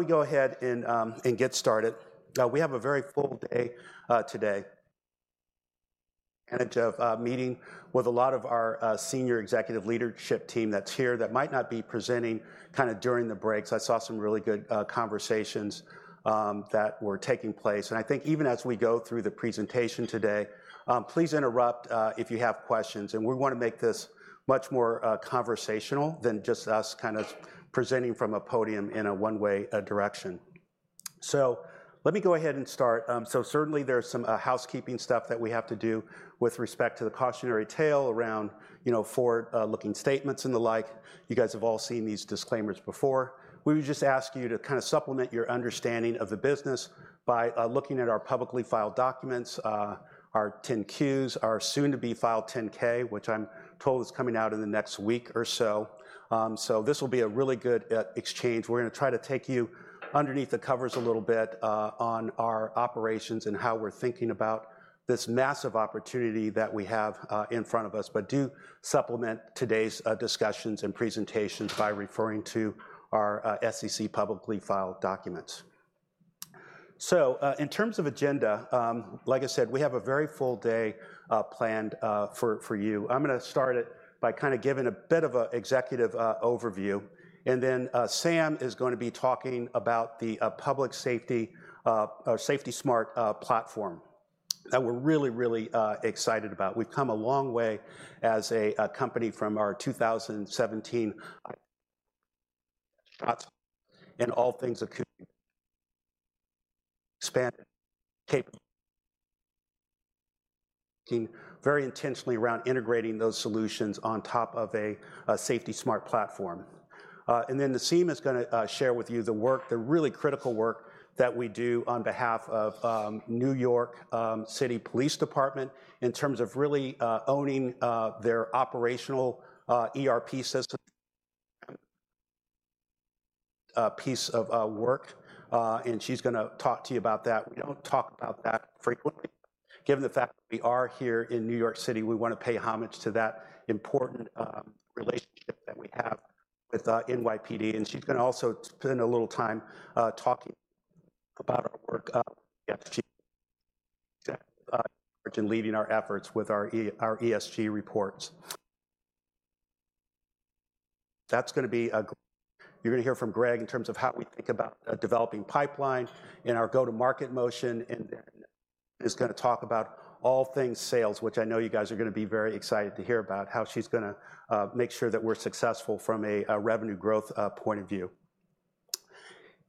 Why don't we go ahead and get started? We have a very full day today and a meeting with a lot of our senior executive leadership team that's here, that might not be presenting kinda during the breaks. I saw some really good conversations that were taking place, and I think even as we go through the presentation today, please interrupt if you have questions. And we wanna make this much more conversational than just us kind of presenting from a podium in a one-way direction. So let me go ahead and start. So certainly there's some housekeeping stuff that we have to do with respect to the cautionary tale around, you know, forward-looking statements and the like. You guys have all seen these disclaimers before. We would just ask you to kind of supplement your understanding of the business by looking at our publicly filed documents, our 10-Qs, our soon-to-be filed 10-K, which I'm told is coming out in the next week or so. So this will be a really good exchange. We're gonna try to take you underneath the covers a little bit on our operations and how we're thinking about this massive opportunity that we have in front of us. But do supplement today's discussions and presentations by referring to our SEC publicly filed documents. So, in terms of agenda, like I said, we have a very full day planned for you. I'm gonna start it by kind of giving a bit of an executive overview, and then Sam is gonna be talking about the public safety or SafetySmart Platform that we're really, really excited about. We've come a long way as a company from our 2017 very intentionally around integrating those solutions on top of a SafetySmart Platform. And then the team is gonna share with you the work, the really critical work, that we do on behalf of New York City Police Department, in terms of really owning their operational ERP system piece of work, and she's gonna talk to you about that. We don't talk about that frequently. Given the fact that we are here in New York City, we wanna pay homage to that important relationship that we have with NYPD, and she's gonna also spend a little time talking about our work and leading our efforts with our ESG reports. That's gonna be a. You're gonna hear from Gregg in terms of how we think about a developing pipeline and our go-to-market motion, and then Gregg is gonna talk about all things sales, which I know you guys are gonna be very excited to hear about, how she's gonna make sure that we're successful from a revenue growth point of view.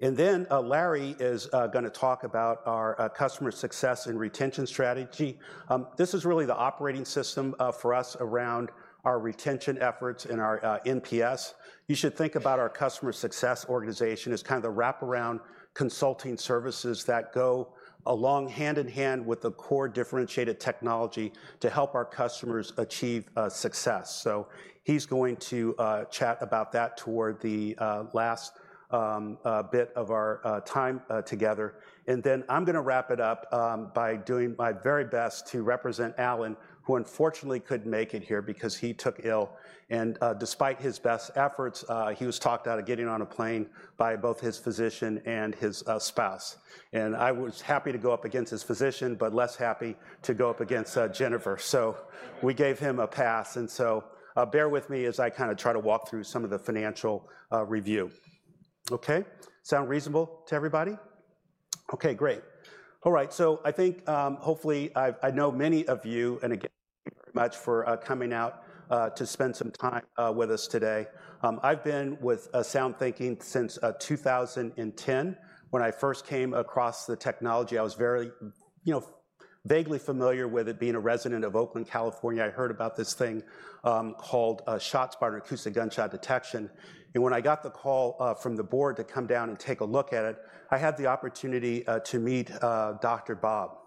And then Larry is gonna talk about our customer success and retention strategy. This is really the operating system for us around our retention efforts and our NPS. You should think about our customer success organization as kind of the wraparound consulting services that go along hand-in-hand with the core differentiated technology to help our customers achieve success. So he's going to chat about that toward the last bit of our time together. And then I'm gonna wrap it up by doing my very best to represent Alan, who unfortunately couldn't make it here because he took ill, and despite his best efforts, he was talked out of getting on a plane by both his physician and his spouse. And I was happy to go up against his physician, but less happy to go up against Jennifer, so we gave him a pass. And so bear with me as I kind of try to walk through some of the financial review. Okay? Sound reasonable to everybody? Okay, great. All right, so I think, hopefully I've—I know many of you, and again, thank you very much for coming out to spend some time with us today. I've been with SoundThinking since 2010. When I first came across the technology, I was very, you know, vaguely familiar with it. Being a resident of Oakland, California, I heard about this thing called ShotSpotter acoustic gunshot detection, and when I got the call from the board to come down and take a look at it, I had the opportunity to meet Dr. Bob.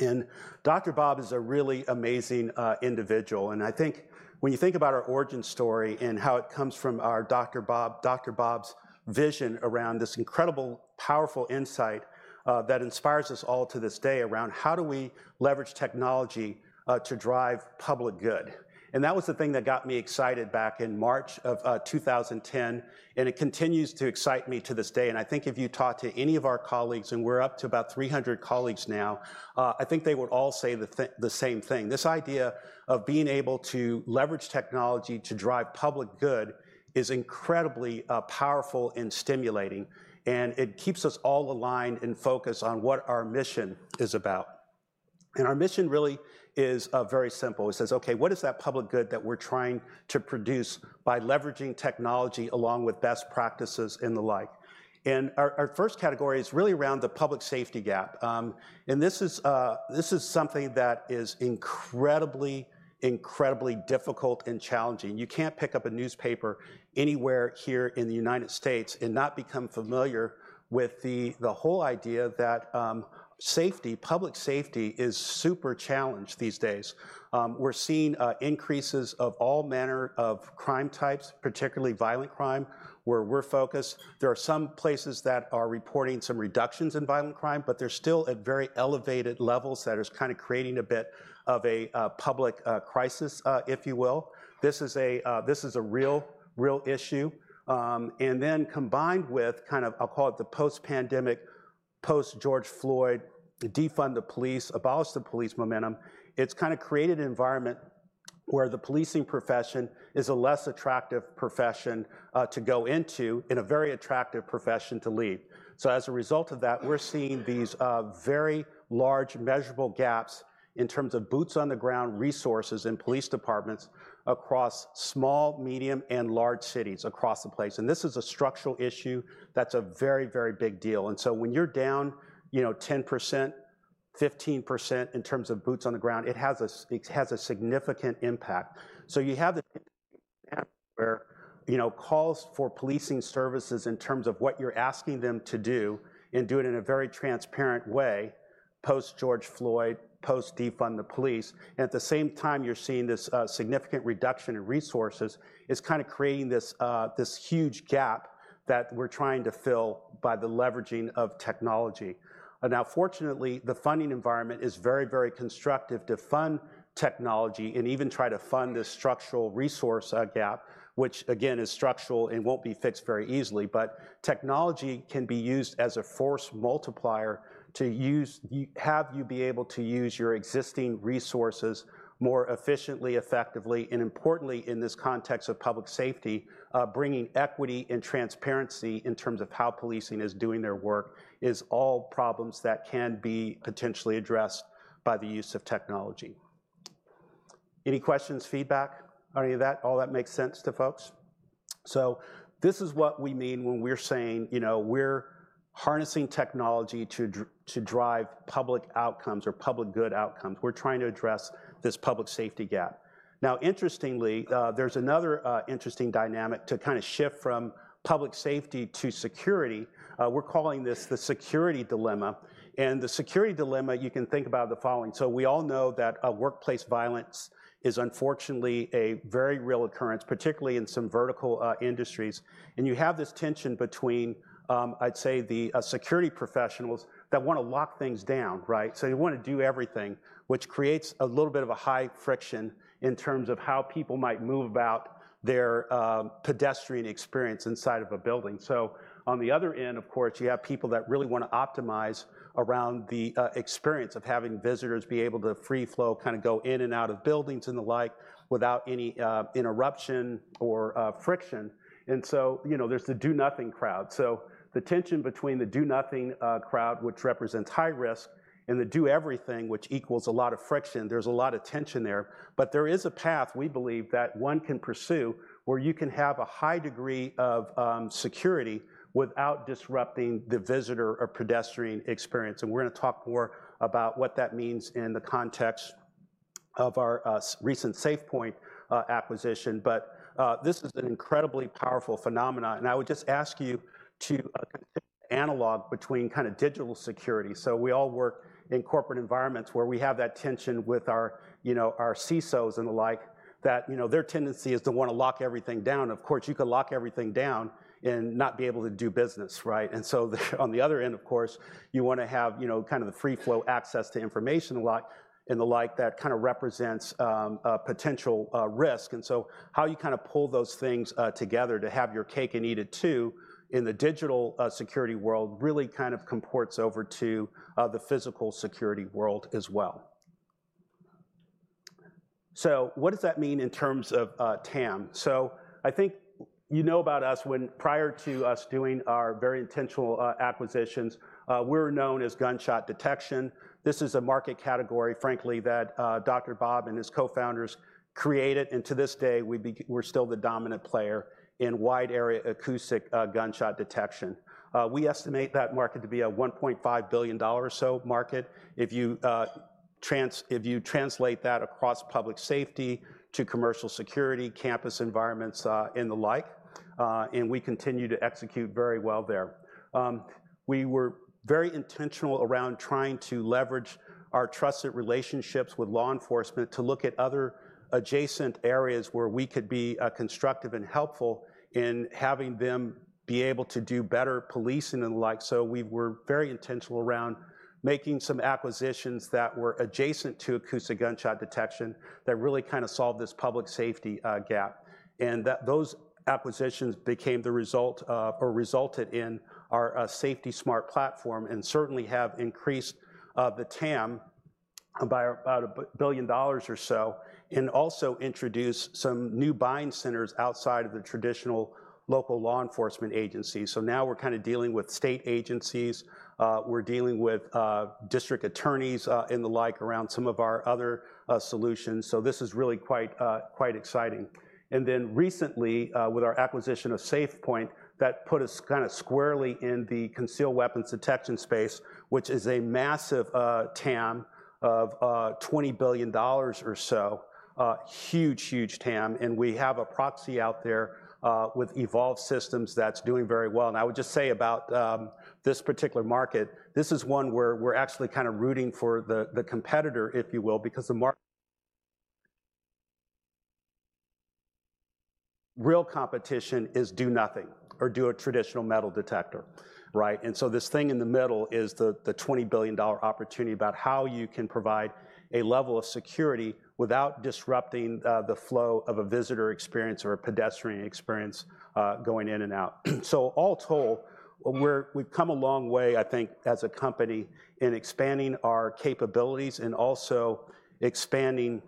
And Dr. Bob is a really amazing individual, and I think when you think about our origin story and how it comes from our Dr. Bob—Dr. Bob's vision around this incredible, powerful insight that inspires us all to this day, around how do we leverage technology to drive public good? That was the thing that got me excited back in March of 2010, and it continues to excite me to this day. I think if you talk to any of our colleagues, and we're up to about 300 colleagues now, I think they would all say the same thing. This idea of being able to leverage technology to drive public good is incredibly powerful and stimulating, and it keeps us all aligned and focused on what our mission is about. Our mission really is very simple. It says: Okay, what is that public good that we're trying to produce by leveraging technology, along with best practices and the like? Our first category is really around the public safety gap. This is something that is incredibly, incredibly difficult and challenging. You can't pick up a newspaper anywhere here in the United States and not become familiar with the whole idea that safety, public safety, is super challenged these days. We're seeing increases of all manner of crime types, particularly violent crime, where we're focused. There are some places that are reporting some reductions in violent crime, but they're still at very elevated levels that is kind of creating a bit of a public crisis, if you will. This is a real, real issue. Then combined with kind of, I'll call it the post-pandemic re- Post George Floyd, defund the police, abolish the police momentum, it's kind of created an environment where the policing profession is a less attractive profession to go into and a very attractive profession to leave. So as a result of that, we're seeing these very large measurable gaps in terms of boots on the ground, resources in police departments across small, medium, and large cities across the place. And this is a structural issue that's a very, very big deal. And so when you're down, you know, 10%, 15% in terms of boots on the ground, it has a significant impact. So you have the where, you know, calls for policing services in terms of what you're asking them to do and do it in a very transparent way, post George Floyd, post defund the police, and at the same time, you're seeing this, significant reduction in resources, is kind of creating this, this huge gap that we're trying to fill by the leveraging of technology. Now, fortunately, the funding environment is very, very constructive to fund technology and even try to fund this structural resource gap, which again, is structural and won't be fixed very easily. But technology can be used as a force multiplier to have you be able to use your existing resources more efficiently, effectively, and importantly, in this context of public safety, bringing equity and transparency in terms of how policing is doing their work, is all problems that can be potentially addressed by the use of technology. Any questions, feedback on any of that? All that makes sense to folks? So this is what we mean when we're saying, you know, we're harnessing technology to drive public outcomes or public good outcomes. We're trying to address this public safety gap. Now, interestingly, there's another interesting dynamic to kinda shift from public safety to security. We're calling this the security dilemma, and the security dilemma, you can think about the following: so we all know that workplace violence is unfortunately a very real occurrence, particularly in some vertical industries. And you have this tension between, I'd say, the security professionals that wanna lock things down, right? So you wanna do everything, which creates a little bit of a high friction in terms of how people might move about their pedestrian experience inside of a building. So on the other end, of course, you have people that really wanna optimize around the experience of having visitors be able to free flow, kinda go in and out of buildings and the like, without any interruption or friction. And so, you know, there's the do nothing crowd. So the tension between the do nothing crowd, which represents high risk, and the do everything, which equals a lot of friction, there's a lot of tension there. But there is a path, we believe, that one can pursue, where you can have a high degree of security without disrupting the visitor or pedestrian experience. And we're gonna talk more about what that means in the context of our recent SafePointe acquisition. But this is an incredibly powerful phenomenon, and I would just ask you to analog between kinda digital security. So we all work in corporate environments where we have that tension with our, you know, our CISOs and the like, that, you know, their tendency is to wanna lock everything down. Of course, you could lock everything down and not be able to do business, right? And so on the other end, of course, you wanna have, you know, kind of the free flow access to information and the like, and the like, that kinda represents a potential risk. And so how you kinda pull those things together to have your cake and eat it, too, in the digital security world, really kind of comports over to the physical security world as well. So what does that mean in terms of TAM? So I think you know about us when prior to us doing our very intentional acquisitions, we're known as gunshot detection. This is a market category, frankly, that Dr. Bob and his co-founders created, and to this day, we're still the dominant player in wide area acoustic gunshot detection. We estimate that market to be a $1.5 billion or so market, if you translate that across public safety to commercial security, campus environments, and the like, and we continue to execute very well there. We were very intentional around trying to leverage our trusted relationships with law enforcement to look at other adjacent areas where we could be constructive and helpful in having them be able to do better policing and the like. So we were very intentional around making some acquisitions that were adjacent to acoustic gunshot detection, that really kinda solved this public safety gap. That those acquisitions became the result or resulted in our SafetySmart Platform, and certainly have increased the TAM by about $1 billion or so, and also introduced some new buying centers outside of the traditional local law enforcement agencies. So now we're kinda dealing with state agencies, we're dealing with district attorneys and the like, around some of our other solutions. So this is really quite exciting. And then recently, with our acquisition of SafePointe, that put us kinda squarely in the concealed weapons detection space, which is a massive TAM of $20 billion or so. Huge, huge TAM, and we have a proxy out there with Evolv Technology that's doing very well. And I would just say about this particular market, this is one where we're actually kind of rooting for the competitor, if you will, because the real competition is do nothing or do a traditional metal detector, right? So this thing in the middle is the $20 billion opportunity about how you can provide a level of security without disrupting the flow of a visitor experience or a pedestrian experience going in and out. So all told, we've come a long way, I think, as a company in expanding our capabilities and also expanding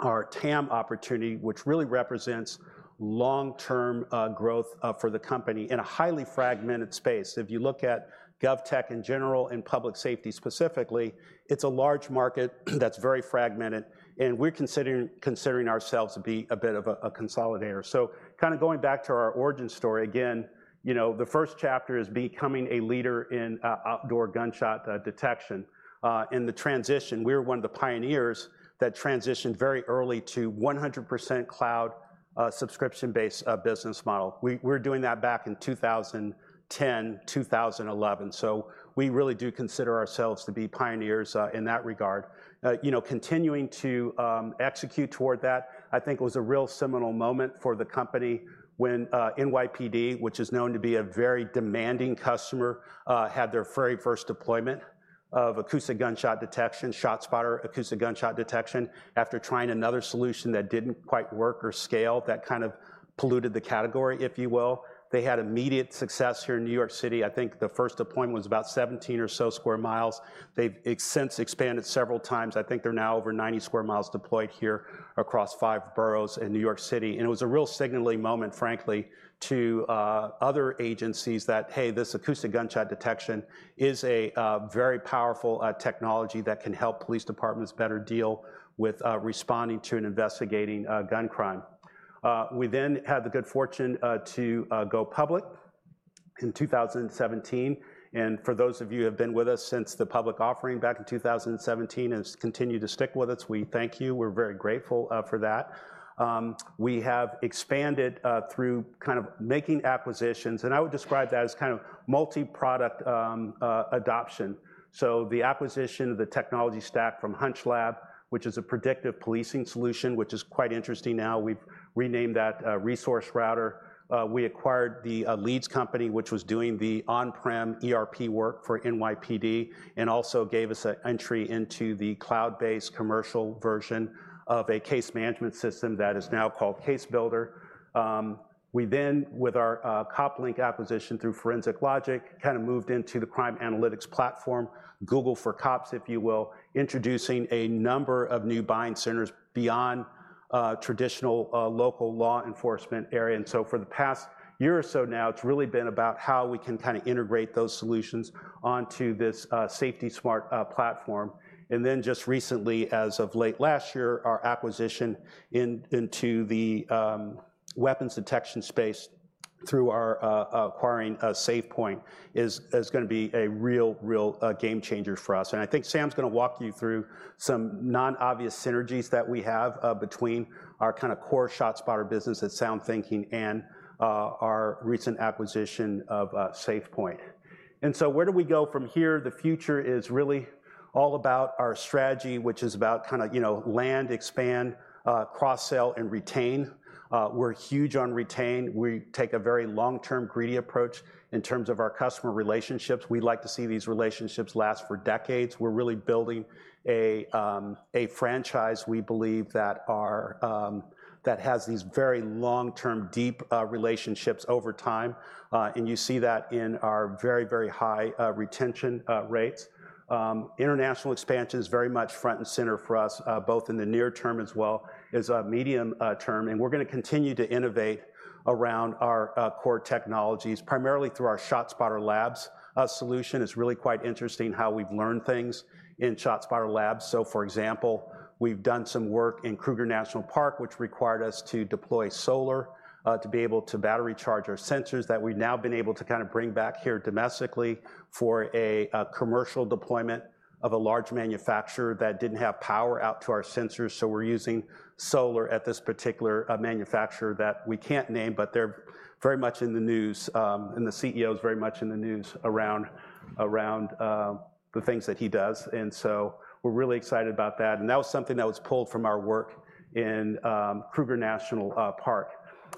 our TAM opportunity, which really represents long-term growth for the company in a highly fragmented space. If you look at gov tech in general and public safety specifically, it's a large market that's very fragmented, and we're considering ourselves to be a bit of a consolidator. So kinda going back to our origin story again, you know, the first chapter is becoming a leader in outdoor gunshot detection. In the transition, we were one of the pioneers that transitioned very early to 100% cloud subscription-based business model. We're doing that back in 2010, 2011, so we really do consider ourselves to be pioneers in that regard. You know, continuing to execute toward that, I think, was a real seminal moment for the company when NYPD, which is known to be a very demanding customer, had their very first deployment of acoustic gunshot detection, ShotSpotter acoustic gunshot detection, after trying another solution that didn't quite work or scale, that kind of polluted the category, if you will. They had immediate success here in New York City. I think the first deployment was about 17 or so sq mi. They've since expanded several times. I think they're now over 90 sq mi deployed here across five boroughs in New York City, and it was a real signaling moment, frankly, to other agencies that, hey, this acoustic gunshot detection is a very powerful technology that can help police departments better deal with responding to and investigating gun crime. We then had the good fortune to go public in 2017, and for those of you who have been with us since the public offering back in 2017 and have continued to stick with us, we thank you. We're very grateful for that. We have expanded through kind of making acquisitions, and I would describe that as kind of multi-product adoption. So the acquisition of the technology stack from HunchLab, which is a predictive policing solution, which is quite interesting now, we've renamed that, ResourceRouter. We acquired the Leeds company, which was doing the on-prem ERP work for NYPD, and also gave us an entry into the cloud-based commercial version of a case management system that is now called CaseBuilder. We then, with our COPLINK acquisition through Forensic Logic, kinda moved into the crime analytics platform, Google for Cops, if you will, introducing a number of new buying centers beyond traditional local law enforcement area. And so for the past year or so now, it's really been about how we can kinda integrate those solutions onto this SafetySmart platform. And then, just recently, as of late last year, our acquisition into the weapons detection space through our acquiring SafePointe is gonna be a real game changer for us. And I think Sam's gonna walk you through some non-obvious synergies that we have between our kinda core ShotSpotter business at SoundThinking and our recent acquisition of SafePointe. And so where do we go from here? The future is really all about our strategy, which is about kinda, you know, land, expand, cross-sell, and retain. We're huge on retain. We take a very long-term, greedy approach in terms of our customer relationships. We like to see these relationships last for decades. We're really building a, a franchise, we believe, that has these very long-term, deep, relationships over time, and you see that in our very, very high, retention rates. International expansion is very much front and center for us, both in the near term as well as, medium, term. And we're gonna continue to innovate around our, core technologies, primarily through our ShotSpotter Labs. Solution is really quite interesting how we've learned things in ShotSpotter Labs. So for example, we've done some work in Kruger National Park, which required us to deploy solar to be able to battery charge our sensors, that we've now been able to kinda bring back here domestically for a commercial deployment of a large manufacturer that didn't have power out to our sensors. So we're using solar at this particular manufacturer that we can't name, but they're very much in the news, and the CEO is very much in the news around the things that he does, and so we're really excited about that. And that was something that was pulled from our work in Kruger National Park.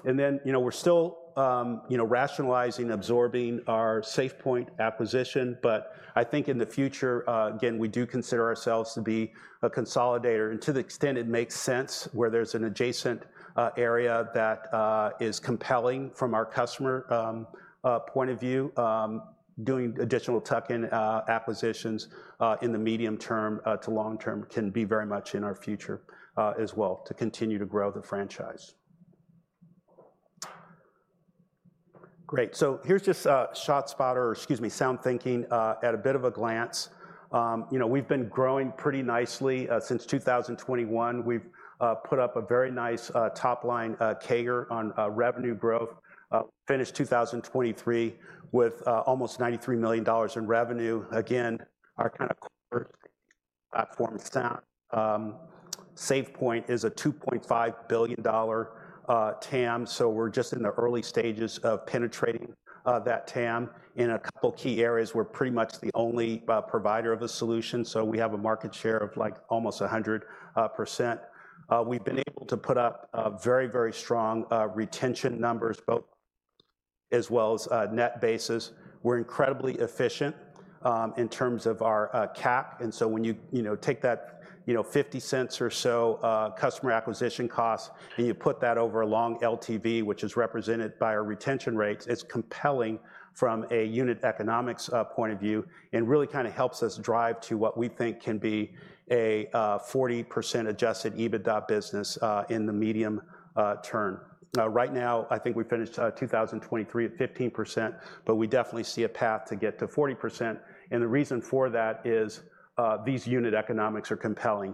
And then, you know, we're still, you know, rationalizing, absorbing our SafePointe acquisition, but I think in the future again, we do consider ourselves to be a consolidator. To the extent it makes sense, where there's an adjacent area that is compelling from our customer point of view, doing additional tuck-in acquisitions in the medium term to long term can be very much in our future as well, to continue to grow the franchise. Great, so here's just ShotSpotter, or excuse me, SoundThinking at a bit of a glance. You know, we've been growing pretty nicely since 2021. We've put up a very nice top line CAGR on revenue growth. Finished 2023 with almost $93 million in revenue. Again, our kind of core platform Sound. SafePointe is a $2.5 billion TAM, so we're just in the early stages of penetrating that TAM. In a couple of key areas, we're pretty much the only provider of the solution, so we have a market share of, like, almost 100%. We've been able to put up very, very strong retention numbers as well as net basis. We're incredibly efficient in terms of our CAC. And so when you, you know, take that, you know, $0.50 or so customer acquisition cost, and you put that over a long LTV, which is represented by our retention rates, it's compelling from a unit economics point of view and really kind of helps us drive to what we think can be a 40% Adjusted EBITDA business in the medium term. Right now, I think we finished 2023 at 15%, but we definitely see a path to get to 40%, and the reason for that is these unit economics are compelling.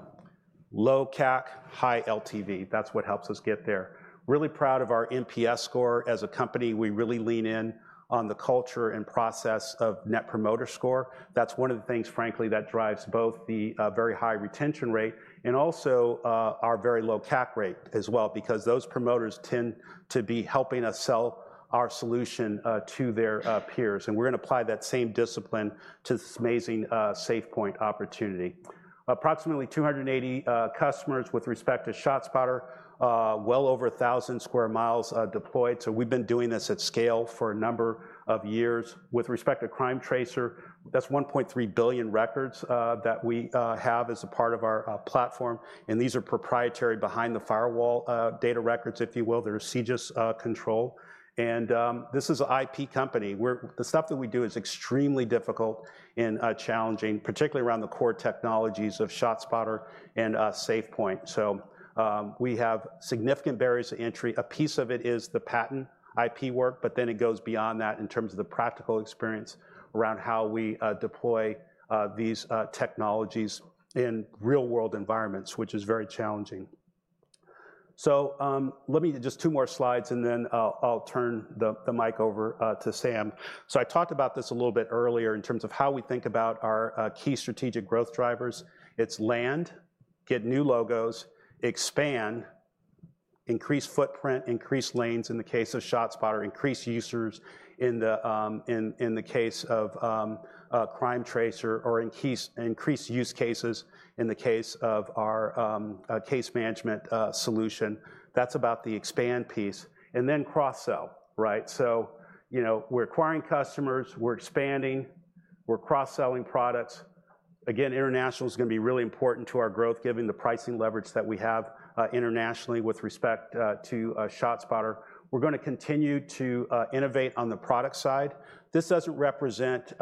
Low CAC, high LTV, that's what helps us get there. Really proud of our NPS score. As a company, we really lean in on the culture and process of net promoter score. That's one of the things, frankly, that drives both the very high retention rate and also our very low CAC rate as well, because those promoters tend to be helping us sell our solution to their peers. And we're gonna apply that same discipline to this amazing SafePointe opportunity. Approximately 280 customers with respect to ShotSpotter, well over 1,000 sq mi deployed, so we've been doing this at scale for a number of years. With respect to CrimeTracer, that's 1.3 billion records that we have as a part of our platform, and these are proprietary, behind the firewall data records, if you will. They're CJIS controlled. And this is an IP company, where the stuff that we do is extremely difficult and challenging, particularly around the core technologies of ShotSpotter and SafePointe. So we have significant barriers to entry. A piece of it is the patent IP work, but then it goes beyond that in terms of the practical experience around how we deploy these technologies in real-world environments, which is very challenging. So, let me just two more slides, and then I'll turn the mic over to Sam. So I talked about this a little bit earlier in terms of how we think about our key strategic growth drivers. It's land, get new logos, expand, increase footprint, increase lanes in the case of ShotSpotter, increase users in the case of CrimeTracer or increase use cases in the case of our case management solution. That's about the expand piece. And then cross-sell, right? So, you know, we're acquiring customers, we're expanding, we're cross-selling products. Again, international is gonna be really important to our growth, given the pricing leverage that we have internationally with respect to ShotSpotter. We're gonna continue to innovate on the product side. This doesn't represent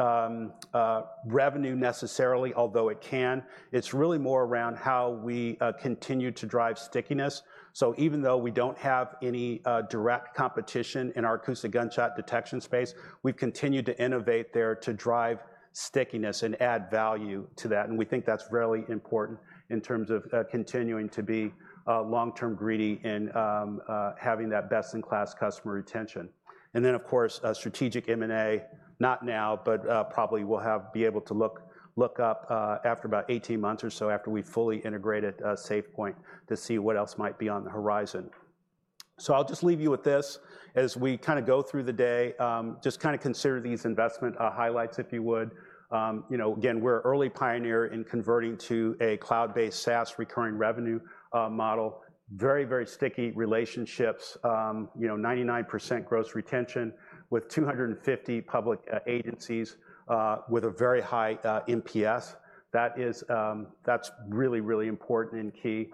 revenue necessarily, although it can. It's really more around how we continue to drive stickiness. So even though we don't have any direct competition in our acoustic gunshot detection space, we've continued to innovate there to drive stickiness and add value to that, and we think that's really important in terms of continuing to be long-term greedy and having that best-in-class customer retention. And then, of course, strategic M&A, not now, but probably we'll be able to look up after about 18 months or so, after we've fully integrated SafePointe, to see what else might be on the horizon. So I'll just leave you with this. As we kind of go through the day, just kind of consider these investment highlights, if you would. You know, again, we're an early pioneer in converting to a cloud-based SaaS recurring revenue model. Very, very sticky relationships. You know, 99% gross retention with 250 public agencies with a very high NPS. That's really, really important and key.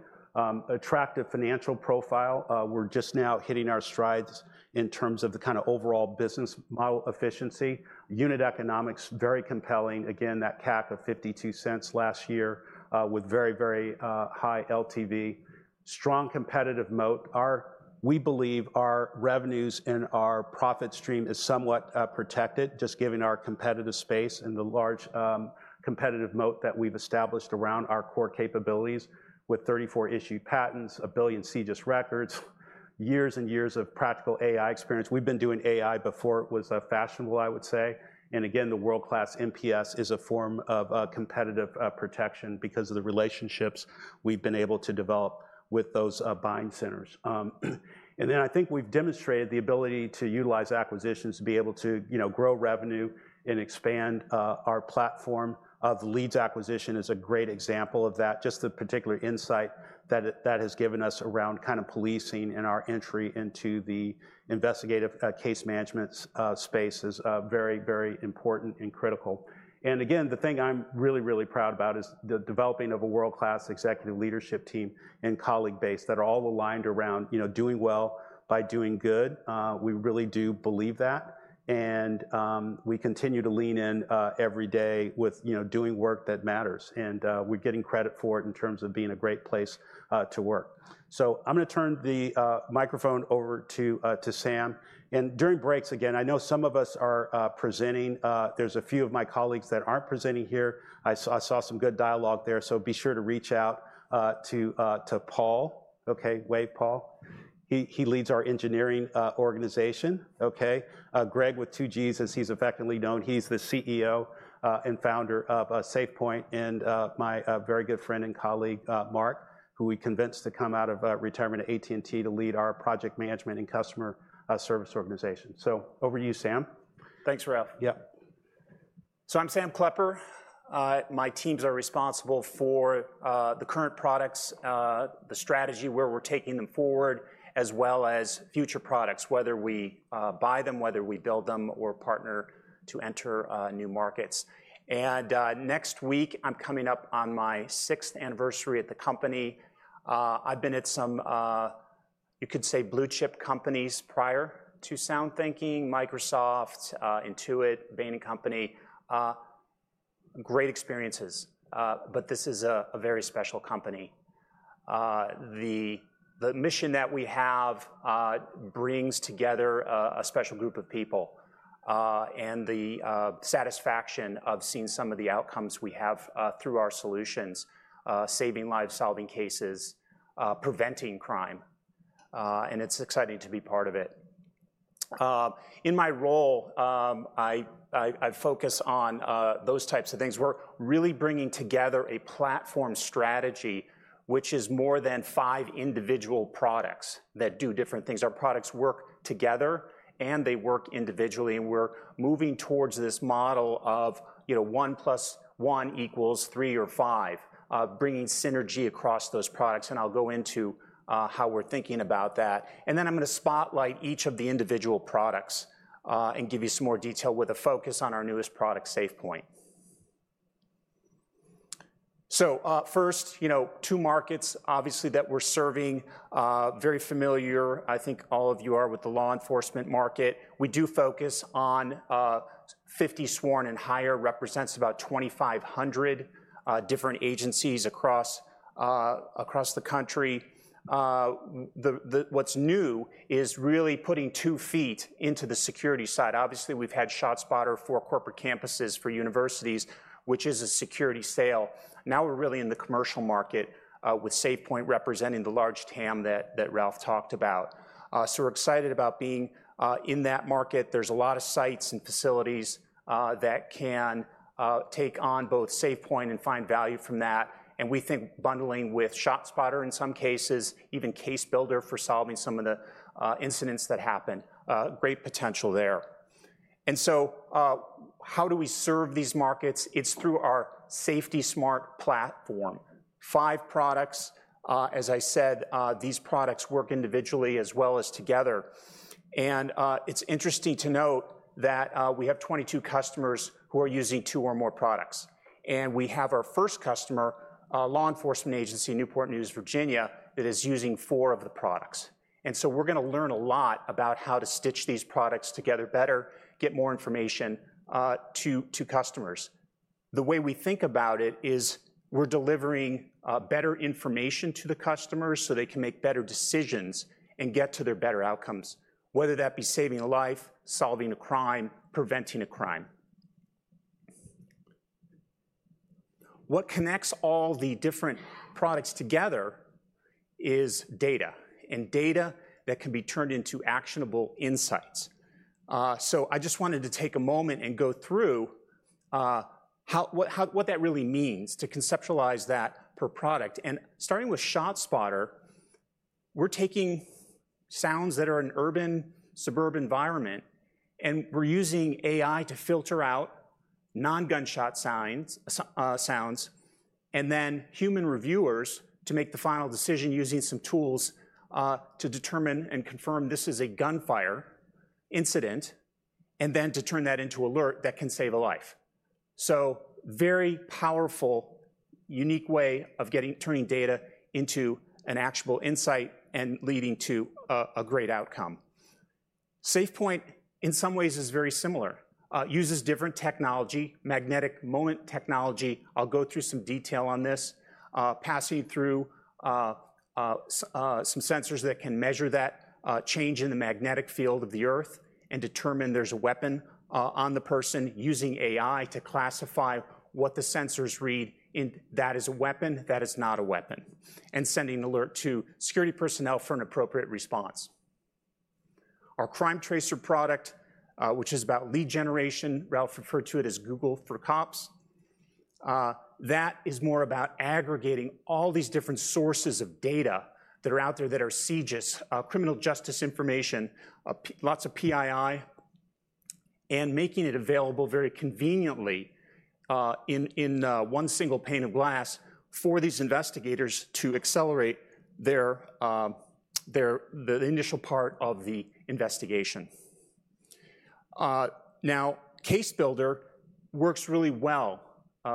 Attractive financial profile. We're just now hitting our strides in terms of the kind of overall business model efficiency. Unit economics, very compelling. Again, that CAC of $0.52 last year with very, very high LTV. Strong competitive moat. We believe our revenues and our profit stream is somewhat protected, just given our competitive space and the large competitive moat that we've established around our core capabilities with 34 issued patents, 1 billion CJIS records, years and years of practical AI experience. We've been doing AI before it was fashionable, I would say, and again, the world-class NPS is a form of competitive protection because of the relationships we've been able to develop with those buying centers. And then I think we've demonstrated the ability to utilize acquisitions to be able to, you know, grow revenue and expand. Our platform of Leeds acquisition is a great example of that. Just the particular insight that it has given us around kind of policing and our entry into the investigative case management space is very, very important and critical. And again, the thing I'm really, really proud about is the developing of a world-class executive leadership team and colleague base that are all aligned around, you know, doing well by doing good. We really do believe that, and we continue to lean in every day with, you know, doing work that matters, and we're getting credit for it in terms of being a great place to work. So I'm gonna turn the microphone over to Sam, and during breaks, again, I know some of us are presenting. There's a few of my colleagues that aren't presenting here. I saw some good dialogue there, so be sure to reach out to Paul, okay? Wave, Paul. He leads our engineering organization, okay? Gregg with two Gs, as he's effectively known, he's the CEO and founder of SafePointe, and my very good friend and colleague, Mark, who we convinced to come out of retirement at AT&T to lead our project management and customer service organization. So over to you, Sam. Thanks, Ralph. So I'm Sam Klepper. My teams are responsible for the current products, the strategy, where we're taking them forward, as well as future products, whether we buy them, whether we build them, or partner to enter new markets. Next week, I'm coming up on my sixth anniversary at the company. I've been at some, you could say blue-chip companies prior to SoundThinking, Microsoft, Intuit, Bain & Company. Great experiences, but this is a very special company. The mission that we have brings together a special group of people, and the satisfaction of seeing some of the outcomes we have through our solutions, saving lives, solving cases, preventing crime, and it's exciting to be part of it. In my role, I focus on those types of things. We're really bringing together a platform strategy, which is more than five individual products that do different things. Our products work together, and they work individually, and we're moving towards this model of, you know, one plus one equals three or five, bringing synergy across those products, and I'll go into how we're thinking about that. Then I'm gonna spotlight each of the individual products and give you some more detail with a focus on our newest product, SafePointe. So, first, you know, two markets, obviously, that we're serving, very familiar, I think all of you are with the law enforcement market. We do focus on 50 sworn and higher, represents about 2,500 different agencies across the country. What's new is really putting 2 ft into the security side. Obviously, we've had ShotSpotter for corporate campuses, for universities, which is a security sale. Now, we're really in the commercial market with SafePointe representing the large TAM that Ralph talked about. So we're excited about being in that market. There's a lot of sites and facilities that can take on both SafePointe and find value from that, and we think bundling with ShotSpotter, in some cases, even CaseBuilder for solving some of the incidents that happen, great potential there. And so, how do we serve these markets? It's through our SafetySmart Platform, five products. As I said, these products work individually as well as together. It's interesting to note that we have 22 customers who are using two or more products, and we have our first customer, a law enforcement agency in Newport News, Virginia, that is using 4 of the products. So we're gonna learn a lot about how to stitch these products together better, get more information to, to customers. The way we think about it is, we're delivering better information to the customers so they can make better decisions and get to their better outcomes, whether that be saving a life, solving a crime, preventing a crime. What connects all the different products together is data, and data that can be turned into actionable insights. So I just wanted to take a moment and go through how, what, how, what that really means to conceptualize that per product. Starting with ShotSpotter, we're taking sounds that are in an urban, suburban environment, and we're using AI to filter out non-gunshot signs, sounds, and then human reviewers to make the final decision using some tools, to determine and confirm this is a gunfire incident, and then to turn that into alert that can save a life. So very powerful, unique way of getting turning data into an actionable insight and leading to a, a great outcome. SafePointe, in some ways, is very similar, uses different technology, magnetic moment technology. I'll go through some detail on this. Passing through some sensors that can measure that change in the magnetic field of the Earth and determine there's a weapon on the person, using AI to classify what the sensors read in, "That is a weapon," "That is not a weapon," and sending an alert to security personnel for an appropriate response. Our CrimeTracer product, which is about lead generation, Ralph referred to it as Google for cops, that is more about aggregating all these different sources of data that are out there that are CJIS, criminal justice information, lots of PII, and making it available very conveniently in one single pane of glass for these investigators to accelerate their the initial part of the investigation. Now, CaseBuilder works really well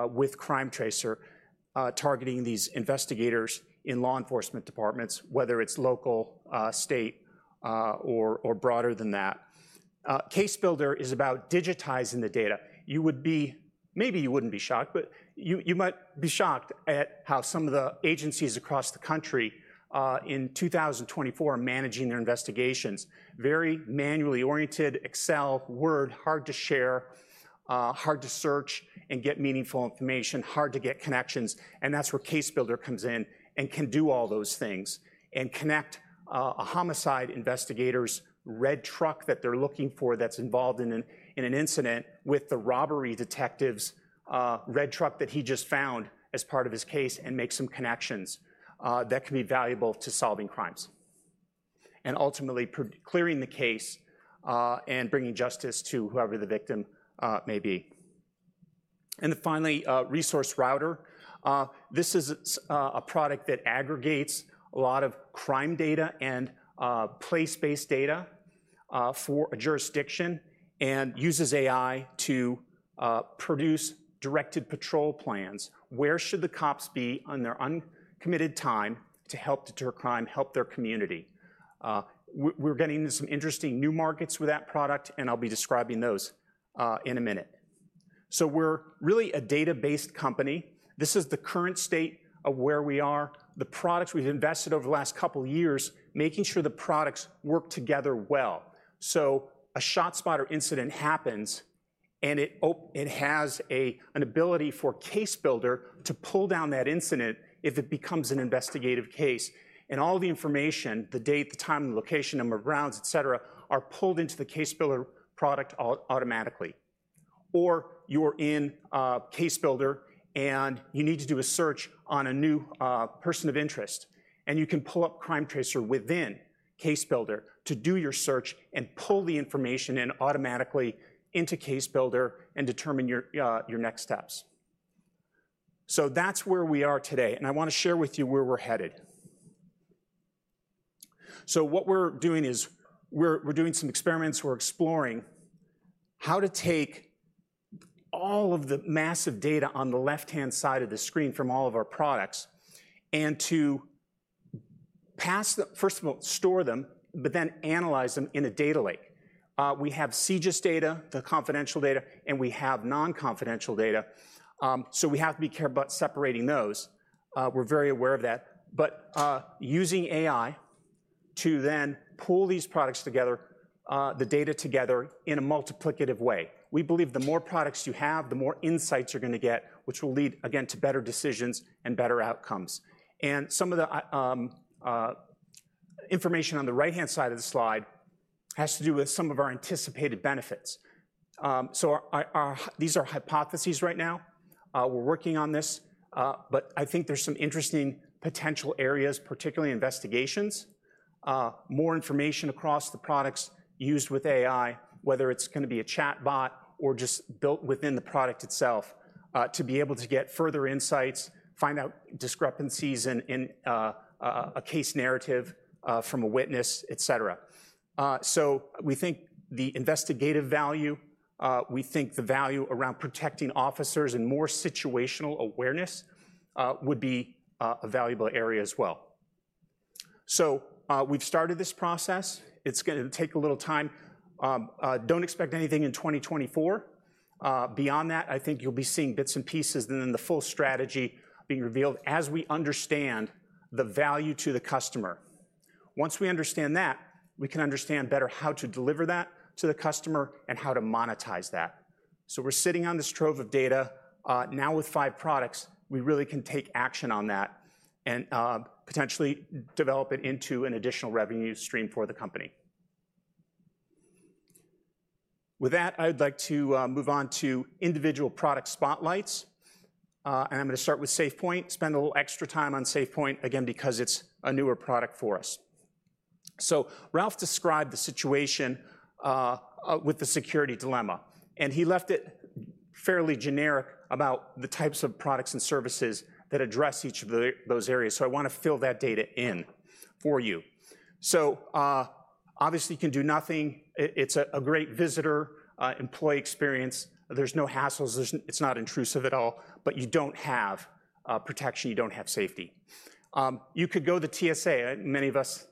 with CrimeTracer, targeting these investigators in law enforcement departments, whether it's local, state, or broader than that. CaseBuilder is about digitizing the data. You would be. Maybe you wouldn't be shocked, but you might be shocked at how some of the agencies across the country, in 2024, are managing their investigations. Very manually oriented, Excel, Word, hard to share, hard to search and get meaningful information, hard to get connections, and that's where CaseBuilder comes in and can do all those things and connect a homicide investigator's red truck that they're looking for, that's involved in an incident, with the robbery detective's red truck that he just found as part of his case and make some connections that can be valuable to solving crimes. And ultimately, clearing the case, and bringing justice to whoever the victim may be. And then finally, ResourceRouter. This is a product that aggregates a lot of crime data and place-based data for a jurisdiction, and uses AI to produce directed patrol plans. Where should the cops be on their uncommitted time to help deter crime, help their community? We're getting into some interesting new markets with that product, and I'll be describing those in a minute. So we're really a data-based company. This is the current state of where we are, the products we've invested over the last couple of years, making sure the products work together well. So a ShotSpotter incident happens, and it has an ability for CaseBuilder to pull down that incident if it becomes an investigative case. All the information, the date, the time, the location, number of rounds, et cetera, are pulled into the CaseBuilder product automatically. Or you're in a CaseBuilder, and you need to do a search on a new person of interest, and you can pull up CrimeTracer within CaseBuilder to do your search and pull the information in automatically into CaseBuilder and determine your next steps. So that's where we are today, and I wanna share with you where we're headed. So what we're doing is, we're doing some experiments, we're exploring how to take all of the massive data on the left-hand side of the screen from all of our products, and to pass the. First of all, store them, but then analyze them in a data lake. We have CJIS data, the confidential data, and we have non-confidential data. So we have to be careful about separating those. We're very aware of that. But, using AI to then pull these products together, the data together in a multiplicative way. We believe the more products you have, the more insights you're gonna get, which will lead, again, to better decisions and better outcomes. And some of the information on the right-hand side of the slide has to do with some of our anticipated benefits. So, these are hypotheses right now. We're working on this, but I think there's some interesting potential areas, particularly investigations. More information across the products used with AI, whether it's gonna be a chatbot or just built within the product itself, to be able to get further insights, find out discrepancies in a case narrative from a witness, et cetera. So we think the investigative value, we think the value around protecting officers and more situational awareness would be a valuable area as well. So, we've started this process. It's gonna take a little time. Don't expect anything in 2024. Beyond that, I think you'll be seeing bits and pieces, and then the full strategy being revealed as we understand the value to the customer. Once we understand that, we can understand better how to deliver that to the customer and how to monetize that. So we're sitting on this trove of data. Now with five products, we really can take action on that and potentially develop it into an additional revenue stream for the company. With that, I'd like to move on to individual product spotlights. And I'm gonna start with SafePointe, spend a little extra time on SafePointe, again, because it's a newer product for us. So Ralph described the situation with the security dilemma, and he left it fairly generic about the types of products and services that address each of those areas, so I wanna fill that in for you. So, obviously, you can do nothing. It's a great visitor employee experience. There's no hassles, there's no. It's not intrusive at all, but you don't have protection, you don't have safety. You could go the TSA, many of us,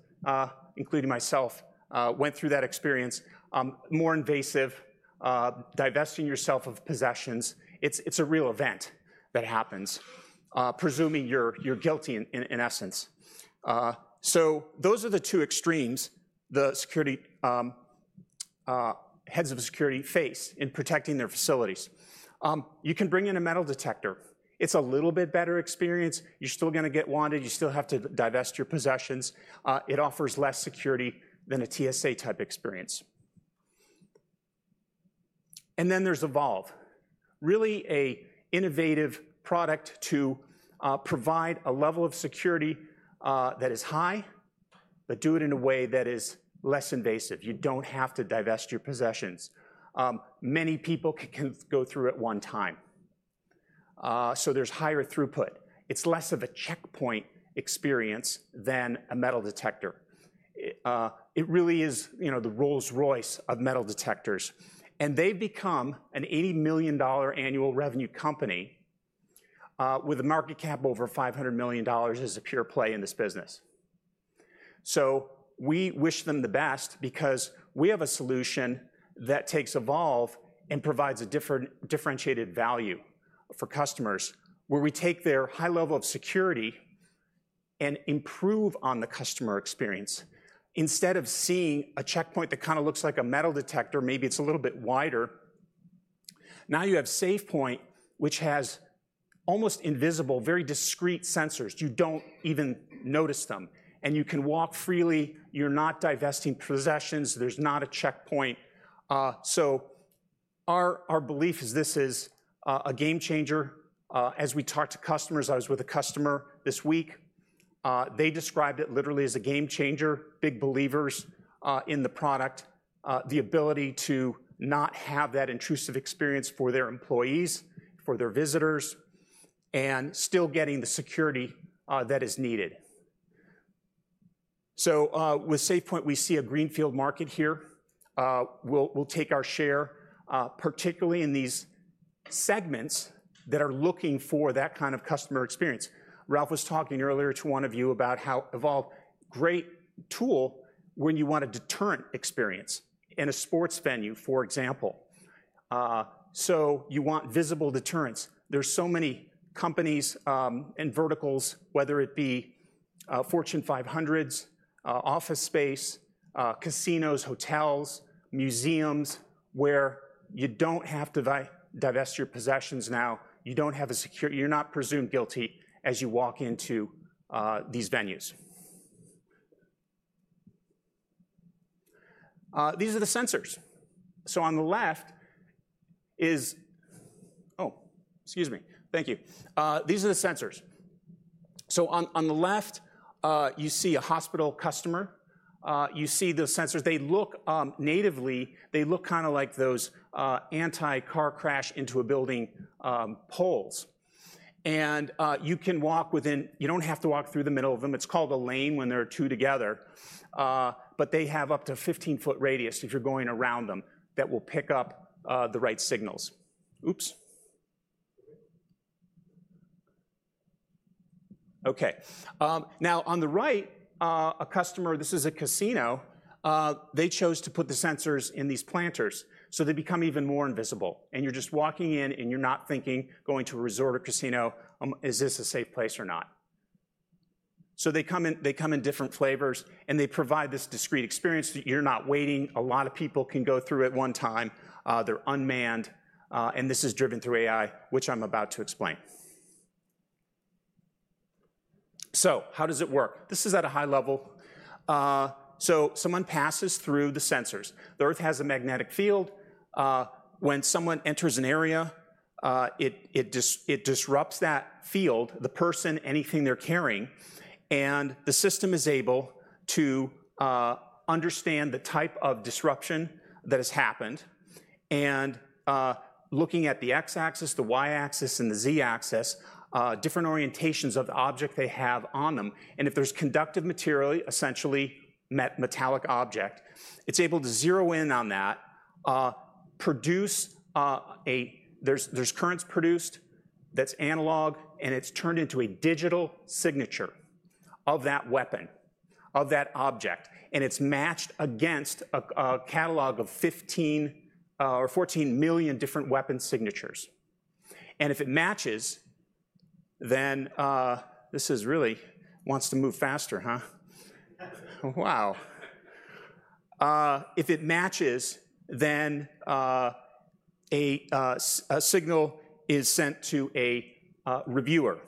including myself, went through that experience. More invasive, divesting yourself of possessions. It's a real event that happens, presuming you're guilty in essence. So those are the two extremes the security heads of security face in protecting their facilities. You can bring in a metal detector. It's a little bit better experience. You're still gonna get wanded, you still have to divest your possessions. It offers less security than a TSA-type experience. And then there's Evolv, really a innovative product to provide a level of security that is high, but do it in a way that is less invasive. You don't have to divest your possessions. Many people can go through at one time, so there's higher throughput. It's less of a checkpoint experience than a metal detector. It really is, you know, the Rolls-Royce of metal detectors, and they've become an $80 million annual revenue company, with a market cap over $500 million as a pure play in this business. So we wish them the best because we have a solution that takes Evolv and provides a different, differentiated value for customers, where we take their high level of security and improve on the customer experience. Instead of seeing a checkpoint that kind of looks like a metal detector, maybe it's a little bit wider, now you have SafePointe, which has almost invisible, very discreet sensors. You don't even notice them, and you can walk freely. You're not divesting possessions. There's not a checkpoint. Our, our belief is this is a game changer. As we talk to customers, I was with a customer this week, they described it literally as a game changer, big believers in the product. The ability to not have that intrusive experience for their employees, for their visitors, and still getting the security that is needed. So, with SafePointe, we see a greenfield market here. We'll take our share, particularly in these segments that are looking for that kind of customer experience. Ralph was talking earlier to one of you about how Evolv, great tool when you want a deterrent experience in a sports venue, for example. So you want visible deterrence. There's so many companies and verticals, whether it be, Fortune 500s, office space, casinos, hotels, museums, where you don't have to divest your possessions now. You don't have a secure. You're not presumed guilty as you walk into these venues. These are the sensors. So on the left is. Oh, excuse me. Thank you. These are the sensors. So on the left, you see a hospital customer, you see the sensors. They look natively, they look kind of like those anti-car crash into a building poles. And you can walk within. You don't have to walk through the middle of them. It's called a lane when there are two together. But they have up to a 15-ft radius if you're going around them, that will pick up the right signals. Oops! Okay. Now, on the right, a customer, this is a casino, they chose to put the sensors in these planters, so they become even more invisible. You're just walking in, and you're not thinking, going to a resort or casino, "Is this a safe place or not?" They come in, they come in different flavors, and they provide this discreet experience that you're not waiting. A lot of people can go through at one time, they're unmanned, and this is driven through AI, which I'm about to explain. How does it work? This is at a high level. Someone passes through the sensors. The earth has a magnetic field. When someone enters an area, it disrupts that field, the person, anything they're carrying, and the system is able to understand the type of disruption that has happened. Looking at the X-axis, the Y-axis, and the Z-axis, different orientations of the object they have on them, and if there's conductive material, essentially metallic object, it's able to zero in on that, produce a, there's currents produced that's analog, and it's turned into a digital signature of that weapon, of that object, and it's matched against a catalog of 15 or 14 million different weapon signatures. And if it matches, then. This is really, wants to move faster, huh? Wow. If it matches, then a signal is sent to a reviewer.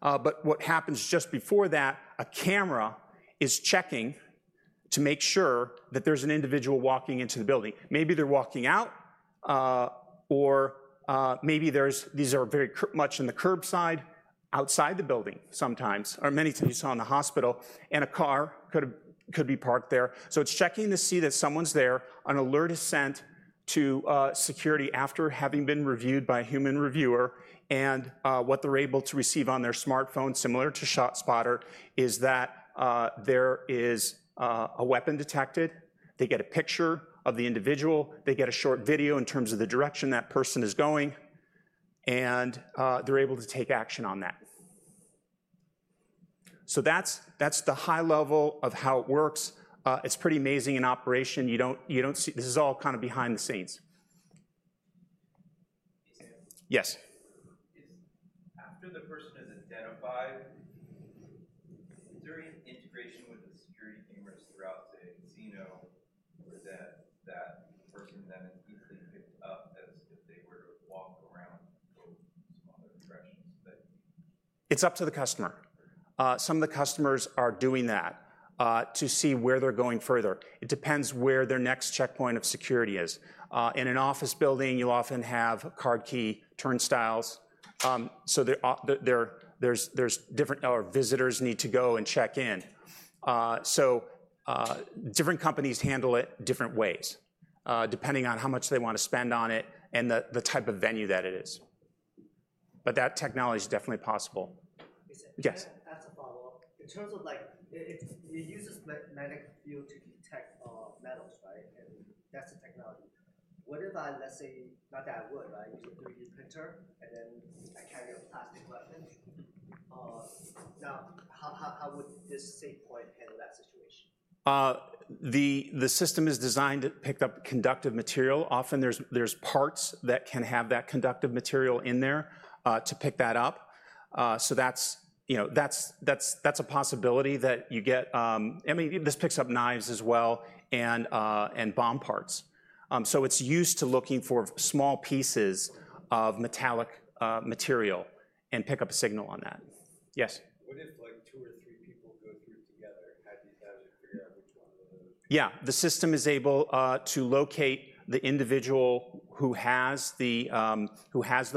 But what happens just before that, a camera is checking to make sure that there's an individual walking into the building. Maybe they're walking out, or maybe there's. These are very much in the curbside, outside the building sometimes, or many times you saw in the hospital, and a car could be parked there. So it's checking to see that someone's there. An alert is sent to security after having been reviewed by a human reviewer, and what they're able to receive on their smartphone, similar to ShotSpotter, is that there is a weapon detected. They get a picture of the individual, they get a short video in terms of the direction that person is going, and they're able to take action on that. So that's the high level of how it works. It's pretty amazing in operation. You don't see. This is all kind of behind the scenes. Hey, Sam? Yes. Is, after the person is identified, is there any integration with the security cameras throughout, say, a casino, or that, that person then is easily picked up as if they were to walk around to some other directions that. It's up to the customer. Some of the customers are doing that to see where they're going further. It depends where their next checkpoint of security is. In an office building, you often have card key turnstiles. So there are different or visitors need to go and check in. Different companies handle it different ways, depending on how much they want to spend on it and the type of venue that it is. But that technology is definitely possible. Listen. Yes. As a follow-up, in terms of like, it uses magnetic field to detect metals, right? And that's the technology. What if I, let's say, not that I would, I use a 3D printer, and then I carry a plastic weapon? Now, how would this SafePointe handle that situation? The system is designed to pick up conductive material. Often there's parts that can have that conductive material in there to pick that up. So that's, you know, that's a possibility that you get. I mean, this picks up knives as well and and bomb parts. So it's used to looking for small pieces of metallic material and pick up a signal on that. Yes? What if like. Yeah, the system is able to locate the individual who has the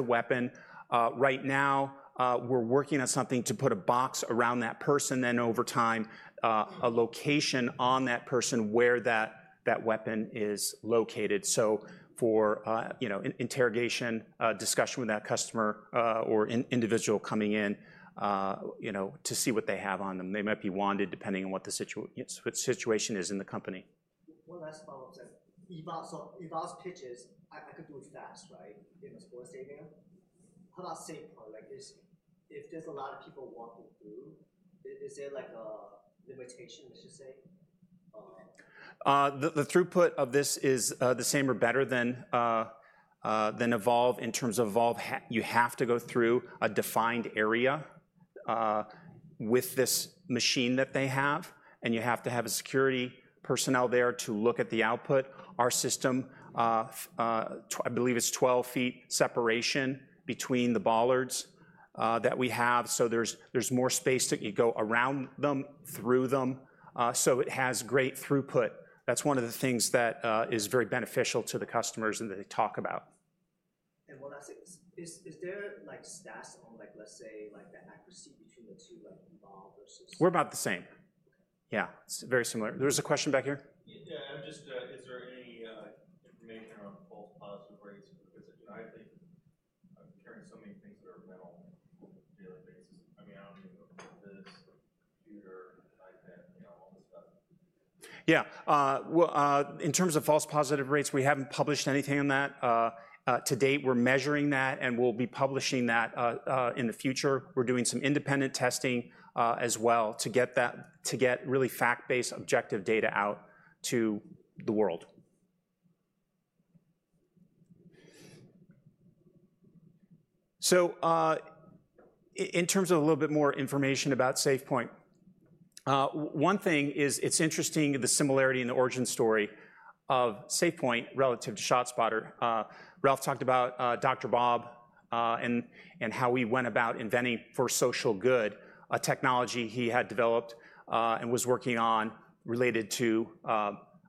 weapon. Right now, we're working on something to put a box around that person, then over time, a location on that person where that weapon is located. So for, you know, interrogation, discussion with that customer, or individual coming in, you know, to see what they have on them. They might be wanted, depending on what the situation is in the company. One last follow-up question. Evolv, so Evolv's pitches, I could do it fast, right? In a sports stadium. How about SafePointe, like, if there's a lot of people walking through, is there, like, a limitation, let's just say? The throughput of this is the same or better than Evolv in terms of Evolv. You have to go through a defined area with this machine that they have, and you have to have a security personnel there to look at the output. Our system, I believe it's 12 ft separation between the bollards that we have, so there's more space to you go around them, through them, so it has great throughput. That's one of the things that is very beneficial to the customers and that they talk about. One last thing. Is there, like, stats on, like, let's say, like, the accuracy between the two, like Evolv versus. We're about the same. Okay. Yeah, it's very similar. There was a question back here? Yeah, I'm just. Is there any information around false positive rates for the visit? You know, I think I'm carrying so many things that are metal on a daily basis. I mean, I don't know, this computer, iPad, you know, all this stuff. Yeah. Well, in terms of false positive rates, we haven't published anything on that. To date, we're measuring that, and we'll be publishing that, in the future. We're doing some independent testing, as well to get that, to get really fact-based, objective data out to the world. So, in terms of a little bit more information about SafePointe, one thing is, it's interesting, the similarity in the origin story of SafePointe relative to ShotSpotter. Ralph talked about, Dr. Bob, and how he went about inventing for social good, a technology he had developed, and was working on related to,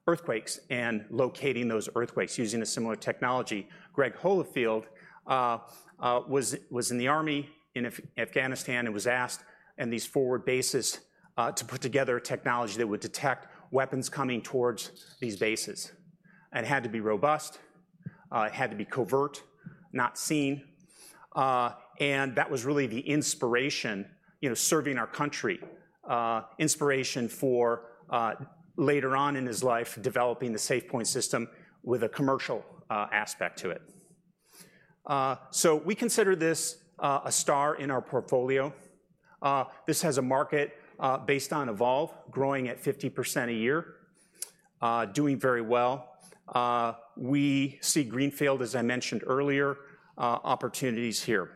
earthquakes and locating those earthquakes using a similar technology. Gregg Holifield was in the army in Afghanistan and was asked in these forward bases to put together a technology that would detect weapons coming towards these bases. It had to be robust, it had to be covert, not seen, and that was really the inspiration, you know, serving our country, inspiration for later on in his life, developing the SafePointe system with a commercial aspect to it. So we consider this a star in our portfolio. This has a market based on Evolv, growing at 50% a year, doing very well. We see greenfield, as I mentioned earlier, opportunities here.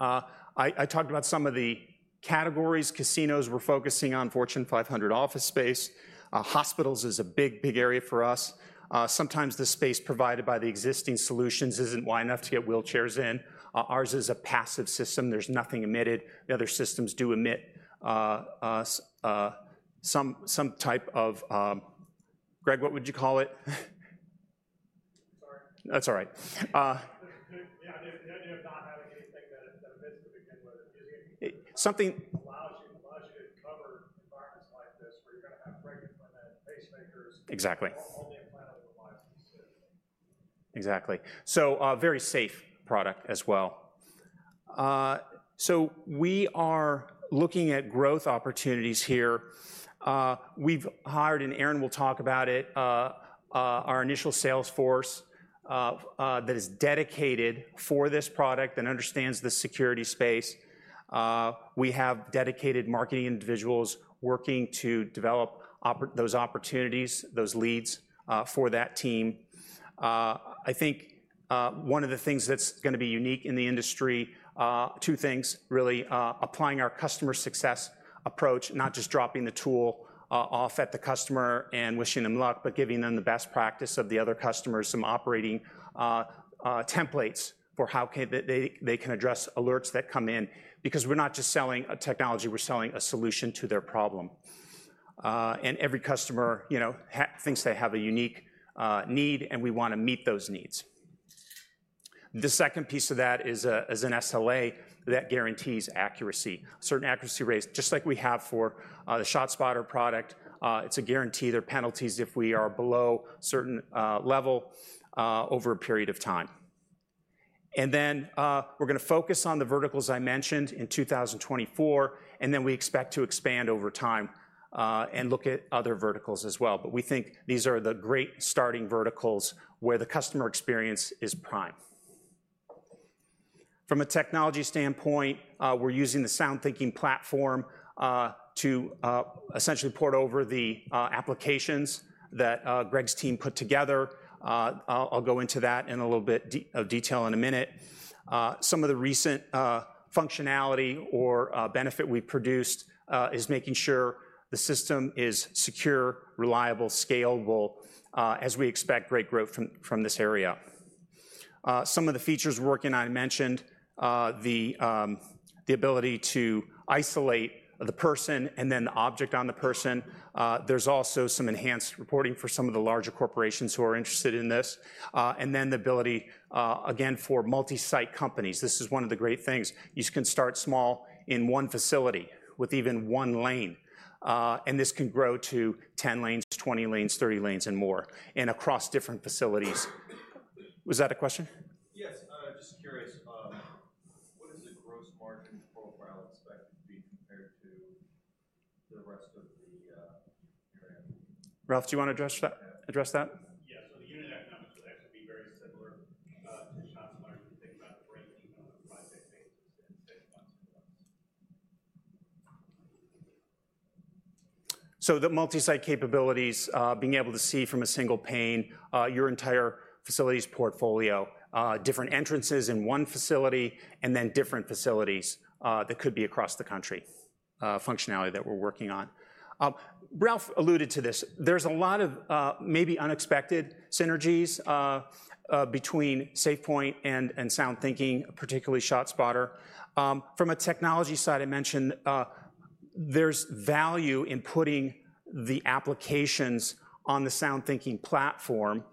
I talked about some of the categories, casinos we're focusing on, Fortune 500 office space. Hospitals is a big, big area for us. Sometimes the space provided by the existing solutions isn't wide enough to get wheelchairs in. Ours is a passive system. There's nothing emitted. The other systems do emit some type of, Gregg, what would you call it? Sorry. That's all right. Yeah, you know, not having anything that emits to begin with, using- Something. Allows you to cover environments like this, where you're gonna have frequent pacemakers. Exactly. Or other implanted devices. Exactly. So, very safe product as well. So we are looking at growth opportunities here. We've hired, and Alan will talk about it, our initial sales force that is dedicated for this product and understands the security space. We have dedicated marketing individuals working to develop those opportunities, those leads, for that team. I think, one of the things that's gonna be unique in the industry, two things, really, applying our customer success approach, not just dropping the tool off at the customer and wishing them luck, but giving them the best practice of the other customers, some operating templates for how they can address alerts that come in, because we're not just selling a technology, we're selling a solution to their problem. And every customer, you know, thinks they have a unique need, and we wanna meet those needs. The second piece of that is an SLA that guarantees accuracy, certain accuracy rates, just like we have for the ShotSpotter product. It's a guarantee. There are penalties if we are below certain level over a period of time. And then we're gonna focus on the verticals I mentioned in 2024, and then we expect to expand over time and look at other verticals as well. But we think these are the great starting verticals where the customer experience is prime. From a technology standpoint, we're using the SoundThinking platform to essentially port over the applications that Gregg's team put together. I'll go into that in a little bit of detail in a minute. Some of the recent functionality or benefit we produced is making sure the system is secure, reliable, scalable, as we expect great growth from this area. Some of the features we're working on, I mentioned, the ability to isolate the person and then the object on the person. There's also some enhanced reporting for some of the larger corporations who are interested in this. And then the ability, again, for multi-site companies, this is one of the great things. You can start small in one facility with even one lane, and this can grow to 10 lanes, 20 lanes, 30 lanes, and more, and across different facilities. Was that a question? Yes, just curious. What is the gross margin profile expected to be compared to the rest of the area? Ralph, do you want to address that, address that? Yeah. So the unit economics will actually be very similar to ShotSpotter if you think about breaking the project phases in six months. So the multi-site capabilities, being able to see from a single pane, your entire facilities portfolio, different entrances in one facility and then different facilities, that could be across the country, functionality that we're working on. Ralph alluded to this. There's a lot of, maybe unexpected synergies, between SafePointe and, and SoundThinking, particularly ShotSpotter. From a technology side, I mentioned, there's value in putting the applications on the SoundThinking platform.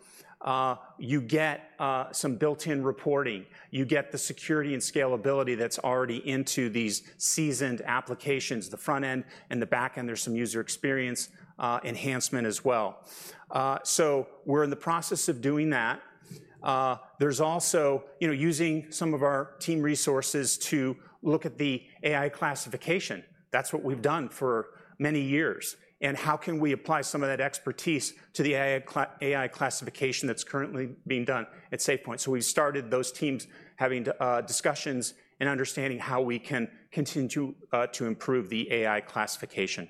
You get, some built-in reporting. You get the security and scalability that's already into these seasoned applications, the front end and the back end, there's some user experience, enhancement as well. So we're in the process of doing that. There's also, you know, using some of our team resources to look at the AI classification. That's what we've done for many years, and how can we apply some of that expertise to the AI classification that's currently being done at SafePointe? So we started those teams having discussions and understanding how we can continue to improve the AI classification.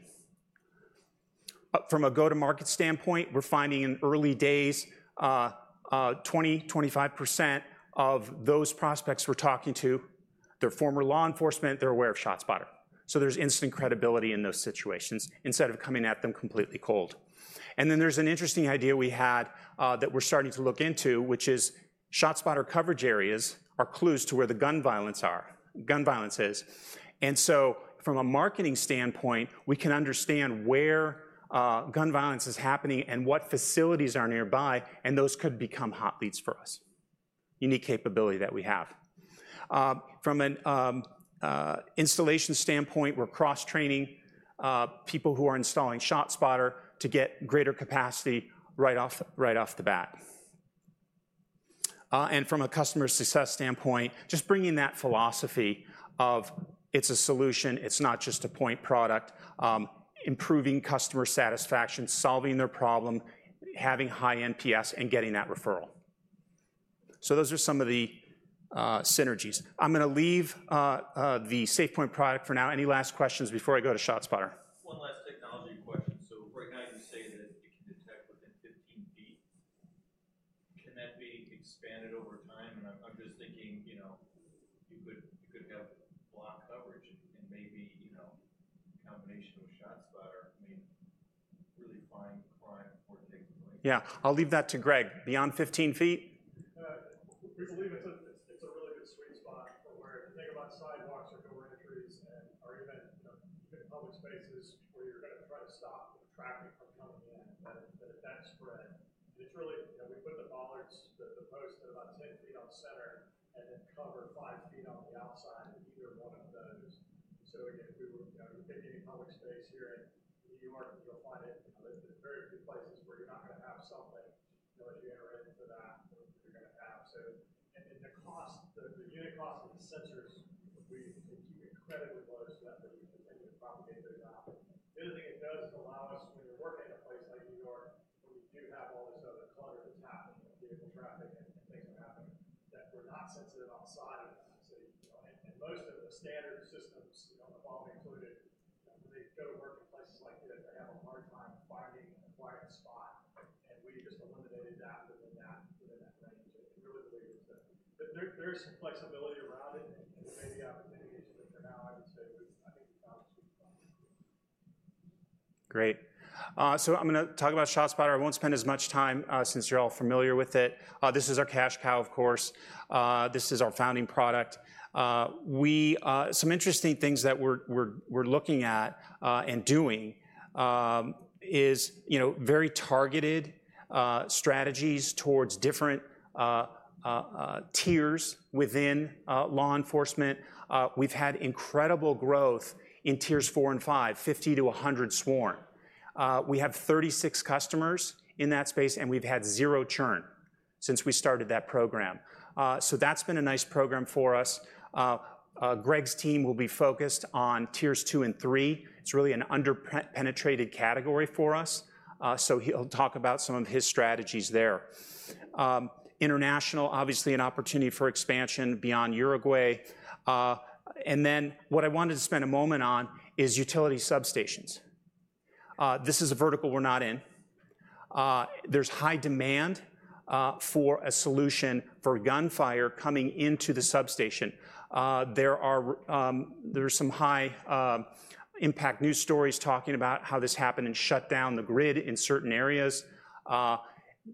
From a go-to-market standpoint, we're finding in early days, 20% to 25% of those prospects we're talking to, they're former law enforcement, they're aware of ShotSpotter. So there's instant credibility in those situations instead of coming at them completely cold. And then there's an interesting idea we had that we're starting to look into, which is ShotSpotter coverage areas are clues to where the gun violence is. And so from a marketing standpoint, we can understand where gun violence is happening and what facilities are nearby, and those could become hot leads for us. Unique capability that we have. From an installation standpoint, we're cross-training people who are installing ShotSpotter to get greater capacity right off, right off the bat. And from a customer success standpoint, just bringing that philosophy of it's a solution, it's not just a point product, improving customer satisfaction, solving their problem, having high NPS, and getting that referral. So those are some of the the unit cost of the sensors, we can keep incredibly low so that we can continue to propagate those out. The other thing it does is allow us, when we're working in a place like New York, where we do have all this other clutter that's happening, vehicle traffic and things are happening, that we're not sensitive on the side of it. So, you know, and, and most of the standard systems, you know, Evolv included, when they go to work in places like this, they have a hard time finding a quiet spot, and we've just eliminated that within that, within that range, and we really believe it. But there, there is some flexibility around it and maybe opportunities, but for now, I would say we've, I think we've found a sweet spot. Great. So I'm gonna talk about ShotSpotter. I won't spend as much time, since you're all familiar with it. This is our cash cow, of course. This is our founding product. We some interesting things that we're looking at and doing is, you know, very targeted strategies towards different tiers within law enforcement. We've had incredible growth in tiers four and five, 50-100 sworn. We have 36 customers in that space, and we've had 0 churn since we started that program. So that's been a nice program for us. Gregg's team will be focused on tiers two and three. It's really an underpenetrated category for us, so he'll talk about some of his strategies there. International, obviously an opportunity for expansion beyond Uruguay. And then what I wanted to spend a moment on is utility substations. This is a vertical we're not in. There's high demand for a solution for gunfire coming into the substation. There are some high impact news stories talking about how this happened and shut down the grid in certain areas.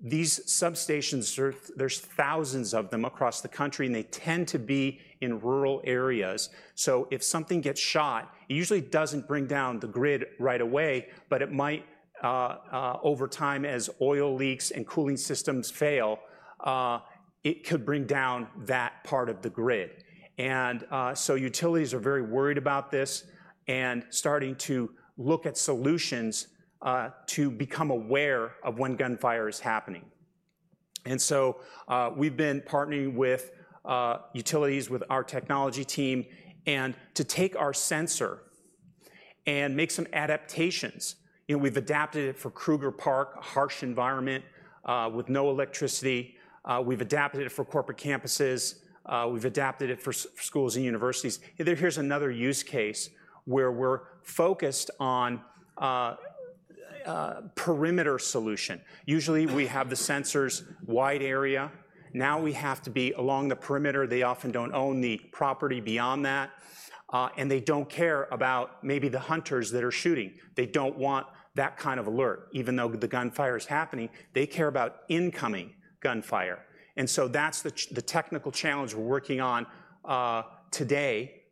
These substations are. There's thousands of them across the country, and they tend to be in rural areas. So if something gets shot, it usually doesn't bring down the grid right away, but it might over time, as oil leaks and cooling systems fail, it could bring down that part of the grid. So utilities are very worried about this and starting to look at solutions to become aware of when gunfire is happening. And so, we've been partnering with utilities, with our technology team, and to take our sensor and make some adaptations. You know, we've adapted it for Kruger Park, a harsh environment, with no electricity. We've adapted it for corporate campuses. We've adapted it for schools and universities. And here's another use case where we're focused on perimeter solution. Usually, we have the sensors wide area. Now, we have to be along the perimeter. They often don't own the property beyond that, and they don't care about maybe the hunters that are shooting. They don't want that kind of alert. Even though the gunfire is happening, they care about incoming gunfire, and so that's the technical challenge we're working on today,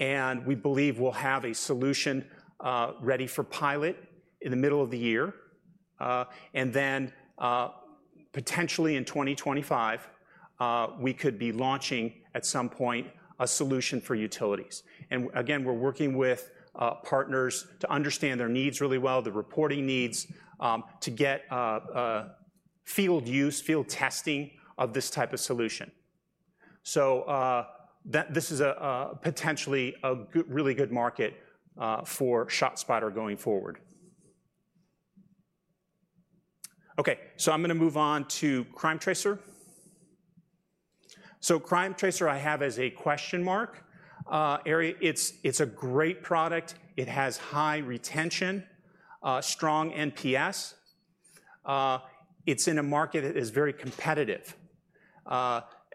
and we believe we'll have a solution ready for pilot in the middle of the year. And then, potentially in 2025, we could be launching, at some point, a solution for utilities. And again, we're working with partners to understand their needs really well, the reporting needs, to get field use, field testing of this type of solution. So, that this is potentially a really good market for ShotSpotter going forward. Okay, so I'm gonna move on to CrimeTracer. So CrimeTracer I have as a question mark. Area. It's a great product. It has high retention, strong NPS. It's in a market that is very competitive,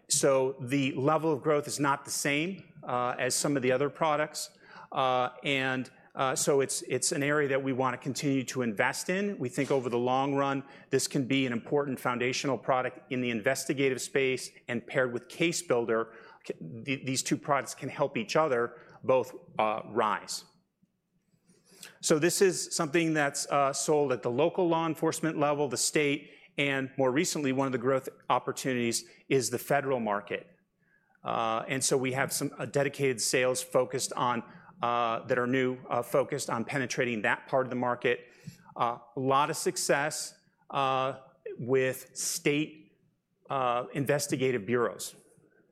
so the level of growth is not the same as some of the other products. And so it's an area that we want to continue to invest in. We think over the long run, this can be an important foundational product in the investigative space, and paired with CaseBuilder, these two products can help each other, both, rise. So this is something that's sold at the local law enforcement level, the state, and more recently, one of the growth opportunities is the federal market. And so we have some dedicated sales focused on that are new, focused on penetrating that part of the market. A lot of success with state investigative bureaus.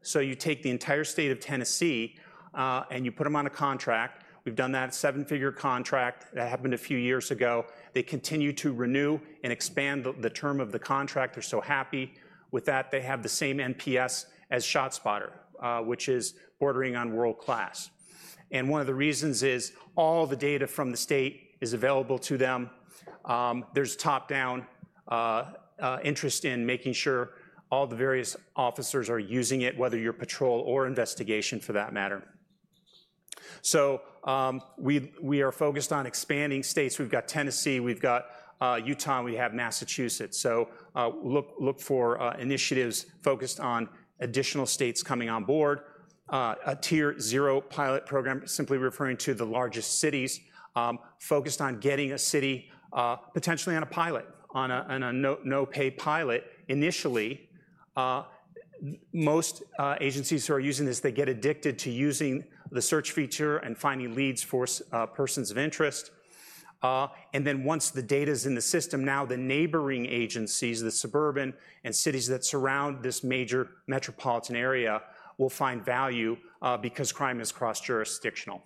So you take the entire state of Tennessee, and you put them on a contract. We've done that seven-figure contract. That happened a few years ago. They continue to renew and expand the term of the contract. They're so happy with that. They have the same NPS as ShotSpotter, which is bordering on world-class. One of the reasons is all the data from the state is available to them. There's top-down interest in making sure all the various officers are using it, whether you're patrol or investigation, for that matter. So, we are focused on expanding states. We've got Tennessee, we've got Utah, and we have Massachusetts. So, look for initiatives focused on additional states coming on board. A Tier Zero pilot program, simply referring to the largest cities, focused on getting a city potentially on a no-pay pilot, initially. Most agencies who are using this, they get addicted to using the search feature and finding leads for such persons of interest. And then once the data's in the system, now the neighboring agencies, the suburbs and cities that surround this major metropolitan area, will find value, because crime is cross-jurisdictional.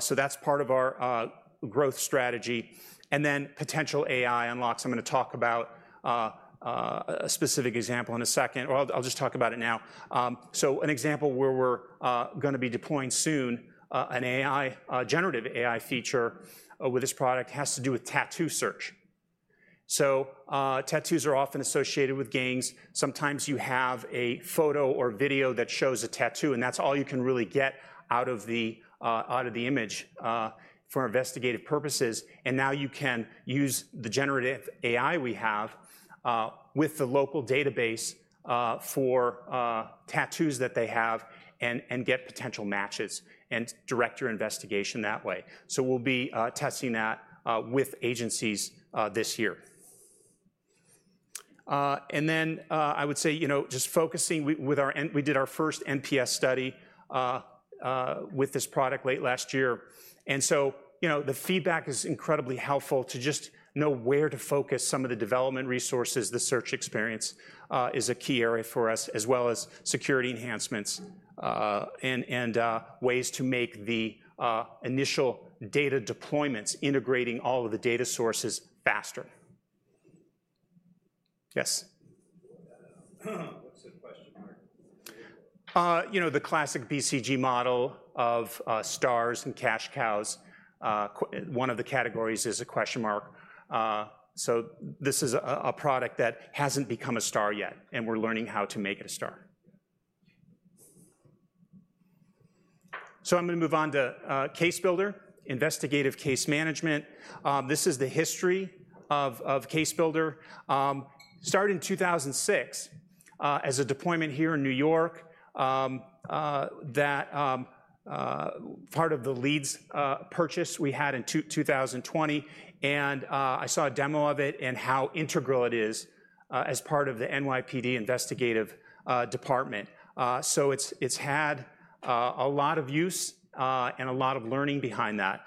So that's part of our growth strategy, and then potential AI unlocks. I'm gonna talk about a specific example in a second, or I'll just talk about it now. So an example where we're gonna be deploying soon an AI generative AI feature with this product has to do with tattoo search. So tattoos are often associated with gangs. Sometimes you have a photo or video that shows a tattoo, and that's all you can really get out of the image for investigative purposes, and now you can use the generative AI we have with the local database for tattoos that they have and get potential matches and direct your investigation that way. So we'll be testing that with agencies this year. And then, I would say, you know, we did our first NPS study with this product late last year. And so, you know, the feedback is incredibly helpful to just know where to focus some of the development resources. The search experience is a key area for us, as well as security enhancements, and ways to make the initial data deployments, integrating all of the data sources, faster. Yes? What's the question mark? You know, the classic BCG model of stars and cash cows. One of the categories is a question mark. So this is a, a product that hasn't become a star yet, and we're learning how to make it a star. So I'm gonna move on to CaseBuilder, investigative case management. This is the history of CaseBuilder. Started in 2006 as a deployment here in New York, that part of the Leeds purchase we had in 2020. I saw a demo of it and how integral it is as part of the NYPD investigative department. So it's had a lot of use and a lot of learning behind that.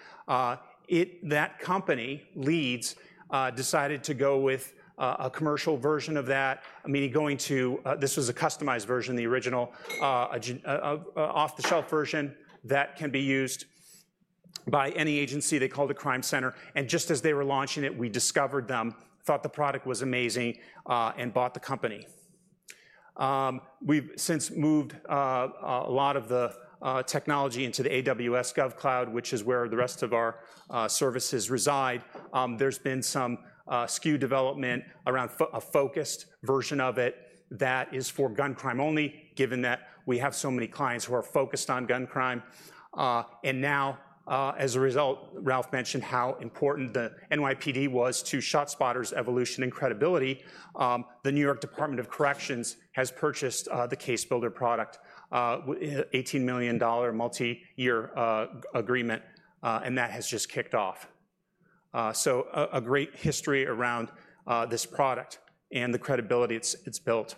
That company, Leeds, decided to go with a commercial version of that, meaning going to, this was a customized version, the original, an off-the-shelf version that can be used by any agency. They called it CrimeCenter, and just as they were launching it, we discovered them, thought the product was amazing, and bought the company. We've since moved a lot of the technology into the AWS GovCloud, which is where the rest of our services reside. There's been some SKU development around a focused version of it that is for gun crime only, given that we have so many clients who are focused on gun crime. And now, as a result, Ralph mentioned how important the NYPD was to ShotSpotter's evolution and credibility. The New York Department of Corrections has purchased the CaseBuilder product, an $18 million multi-year agreement, and that has just kicked off. So a great history around this product and the credibility it's built.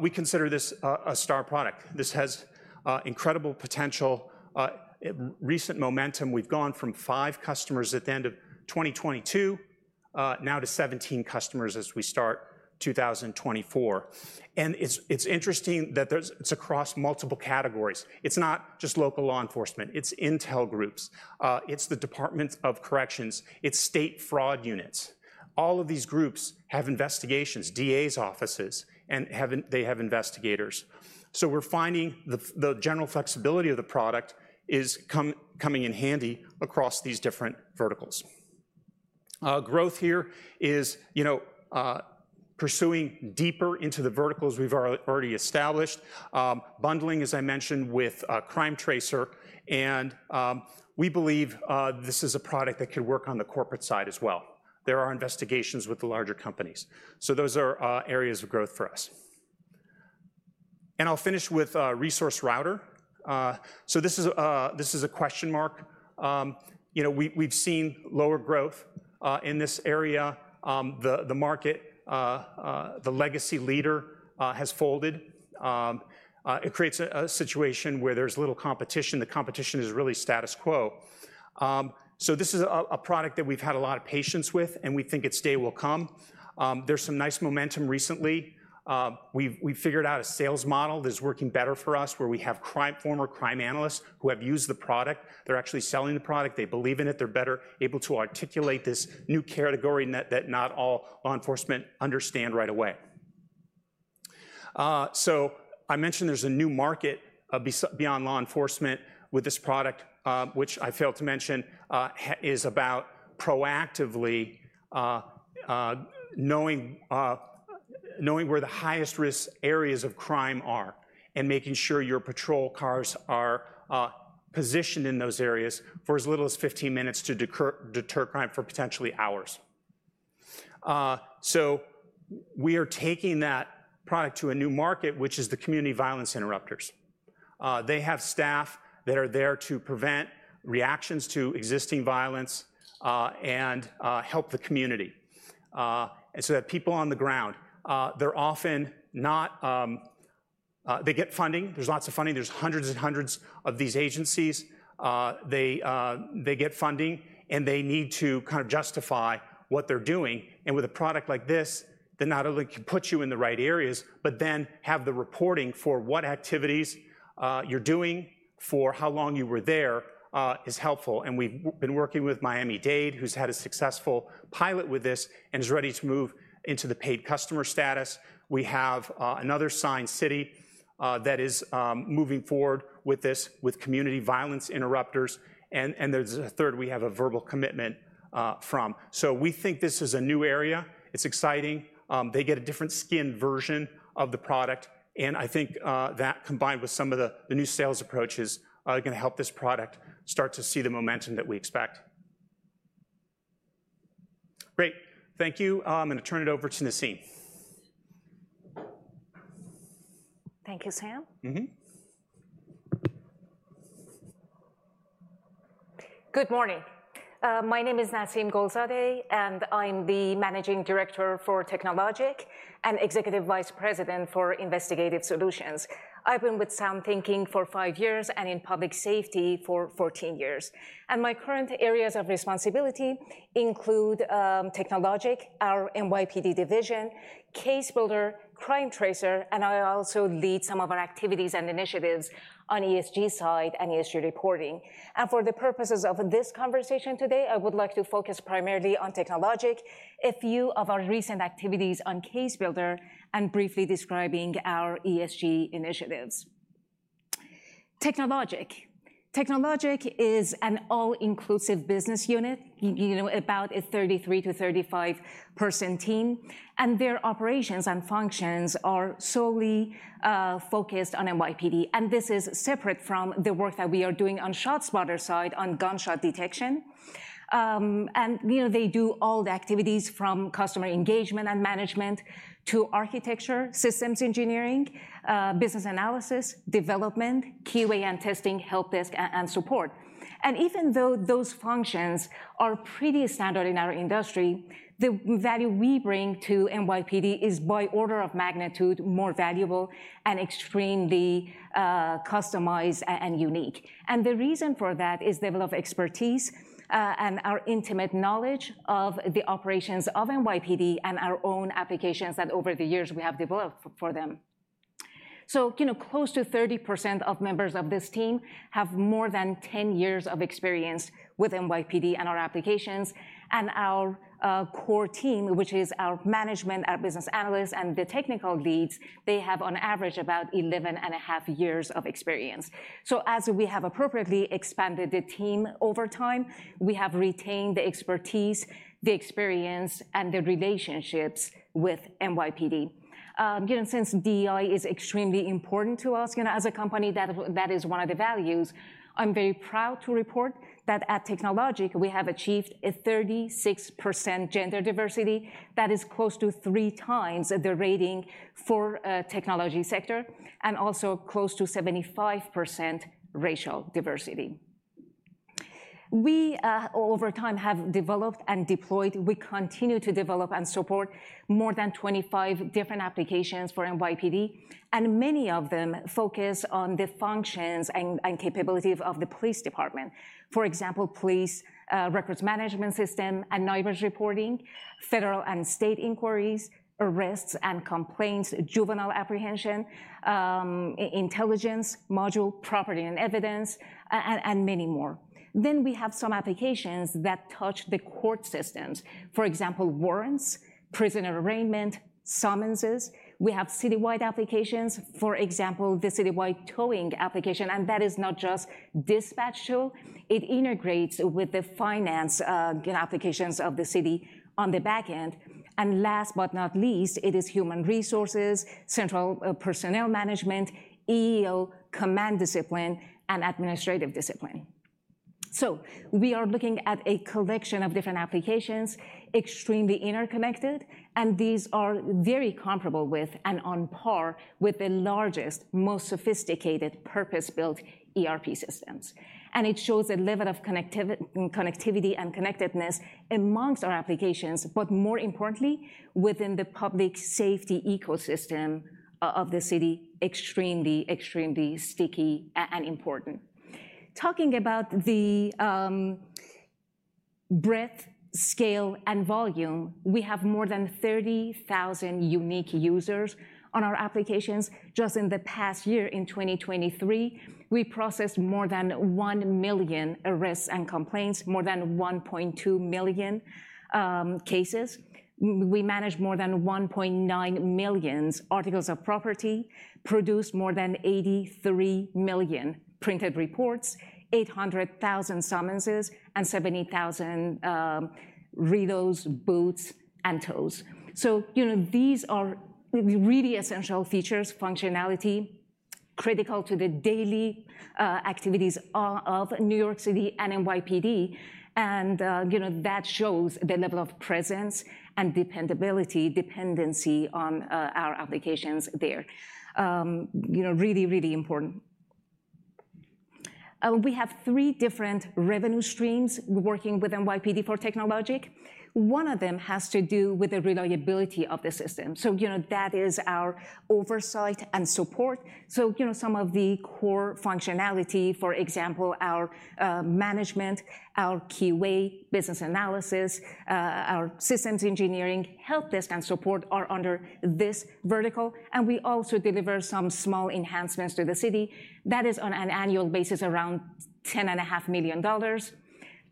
We consider this a star product. This has incredile potential. Recent momentum, we've gone from five customers at the end of 2022, now to 17 customers as we start 2024. And it's interesting that it's across multiple categories. It's not just local law enforcement, it's intel groups, it's the Department of Corrections, it's state fraud units. All of these groups have investigations, DA's offices, and they have investigators. So we're finding the general flexibility of the product is coming in handy across these different verticals. Growth here is, you know, pursuing deeper into the verticals we've already established. Bundling, as I mentioned, with CrimeTracer, and we believe this is a product that could work on the corporate side as well. There are investigations with the larger companies, so those are areas of growth for us. And I'll finish with ResourceRouter. So this is a question mark. You know, we've seen lower growth in this area. The market, the legacy leader has folded. It creates a situation where there's little competition. The competition is really status quo. So this is a product that we've had a lot of patience with, and we think its day will come. There's some nice momentum recently. We've figured out a sales model that is working better for us, where we have former crime analysts who have used the product. They're actually selling the product. They believe in it. They're better able to articulate this new category that not all law enforcement understand right away. So I mentioned there's a new market beyond law enforcement with this product, which I failed to mention, is about proactively knowing where the highest-risk areas of crime are and making sure your patrol cars are positioned in those areas for as little as 15 minutes to deter crime for potentially hours. So we are taking that product to a new market, which is the community violence interrupters. They have staff that are there to prevent reactions to existing violence and help the community. And so they're people on the ground. They're often not. They get funding. There's lots of funding. There's hundreds and hundreds of these agencies. They get funding, and they need to kind of justify what they're doing. With a product like this, that not only can put you in the right areas, but then have the reporting for what activities you're doing, for how long you were there, is helpful. We've been working with Miami-Dade, who's had a successful pilot with this and is ready to move into the paid customer status. We have another signed city that is moving forward with this, with community violence interrupters, and there's a third we have a verbal commitment from. So we think this is a new area. It's exciting. They get a different skin version of the product, and I think that, combined with some of the new sales approaches, are gonna help this product start to see the momentum that we expect. Great! Thank you. I'm gonna turn it over to Nasim. Thank you, Sam. Good morning. My name is Nasim Golzadeh, and I'm the Managing Director for technology and Executive Vice President for Investigative Solutions. I've been with SoundThinking for five years and in public safety for 14 years, and my current areas of responsibility include technology, our NYPD division, CaseBuilder, CrimeTracer, and I also lead some of our activities and initiatives on ESG side and ESG reporting. For the purposes of this conversation today, I would like to focus primarily on technology, a few of our recent activities on CaseBuilder, and briefly describing our ESG initiatives. Technology is an all-inclusive business unit, you know, about a 33-35 person team, and their operations and functions are solely focused on NYPD. This is separate from the work that we are doing on ShotSpotter side, on gunshot detection. And, you know, they do all the activities from customer engagement and management to architecture, systems engineering, business analysis, development, QA and testing, help desk, and support. And even though those functions are pretty standard in our industry, the value we bring to NYPD is by order of magnitude more valuable and extremely customized and unique. And the reason for that is the level of expertise and our intimate knowledge of the operations of NYPD and our own applications that over the years we have developed for them. So, you know, close to 30% of members of this team have more than 10 years of experience with NYPD and our applications. And our core team, which is our management, our business analysts, and the technical leads, they have on average about 11.5 years of experience. So as we have appropriately expanded the team over time, we have retained the expertise, the experience, and the relationships with NYPD. You know, since DEI is extremely important to us, you know, as a company, that, that is one of the values, I'm very proud to report that at technology, we have achieved a 36% gender diversity. That is close to three times the rating for, technology sector, and also close to 75% racial diversity. We over time, have developed and deployed, we continue to develop and support more than 25 different applications for NYPD, and many of them focus on the functions and, and capability of the police department. For example, police records management system, annoyance reporting, federal and state inquiries, arrests and complaints, juvenile apprehension, intelligence module, property and evidence, and many more. Then we have some applications that touch the court systems. For example, warrants, prison arraignment, summonses. We have citywide applications, for example, the citywide towing application, and that is not just dispatch tow, it integrates with the finance applications of the city on the back end. And last but not least, it is human resources, central personnel management, EEO, command discipline, and administrative discipline. So we are looking at a collection of different applications, extremely interconnected, and these are very comparable with and on par with the largest, most sophisticated, purpose-built ERP systems. And it shows a level of connectivity and connectedness amongst our applications, but more importantly, within the public safety ecosystem of the city, extremely, extremely sticky and important. Talking about the breadth, scale, and volume, we have more than 30,000 unique users on our applications. Just in the past year, in 2023, we processed more than 1 million arrests and complaints, more than 1.2 million cases. We managed more than 1.9 million articles of property, produced more than 83 million printed reports, 800,000 summonses, and 70,000 relos, boots, and tows. So, you know, these are really essential features, functionality, critical to the daily activities of New York City and NYPD, and, you know, that shows the level of presence and dependability, dependency on our applications there. You know, really, really important. We have three different revenue streams working with NYPD for technology. One of them has to do with the reliability of the system, so, you know, that is our oversight and support. So, you know, some of the core functionality, for example, our management, our QA, business analysis, our systems engineering, help desk and support, are under this vertical, and we also deliver some small enhancements to the city. That is on an annual basis, around $10.5 million.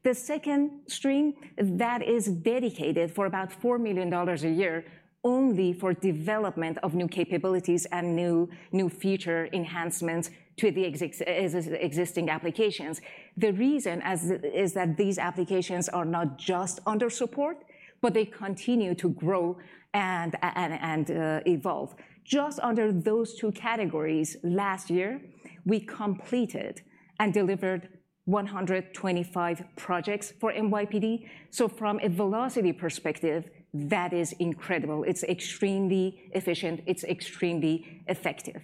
The second stream, that is dedicated for about $4 million a year, only for development of new capabilities and new feature enhancements to the existing applications. The reason is that these applications are not just under support, but they continue to grow and evolve. Just under those two categories, last year, we completed and delivered 125 projects for NYPD. So from a velocity perspective, that is incredible. It's extremely efficient, it's extremely effective.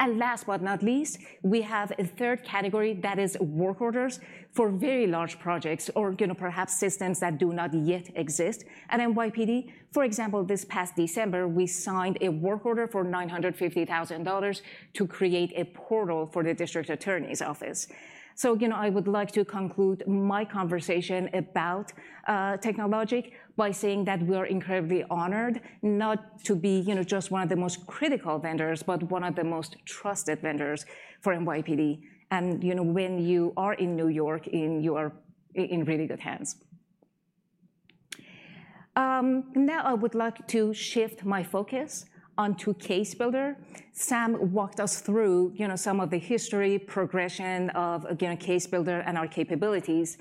And last but not least, we have a third category that is work orders for very large projects or, you know, perhaps systems that do not yet exist. At NYPD, for example, this past December, we signed a work order for $950,000 to create a portal for the District Attorney's Office. So, you know, I would like to conclude my conversation about technology by saying that we are incredibly honored not to be, you know, just one of the most critical vendors, but one of the most trusted vendors for NYPD. And, you know, when you are in New York, you are in really good hands. Now I would like to shift my focus onto CaseBuilder. Sam walked us through, you know, some of the history, progression of, again, CaseBuilder and our capabilities.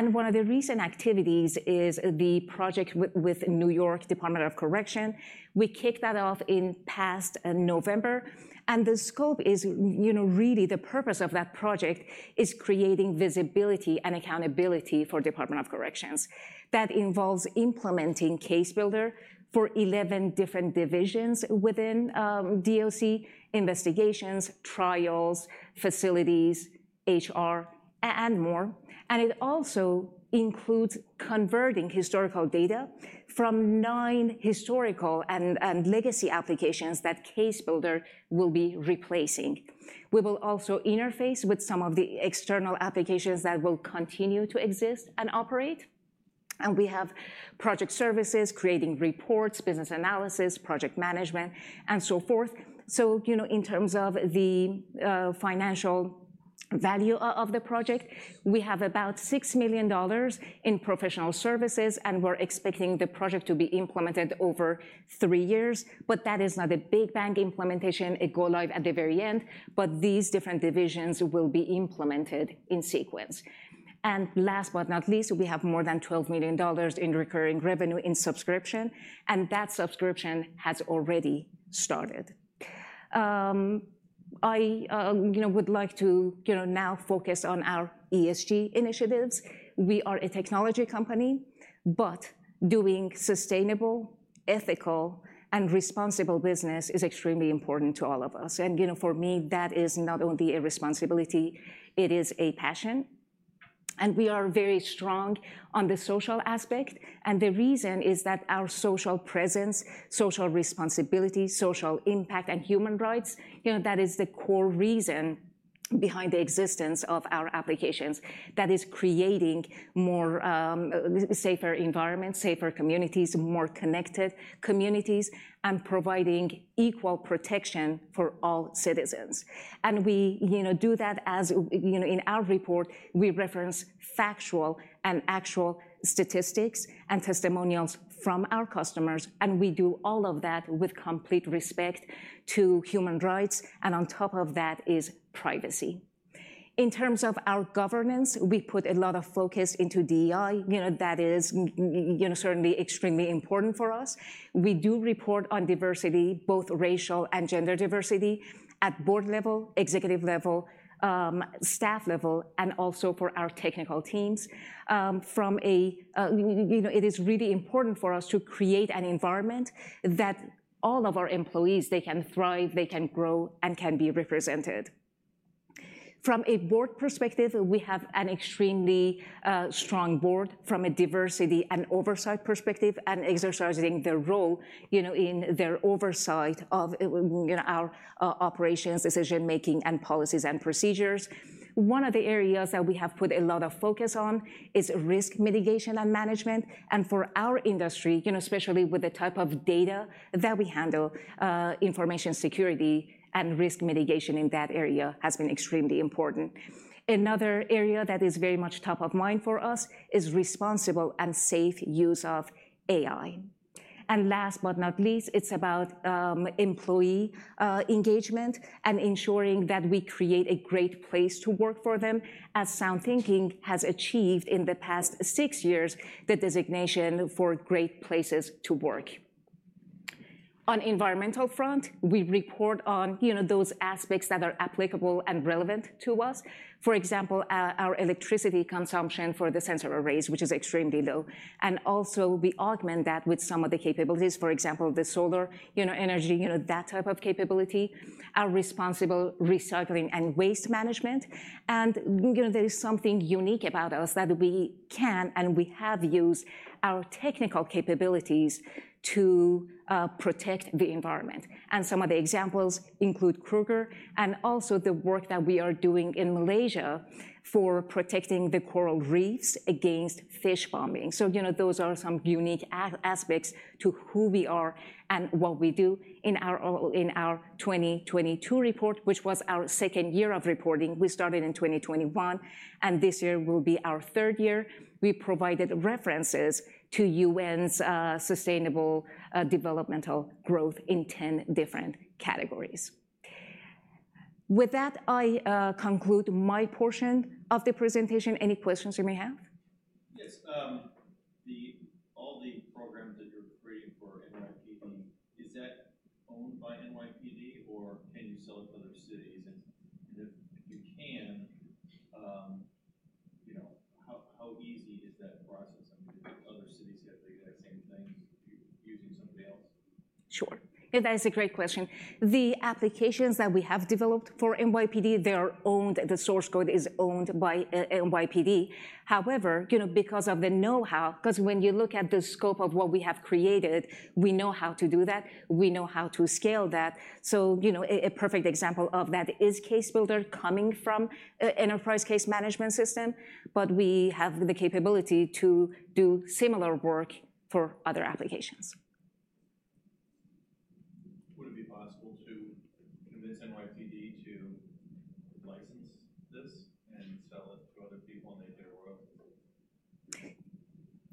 One of the recent activities is the project with New York Department of Correction. We kicked that off in past November, and the scope is, you know, really the purpose of that project is creating visibility and accountability for Department of Corrections. That involves implementing CaseBuilder for 11 different divisions within DOC: investigations, trials, facilities, HR, and more. And it also includes converting historical data from nine historical and legacy applications that CaseBuilder will be replacing. We will also interface with some of the external applications that will continue to exist and operate. And we have project services, creating reports, business analysis, project management, and so forth. So, you know, in terms of the financial value of the project, we have about $6 million in professional services, and we're expecting the project to be implemented over three years. But that is not a big bang implementation. It go live at the very end, but these different divisions will be implemented in sequence. Last but not least, we have more than $12 million in recurring revenue in subscription, and that subscription has already started. I, you know, would like to, you know, now focus on our ESG initiatives. We are a technology company, but doing sustainable, ethical, and responsible business is extremely important to all of us. You know, for me, that is not only a responsibility, it is a passion, and we are very strong on the social aspect. The reason is that our social presence, social responsibility, social impact, and human rights, you know, that is the core reason behind the existence of our applications. That is creating more safer environments, safer communities, more connected communities, and providing equal protection for all citizens. And we, you know, do that as, you know, in our report, we reference factual and actual statistics and testimonials from our customers, and we do all of that with complete respect to human rights, and on top of that is privacy. In terms of our governance, we put a lot of focus into DEI. You know, that is, you know, certainly extremely important for us. We do report on diversity, both racial and gender diversity, at board level, executive level, staff level, and also for our technical teams. You know, it is really important for us to create an environment that all of our employees, they can thrive, they can grow, and can be represented. From a board perspective, we have an extremely strong board from a diversity and oversight perspective, and exercising their role, you know, in their oversight of, you know, our operations, decision-making, and policies and procedures. One of the areas that we have put a lot of focus on is risk mitigation and management. For our industry, you know, especially with the type of data that we handle, information security and risk mitigation in that area has been extremely important. Another area that is very much top of mind for us is responsible and safe use of AI. Last but not least, it's about employee engagement and ensuring that we create a great place to work for them, as SoundThinking has achieved in the past six years, the designation for great places to work. On environmental front, we report on, you know, those aspects that are applicable and relevant to us. For example, our electricity consumption for the sensor arrays, which is extremely low. And also, we augment that with some of the capabilities, for example, the solar, you know, energy, you know, that type of capability, our responsible recycling and waste management. And, you know, there is something unique about us, that we can and we have used our technical capabilities to protect the environment. And some of the examples include Kruger and also the work that we are doing in Malaysia for protecting the coral reefs against fish bombing. So, you know, those are some unique aspects to who we are and what we do. In our 2022 report, which was our second year of reporting, we started in 2021, and this year will be our third year, we provided references to UN's sustainable developmental growth in ten different categories. With that, I conclude my portion of the presentation. Any questions you may have? Yes, all the programs that you're creating for NYPD, is that owned by NYPD, or can you sell it to other cities? And if you can, you know, how easy is that process? I mean, do other cities have the exact same things you using somebody else? Sure. That is a great question. The applications that we have developed for NYPD, they are owned, the source code is owned by NYPD. However, you know, because of the know-how, because when you look at the scope of what we have created, we know how to do that, we know how to scale that. So, you know, a perfect example of that is CaseBuilder coming from a Enterprise Case Management System, but we have the capability to do similar work for other applications.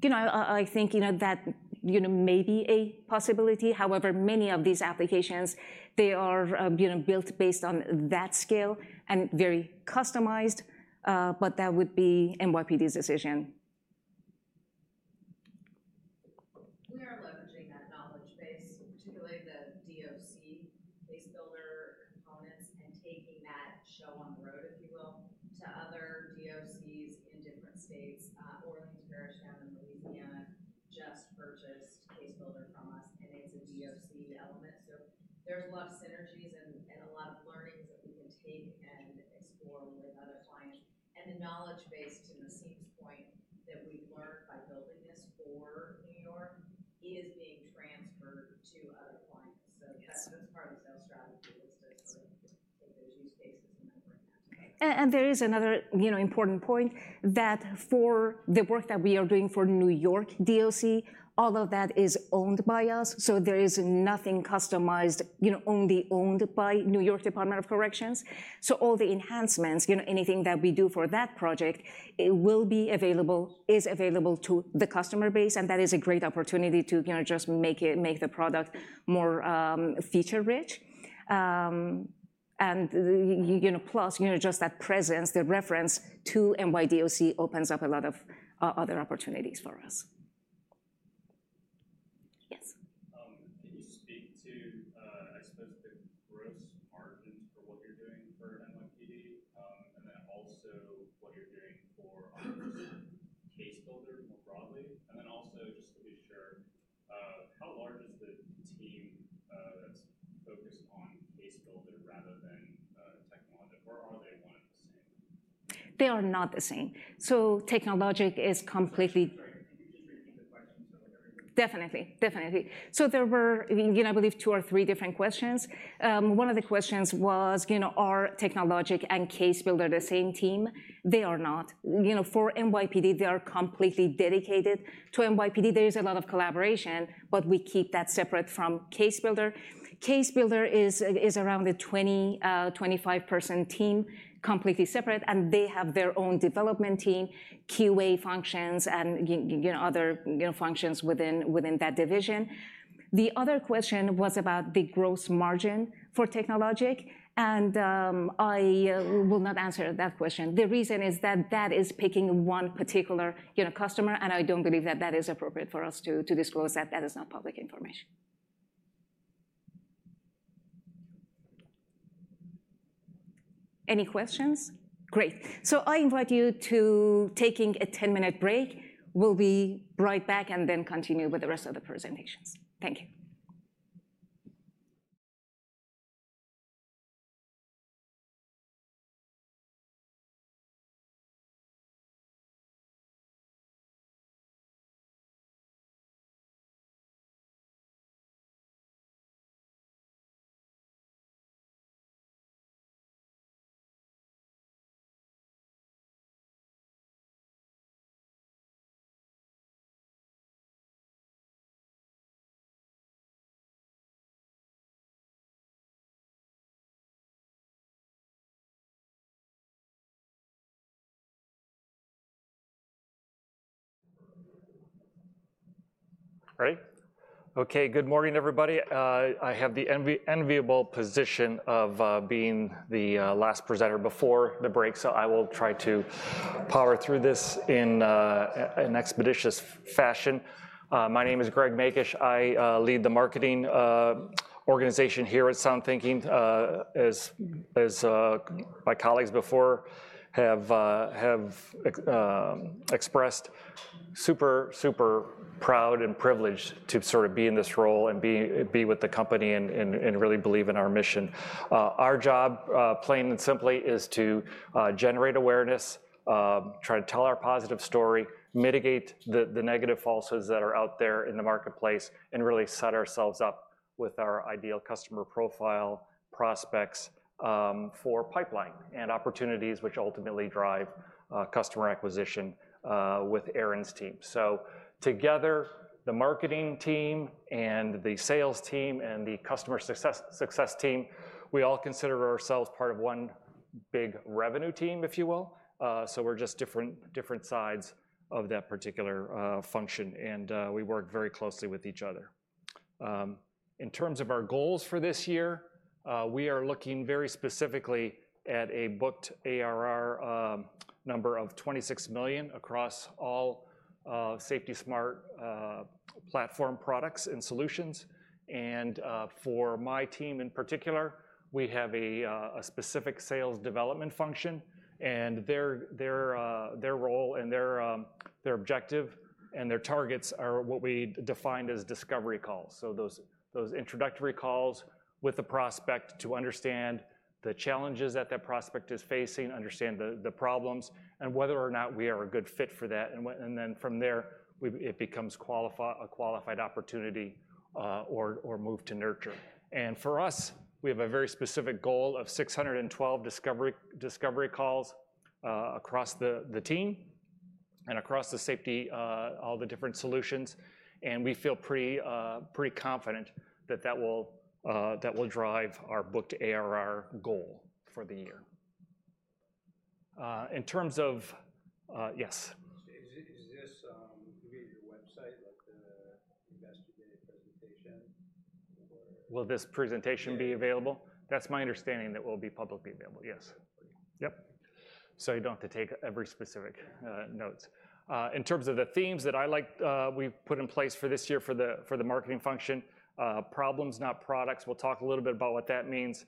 Possible to convince NYPD to license this and sell it to other people in their world? You know, I think, you know, that, you know, may be a possibility. However, many of these applications, they are, you know, built based on that scale and very customized, but that would be NYPD's decision. And you know, plus, you know, just that presence, the reference to NYDOC opens up a lot of other opportunities for us. Yes? Can you speak to, I suppose, the gross margins for what you're doing for NYPD? And then also what you're doing for CaseBuilder more broadly. And then also, just to be sure, how large is the team that's focused on CaseBuilder rather than technology? Or are they one and the same? They are not the same. So technology is completely. Sorry, can you just repeat the question so everybody. Definitely, definitely. So there were, you know, I believe two or three different questions. One of the questions was, you know, are technology and CaseBuilder the same team? They are not. You know, for NYPD, they are completely dedicated to NYPD. There is a lot of collaboration, but we keep that separate from CaseBuilder. CaseBuilder is around a 25-person team, completely separate, and they have their own development team, QA functions, and you know, other, you know, functions within that division. The other question was about the gross margin for technology, and I will not answer that question. The reason is that that is picking one particular, you know, customer, and I don't believe that that is appropriate for us to disclose that. That is not public information. Any questions? Great. So I invite you to taking a 10-minute break. We'll be right back and then continue with the rest of the presentations. Thank you. Right. Okay, good morning, everybody. I have the enviable position of being the last presenter before the break, so I will try to power through this in an expeditious fashion. My name is Gregg Makuch. I lead the marketing organization here at SoundThinking. As my colleagues before have expressed, super, super proud and privileged to sort of be in this role, and be with the company, and really believe in our mission. Our job, plain and simply, is to generate awareness, try to tell our positive story, mitigate the negative falsehoods that are out there in the marketplace, and really set ourselves up with our ideal customer profile prospects for pipeline and opportunities which ultimately drive customer acquisition with Erin's team. Together, the marketing team, and the sales team, and the customer success team, we all consider ourselves part of one big revenue team, if you will. We're just different sides of that particular function, and we work very closely with each other. In terms of our goals for this year, we are looking very specifically at a booked ARR number of $26 million across all SafetySmart platform products and solutions. For my team in particular, we have a specific sales development function, and their role, and their objective and their targets are what we defined as discovery calls. So those introductory calls with a prospect to understand the challenges that that prospect is facing, understand the problems, and whether or not we are a good fit for that. And then from there, it becomes a qualified opportunity, or moved to nurture. And for us, we have a very specific goal of 612 discovery calls across the team and across the safety, all the different solutions, and we feel pretty, pretty confident that that will drive our booked ARR goal for the year. In terms of. Yes? Is this gonna be on your website, like the Investor Day presentation or. Will this presentation be available? That's my understanding, that it will be publicly available, yes. Okay, thank you. Yep, so you don't have to take every specific notes. In terms of the themes that I like, we've put in place for this year for the marketing function, problems, not products. We'll talk a little bit about what that means.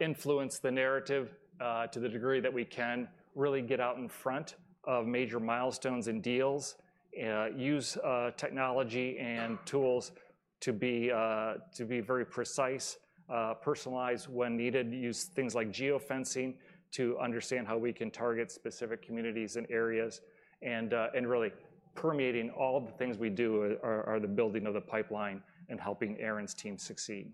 Influence the narrative to the degree that we can. Really get out in front of major milestones and deals. Use technology and tools to be very precise. Personalize when needed. Use things like geofencing to understand how we can target specific communities and areas. And really permeating all the things we do are the building of the pipeline and helping Erin's team succeed.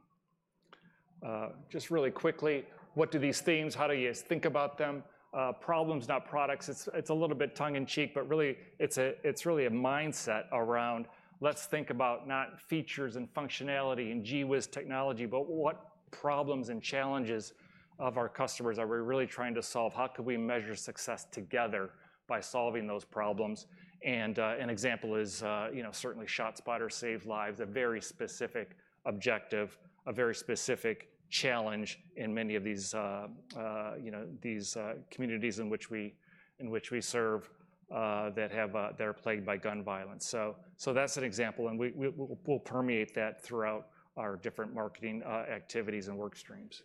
Just really quickly, what do these themes, how do you guys think about them? Problems, not products, it's a little bit tongue-in-cheek. It's really a mindset around, let's think about not features and functionality and gee whiz technology, but what problems and challenges of our customers are we really trying to solve? How can we measure success together by solving those problems? An example is, you know, certainly ShotSpotter saved lives, a very specific objective, a very specific challenge in many of these, you know, these communities in which we serve that are plagued by gun violence. So, that's an example, and we'll permeate that throughout our different marketing activities and work streams.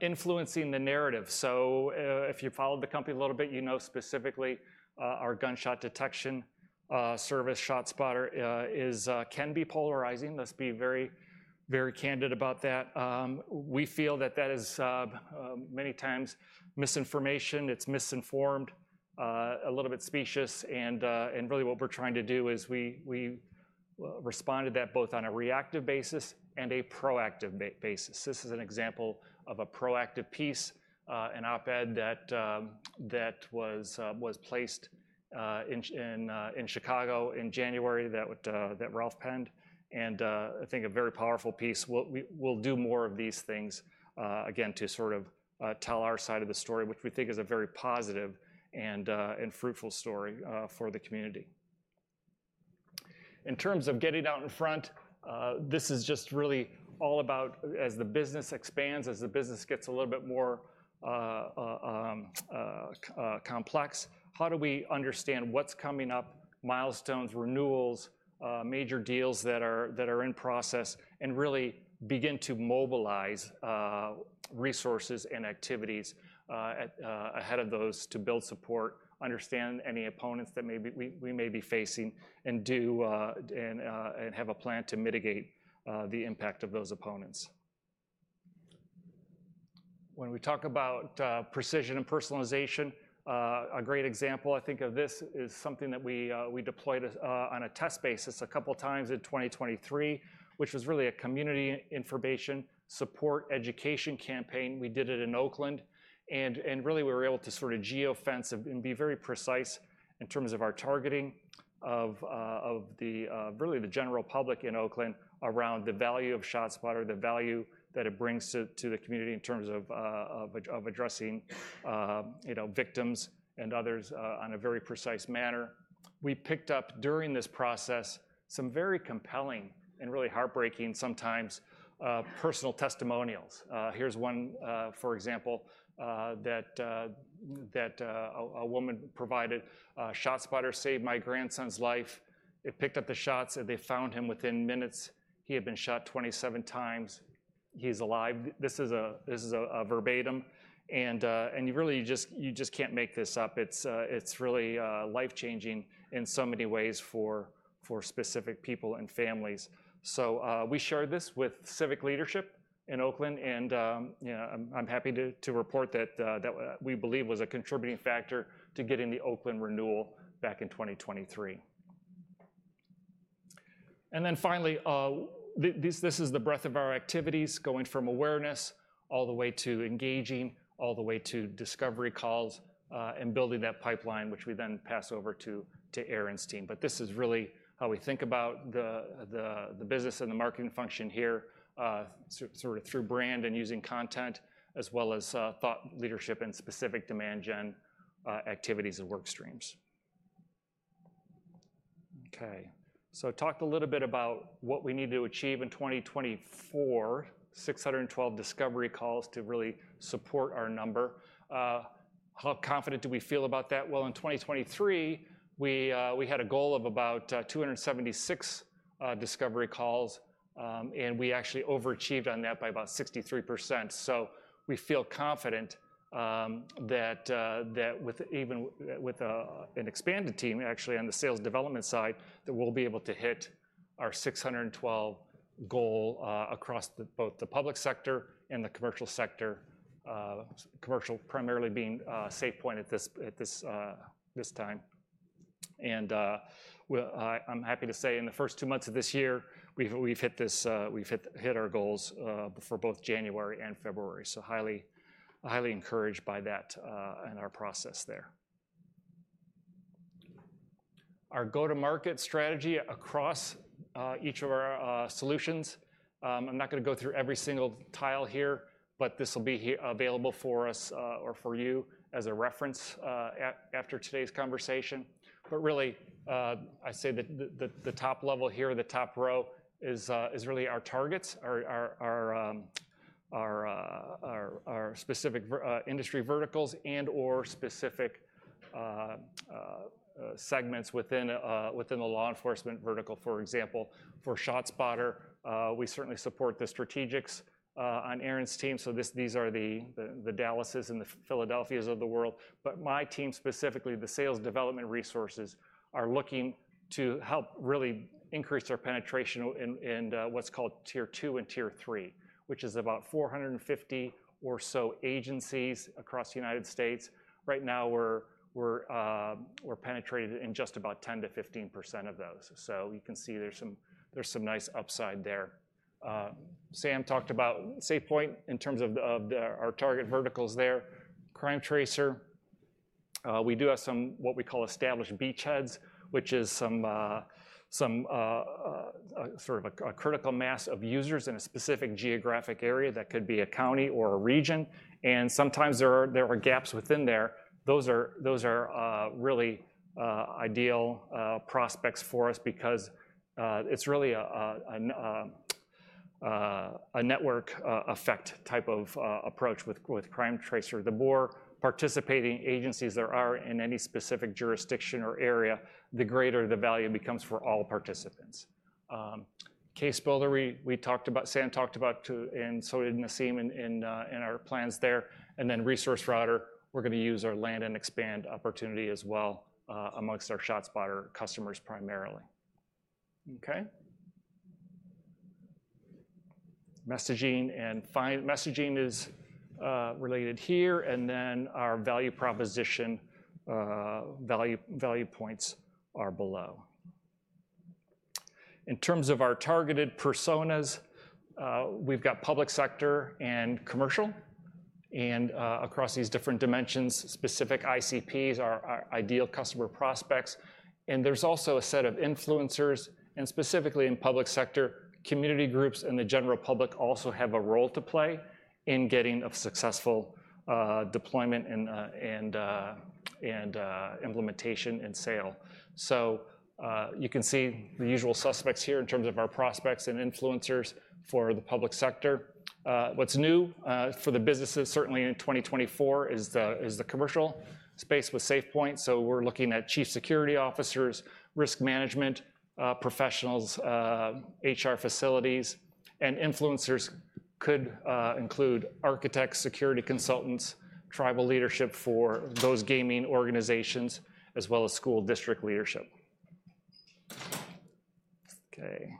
Influencing the narrative. So, if you've followed the company a little bit, you know specifically our gunshot detection service, ShotSpotter, is can be polarizing. Let's be very, very candid about that. We feel that that is many times misinformation, it's misinformed, a little bit specious, and really what we're trying to do is we respond to that both on a reactive basis and a proactive basis. This is an example of a proactive piece, an op-ed that was placed in Chicago in January, that Ralph penned, and I think a very powerful piece. We will do more of these things again, to sort of tell our side of the story, which we think is a very positive and fruitful story for the community. In terms of getting out in front, this is just really all about as the business expands, as the business gets a little bit more complex, how do we understand what's coming up, milestones, renewals, major deals that are, that are in process, and really begin to mobilize resources and activities at ahead of those to build support, understand any opponents that may be we may be facing, and do, and, and have a plan to mitigate the impact of those opponents? When we talk about precision and personalization, a great example I think of this, is something that we we deployed as on a test basis a couple of times in 2023, which was really a community information support education campaign. We did it in Oakland, and really we were able to sort of geofence and be very precise in terms of our targeting of the really the general public in Oakland around the value of ShotSpotter, the value that it brings to the community in terms of addressing, you know, victims and others, on a very precise manner. We picked up, during this process, some very compelling and really heartbreaking, sometimes, personal testimonials. Here's one, for example, that a woman provided: "ShotSpotter saved my grandson's life. It picked up the shots, and they found him within minutes. He had been shot 27 times. He's alive." This is a verbatim, and you really just. You just can't make this up. It's really life-changing in so many ways for specific people and families. So we shared this with civic leadership in Oakland, and you know, I'm happy to report that we believe was a contributing factor to getting the Oakland renewal back in 2023. And then finally, this is the breadth of our activities, going from awareness all the way to engaging, all the way to discovery calls, and building that pipeline, which we then pass over to Erin's team. But this is really how we think about the business and the marketing function here, sort of through brand and using content, as well as thought leadership and specific demand gen activities and work streams. Okay, so I talked a little bit about what we need to achieve in 2024, 612 discovery calls to really support our number. How confident do we feel about that? Well, in 2023, we had a goal of about 276 discovery calls, and we actually overachieved on that by about 63%. So we feel confident that with even with an expanded team, actually, on the sales development side, that we'll be able to hit our 612 goal across both the public sector and the commercial sector. Commercial primarily being SafePointe at this time. And I'm happy to say in the first two months of this year, we've hit this. We've hit our goals for both January and February. So highly encouraged by that and our process there. Our go-to-market strategy across each of our solutions. I'm not gonna go through every single tile here, but this will be available for us or for you, as a reference after today's conversation. But really, I say that the top level here, the top row, is really our targets, our specific industry verticals and/or specific segments within the law enforcement vertical, for example. For ShotSpotter, we certainly support the strategics on Erin's team, so these are the Dallases and the Philadelphias of the world. But my team specifically, the sales development resources, are looking to help really increase our penetration in what's called Tier Two and Tier Three, which is about 450 or so agencies across the United States. Right now, we're penetrated in just about 10% to 15% of those. So you can see there's some nice upside there. Sam talked about SafePointe in terms of our target verticals there. CrimeTracer, we do have some what we call established beachheads, which is some sort of a critical mass of users in a specific geographic area, that could be a county or a region. And sometimes there are gaps within there. Those are really ideal prospects for us, because it's really a network effect type of approach with CrimeTracer. The more participating agencies there are in any specific jurisdiction or area, the greater the value becomes for all participants. CaseBuilder, we talked about, Sam talked about too, and so did Nasim, in our plans there. And then ResourceRouter, we're gonna use our land and expand opportunity as well, amongst our ShotSpotter customers primarily. Okay? Messaging and find-messaging is related here, and then our value proposition, value points are below. In terms of our targeted personas, we've got public sector and commercial, and across these different dimensions, specific ICPs are our ideal customer prospects. There's also a set of influencers, and specifically in public sector, community groups and the general public also have a role to play in getting a successful deployment and implementation and sale. So you can see the usual suspects here in terms of our prospects and influencers for the public sector. What's new for the businesses, certainly in 2024, is the commercial space with SafePointe. So we're looking at chief security officers, risk management professionals, HR facilities. And influencers could include architects, security consultants, tribal leadership for those gaming organizations, as well as school district leadership. Okay,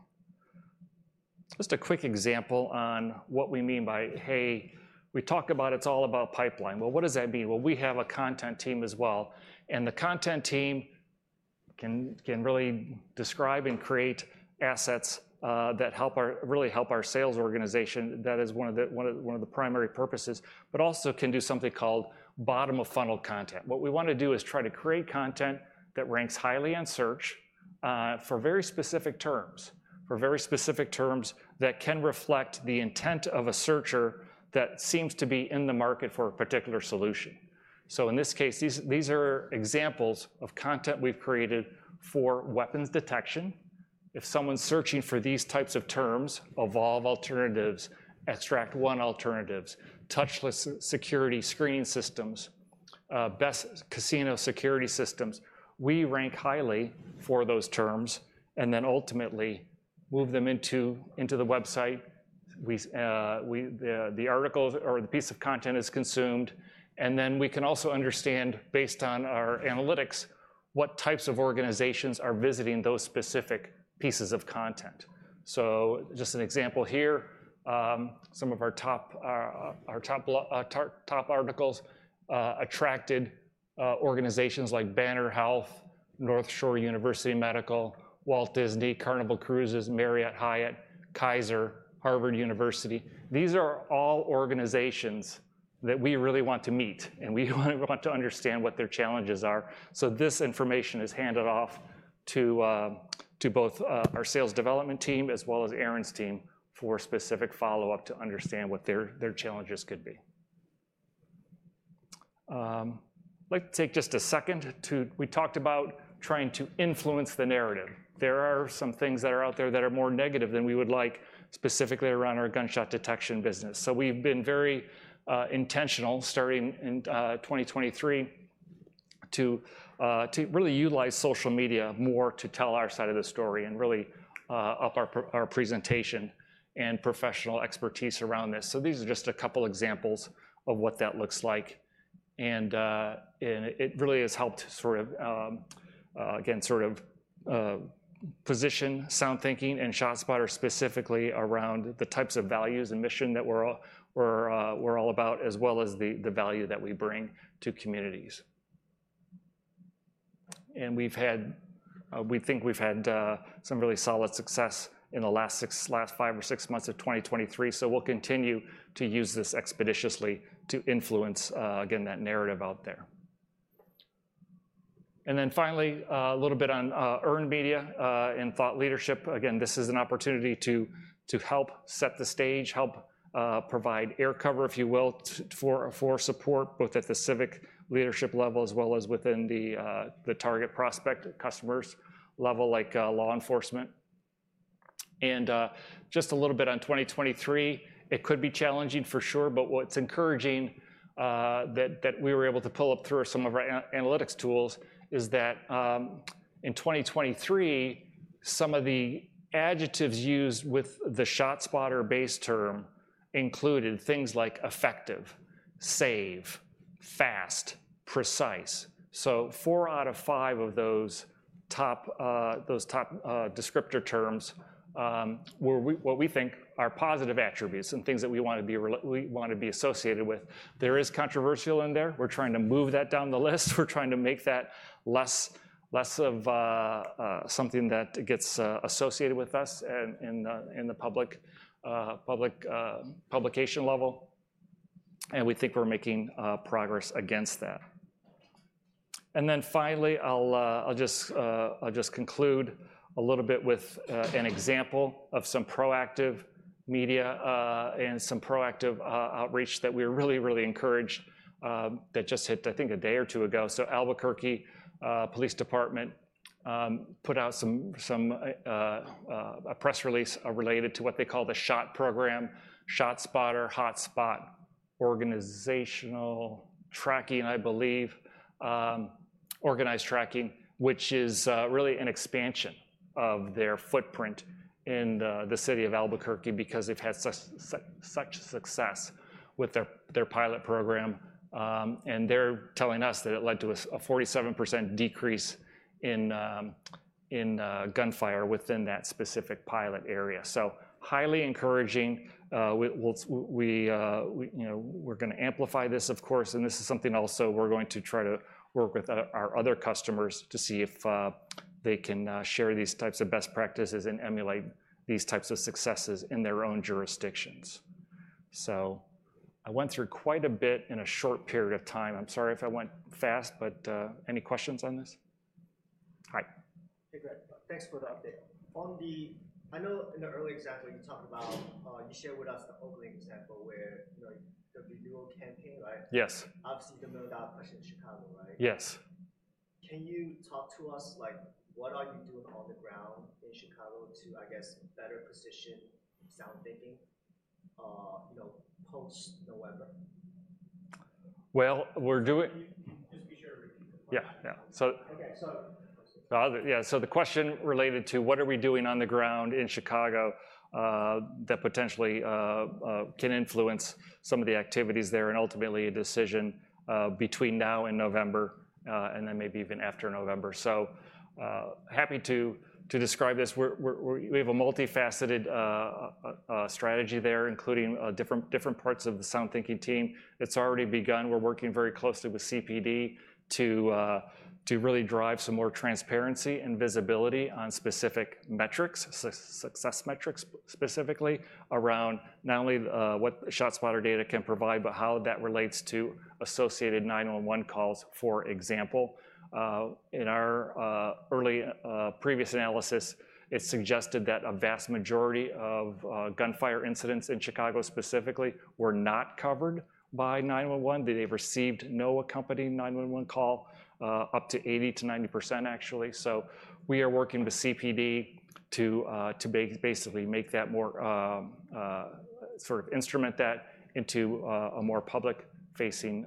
just a quick example on what we mean by, "Hey," we talk about it's all about pipeline. Well, what does that mean? Well, we have a content team as well, and the content team can really describe and create assets that help our really help our sales organization. That is one of the primary purposes, but also can do something called bottom of funnel content. What we want to do is try to create content that ranks highly in search for very specific terms that can reflect the intent of a searcher that seems to be in the market for a particular solution. So in this case, these are examples of content we've created for weapons detection. If someone's searching for these types of terms, Evolv alternatives, Xtract One alternatives, touchless security screening systems, best casino security systems, we rank highly for those terms, and then ultimately move them into the website. We, the article or the piece of content is consumed, and then we can also understand, based on our analytics, what types of organizations are visiting those specific pieces of content. So just an example here, some of our top articles attracted organizations like Banner Health, North Shore University Medical, Walt Disney, Carnival Cruises, Marriott, Hyatt, Kaiser, Harvard University. These are all organizations that we really want to meet, and we want to understand what their challenges are. So this information is handed off to both our sales development team, as well as Erin's team, for specific follow-up to understand what their challenges could be. I'd like to take just a second to we talked about trying to influence the narrative. There are some things that are out there that are more negative than we would like, specifically around our gunshot detection business. So we've been very intentional starting in 2023 to really utilize social media more to tell our side of the story, and really up our presentation and professional expertise around this. So these are just a couple examples of what that looks like, and it really has helped sort of, again, position SoundThinking and ShotSpotter specifically around the types of values and mission that we're all about, as well as the value that we bring to communities. And we've had. We think we've had some really solid success in the last six- last five or six months of 2023, so we'll continue to use this expeditiously to influence, again, that narrative out there. And then finally, a little bit on earned media and thought leadership. Again, this is an opportunity to help set the stage, help provide air cover, if you will, for support, both at the civic leadership level, as well as within the target prospect customers level, like law enforcement. And just a little bit on 2023, it could be challenging for sure, but what's encouraging that we were able to pull up through some of our analytics tools is that in 2023, some of the adjectives used with the ShotSpotter base term included things like effective, save, fast, precise. So four out of five of those top descriptor terms were what we think are positive attributes, and things that we wanna be re- we want to be associated with. There is controversial in there. We're trying to move that down the list. We're trying to make that less of a something that gets associated with us in the public publication level, and we think we're making progress against that. And then finally, I'll just conclude a little bit with an example of some proactive media and some proactive outreach that we're really, really encouraged that just hit, I think, a day or two ago. So Albuquerque Police Department put out a press release related to what they call the SHOT program, ShotSpotter Hotspot Organizational Tracking, I believe, Organized Tracking, which is really an expansion of their footprint in the city of Albuquerque, because they've had such success with their pilot program. And they're telling us that it led to a 47% decrease in gunfire within that specific pilot area. So, highly encouraging. We'll, you know, we're gonna amplify this, of course, and this is something also we're going to try to work with our other customers to see if they can share these types of best practices, and emulate these types of successes in their own jurisdictions. I went through quite a bit in a short period of time. I'm sorry if I went fast, but, any questions on this? Hi. Hey, Greg. Thanks for the update. On the, I know in the early example, you talked about. You shared with us the Oakland example, where, you know, the renewal campaign, right? Yes. Obviously, the no doubt question in Chicago, right? Yes. Can you talk to us, like, what are you doing on the ground in Chicago to, I guess, better position SoundThinking, you know, post-November? Well, we're doing? Just be sure to repeat the question. Okay, so. Yeah, so the question related to what we are doing on the ground in Chicago that potentially can influence some of the activities there, and ultimately a decision between now and November, and then maybe even after November? So, happy to describe this. We have a multifaceted strategy there, including different parts of the SoundThinking team. It's already begun. We're working very closely with CPD to really drive some more transparency and visibility on specific metrics, success metrics, specifically around not only what ShotSpotter data can provide, but how that relates to associated 911 calls, for example. In our early previous analysis, it suggested that a vast majority of gunfire incidents in Chicago specifically were not covered by 911, that they received no accompanying 911 call up to 80%-90%, actually. So we are working with CPD to basically make that more sort of instrument that into a more public-facing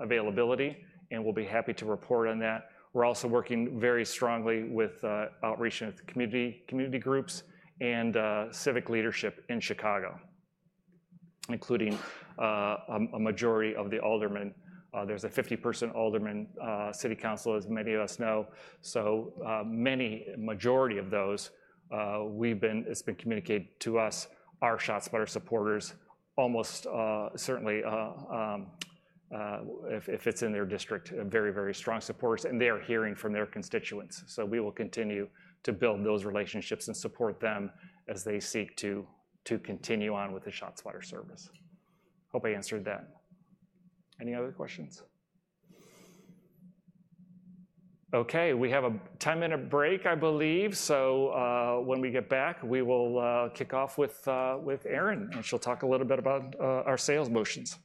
availability, and we'll be happy to report on that. We're also working very strongly with outreaching with the community, community groups and civic leadership in Chicago, including a majority of the aldermen. There's a 50-person aldermen City Council, as many of us know. So, many, a majority of those it's been communicated to us, are ShotSpotter supporters, almost certainly, if it's in their district, a very, very strong supporters, and they are hearing from their constituents. So we will continue to build those relationships and support them as they seek to continue on with the ShotSpotter service. Hope I answered that. Any other questions? Okay, we have a 10-minute break, I believe, so when we get back, we will kick off with Erin, and she'll talk a little bit about our sales motions.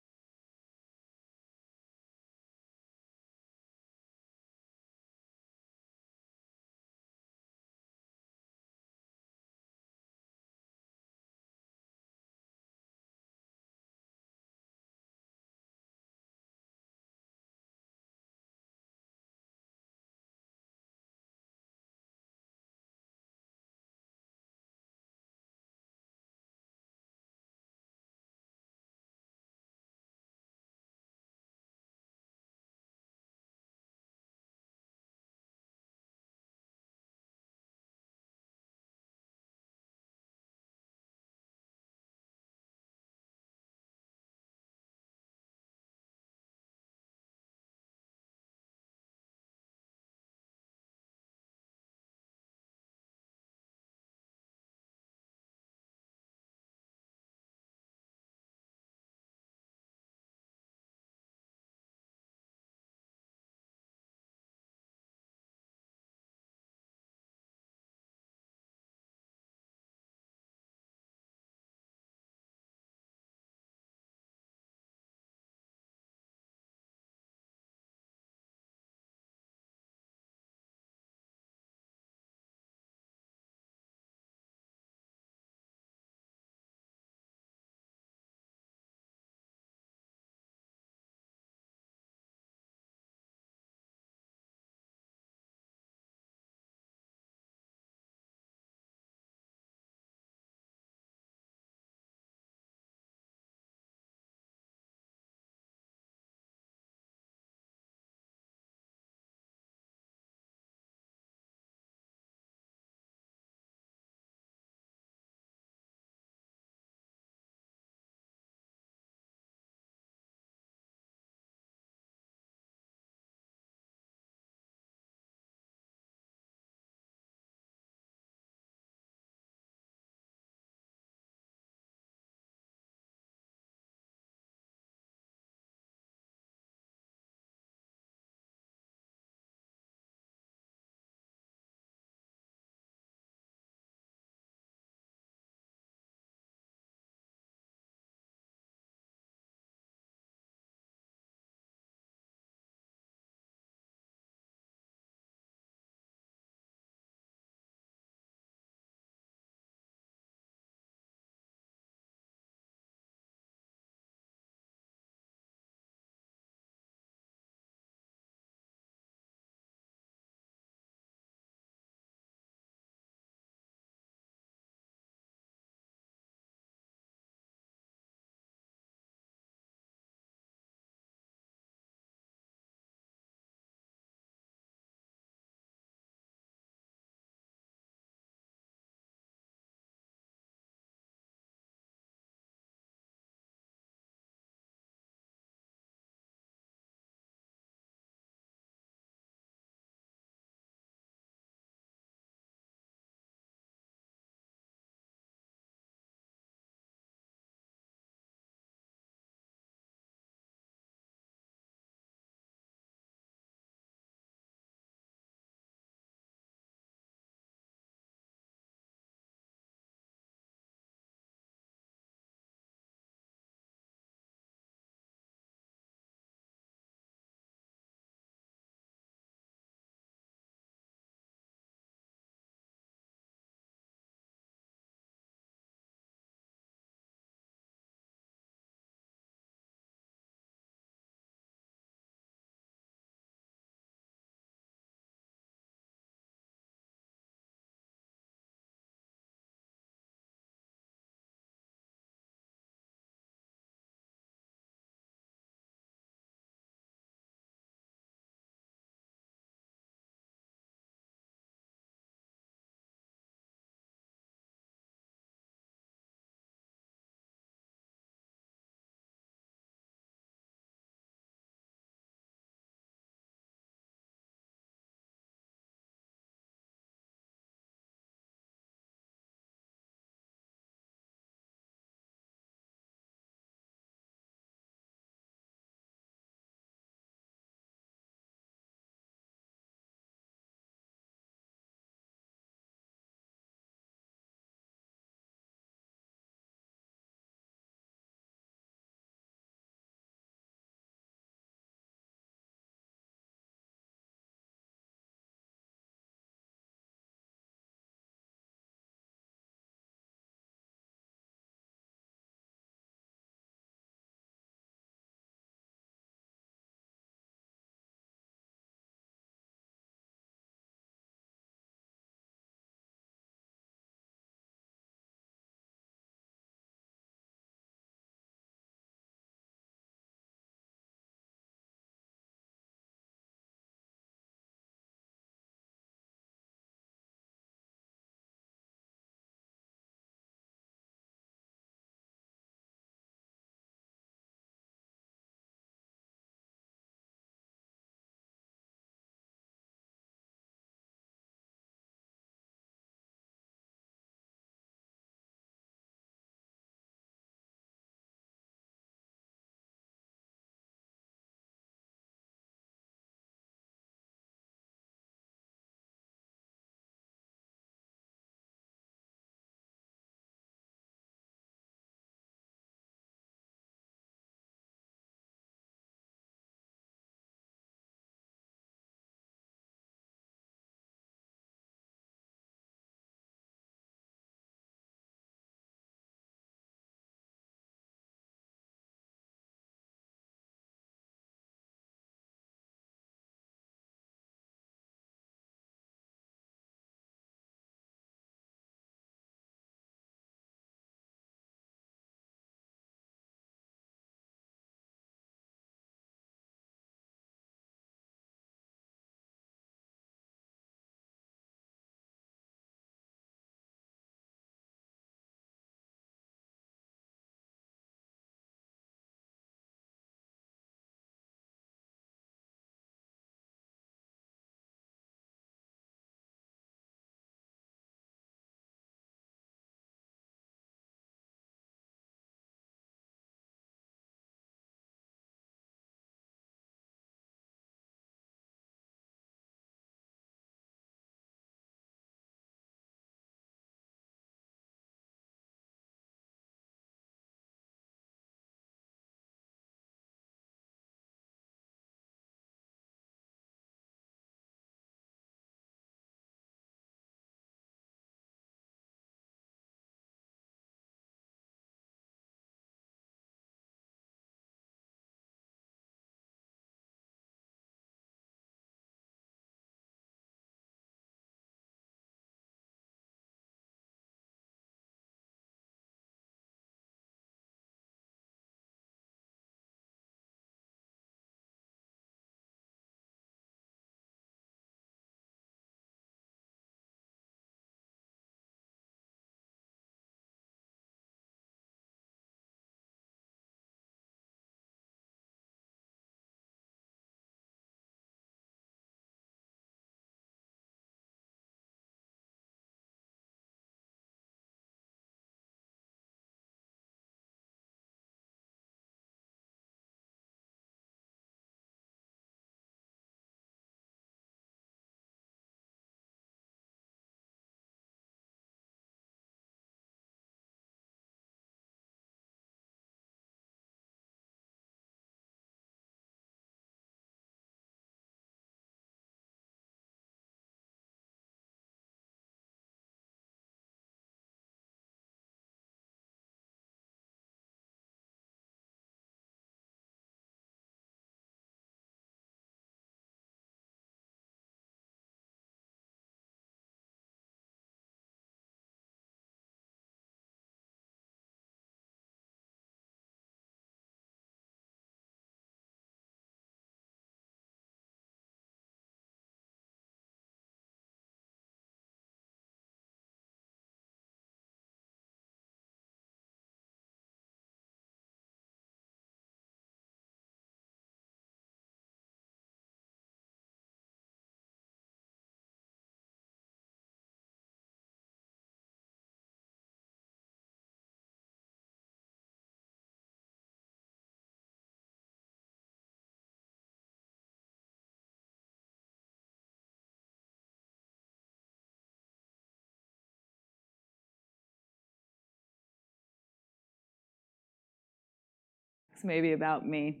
Maybe about me.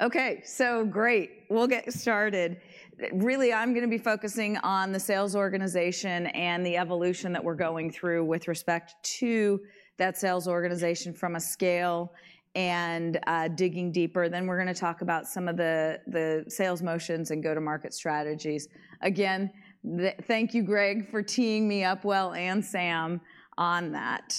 Okay, so great! We'll get started. Really, I'm gonna be focusing on the sales organization and the evolution that we're going through with respect to that sales organization from a scale and digging deeper. Then we're gonna talk about some of the sales motions and go-to-market strategies. Again, thank you, Greg, for teeing me up well, and Sam, on that.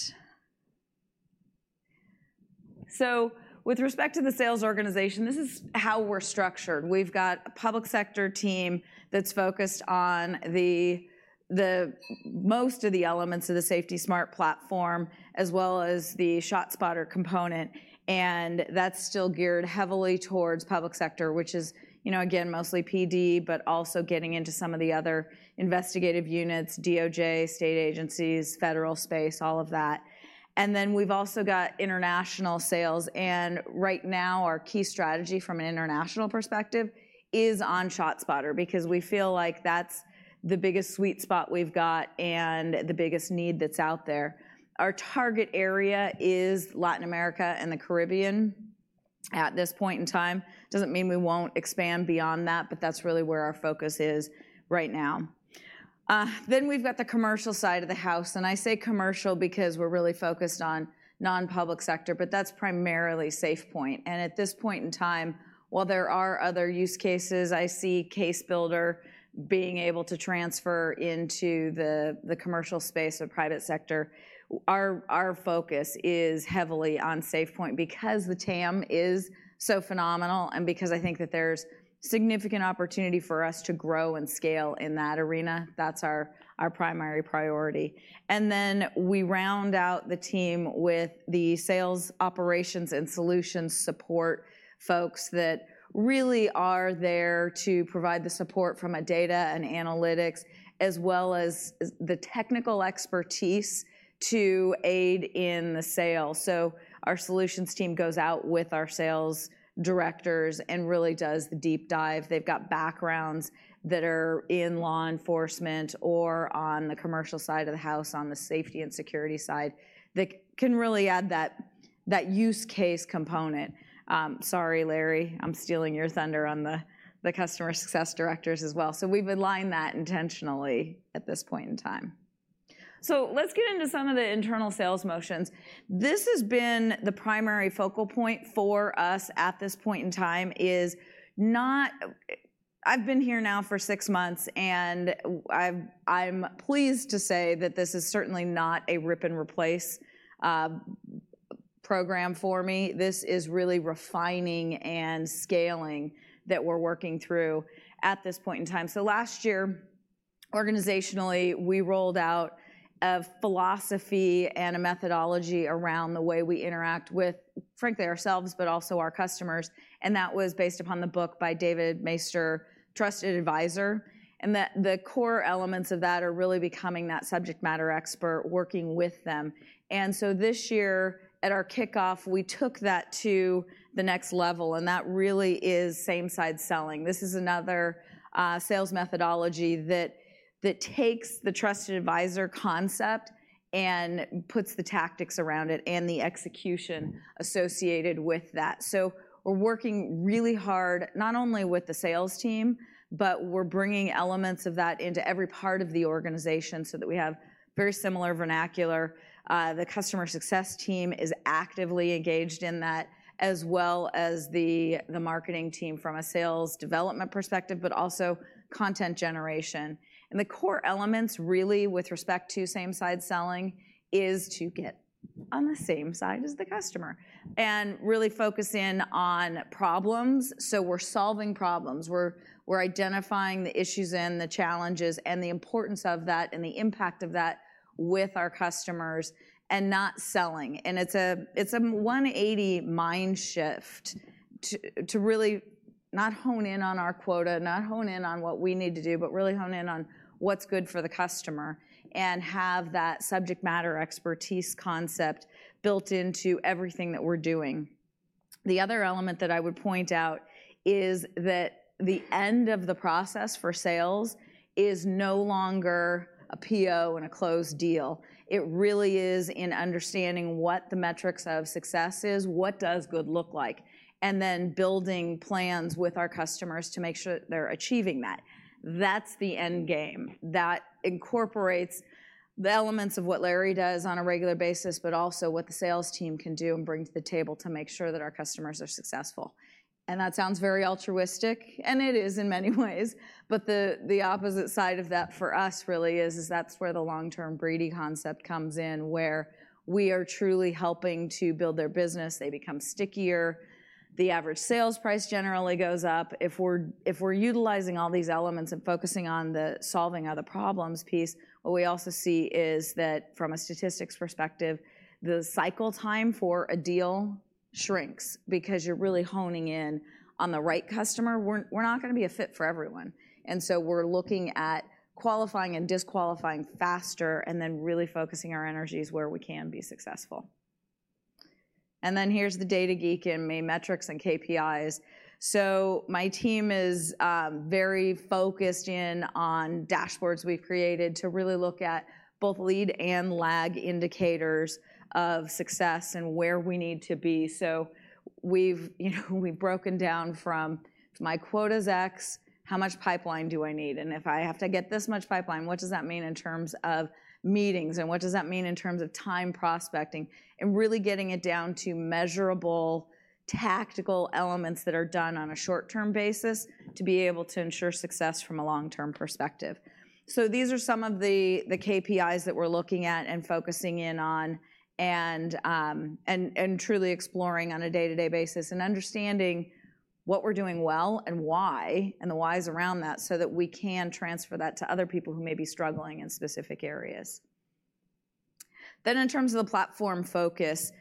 So with respect to the sales organization, this is how we're structured. We've got a public sector team that's focused on most of the elements of the SafetySmart Platform, as well as the ShotSpotter component, and that's still geared heavily towards public sector, which is, you know, again, mostly PD, but also getting into some of the other investigative units, DOJ, state agencies, federal space, all of that. And then we've also got international sales, and right now, our key strategy from an international perspective is on ShotSpotter because we feel like that's the biggest sweet spot we've got and the biggest need that's out there. Our target area is Latin America and the Caribbean at this point in time. Doesn't mean we won't expand beyond that, but that's really where our focus is right now. Then we've got the commercial side of the house, and I say commercial because we're really focused on non-public sector, but that's primarily SafePointe. And at this point in time, while there are other use cases, I see CaseBuilder being able to transfer into the commercial space or private sector. Our focus is heavily on SafePointe because the TAM is so phenomenal and because I think that there's significant opportunity for us to grow and scale in that arena. That's our primary priority. And then we round out the team with the sales, operations, and solutions support folks that really are there to provide the support from a data and analytics, as well as the technical expertise to aid in the sale. So our solutions team goes out with our sales directors and really does the deep dive. They've got backgrounds that are in law enforcement or on the commercial side of the house, on the safety and security side, that can really add that use case component. Sorry, Larry, I'm stealing your thunder on the customer success directors as well. So we've aligned that intentionally at this point in time. So let's get into some of the internal sales motions. This has been the primary focal point for us at this point in time. I've been here now for six months, and I'm pleased to say that this is certainly not a rip-and-replace program for me. This is really refining and scaling that we're working through at this point in time. So last year, organizationally, we rolled out a philosophy and a methodology around the way we interact with, frankly, ourselves, but also our customers, and that was based upon the book by David Maister, Trusted Advisor, and that the core elements of that are really becoming that subject matter expert working with them. And so this year, at our kickoff, we took that to the next level, and that really is Same Side Selling. This is another sales methodology that takes the trusted advisor concept and puts the tactics around it and the execution associated with that. So we're working really hard, not only with the sales team, but we're bringing elements of that into every part of the organization so that we have very similar vernacular. The customer success team is actively engaged in that, as well as the marketing team from a sales development perspective, but also content generation. And the core elements, really, with respect to Same Side Selling, is to get on the same side as the customer and really focus in on problems. So we're solving problems. We're identifying the issues and the challenges and the importance of that and the impact of that with our customers, and not selling. It's a 180 mind shift to really not hone in on our quota, not hone in on what we need to do, but really hone in on what's good for the customer and have that subject matter expertise concept built into everything that we're doing. The other element that I would point out is that the end of the process for sales is no longer a PO and a closed deal. It really is in understanding what the metrics of success is, what does good look like, and then building plans with our customers to make sure they're achieving that. That's the end game. That incorporates the elements of what Larry does on a regular basis, but also what the sales team can do and bring to the table to make sure that our customers are successful. And that sounds very altruistic, and it is in many ways, but the opposite side of that for us really is that's where the long-term greedy concept comes in, where we are truly helping to build their business. They become stickier. The average sales price generally goes up. If we're utilizing all these elements and focusing on the solving of the problems piece, what we also see is that, from a statistics perspective, the cycle time for a deal shrinks because you're really honing in on the right customer. We're not gonna be a fit for everyone, and so we're looking at qualifying and disqualifying faster, and then really focusing our energies where we can be successful. And then here's the data geek in me, metrics and KPIs. My team is very focused in on dashboards we've created to really look at both lead and lag indicators of success and where we need to be. We've, you know, we've broken down from my quota's X, how much pipeline do I need? And if I have to get this much pipeline, what does that mean in terms of meetings, and what does that mean in terms of time prospecting? And really getting it down to measurable, tactical elements that are done on a short-term basis to be able to ensure success from a long-term perspective. So these are some of the KPIs that we're looking at and focusing in on and truly exploring on a day-to-day basis, and understanding what we're doing well and why, and the whys around that, so that we can transfer that to other people who may be struggling in specific areas. Then, in terms of the platform focus,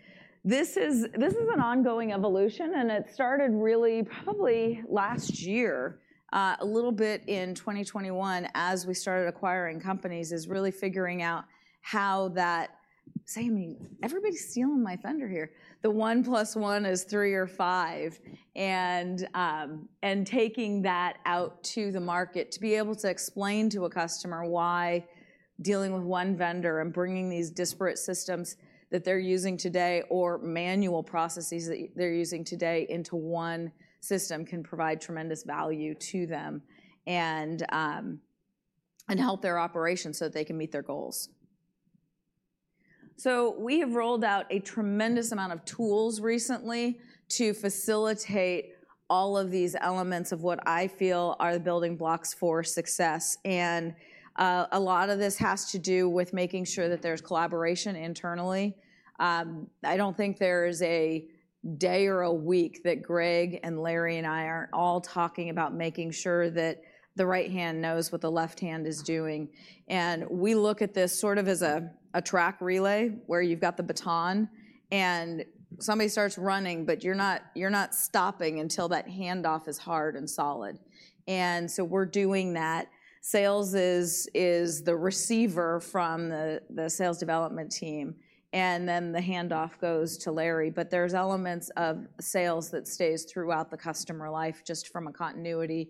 this is an ongoing evolution, and it started really probably last year, a little bit in 2021, as we started acquiring companies, is really figuring out how that. Sammy, everybody's stealing my thunder here. The one plus one is three or five, and taking that out to the market, to be able to explain to a customer why dealing with one vendor and bringing these disparate systems that they're using today, or manual processes that they're using today, into one system can provide tremendous value to them and help their operations so that they can meet their goals. So we have rolled out a tremendous amount of tools recently to facilitate all of these elements of what I feel are the building blocks for success, and a lot of this has to do with making sure that there's collaboration internally. I don't think there's a day or a week that Greg and Larry and I aren't all talking about making sure that the right hand knows what the left hand is doing. We look at this sort of as a track relay, where you've got the baton and somebody starts running, but you're not stopping until that handoff is hard and solid, and so we're doing that. Sales is the receiver from the sales development team, and then the handoff goes to Larry. But there's elements of sales that stays throughout the customer life, just from a continuity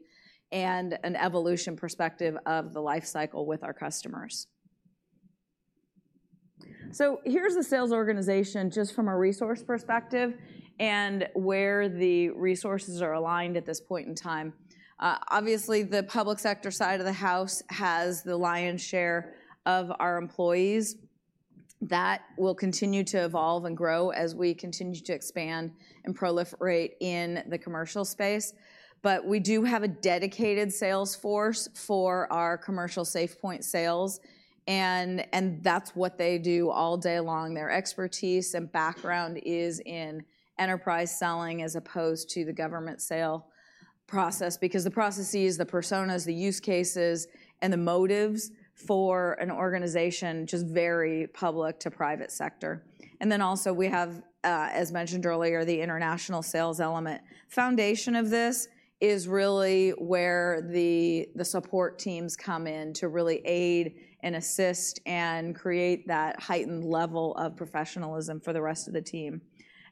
and an evolution perspective of the life cycle with our customers. So here's the sales organization, just from a resource perspective, and where the resources are aligned at this point in time. Obviously, the public sector side of the house has the lion's share of our employees. That will continue to evolve and grow as we continue to expand and proliferate in the commercial space. But we do have a dedicated sales force for our commercial SafePointe sales, and, and that's what they do all day long. Their expertise and background is in enterprise selling, as opposed to the government sale process. Because the processes, the personas, the use cases, and the motives for an organization just vary public to private sector. And then also, we have, as mentioned earlier, the international sales element. Foundation of this is really where the support teams come in to really aid and assist and create that heightened level of professionalism for the rest of the team.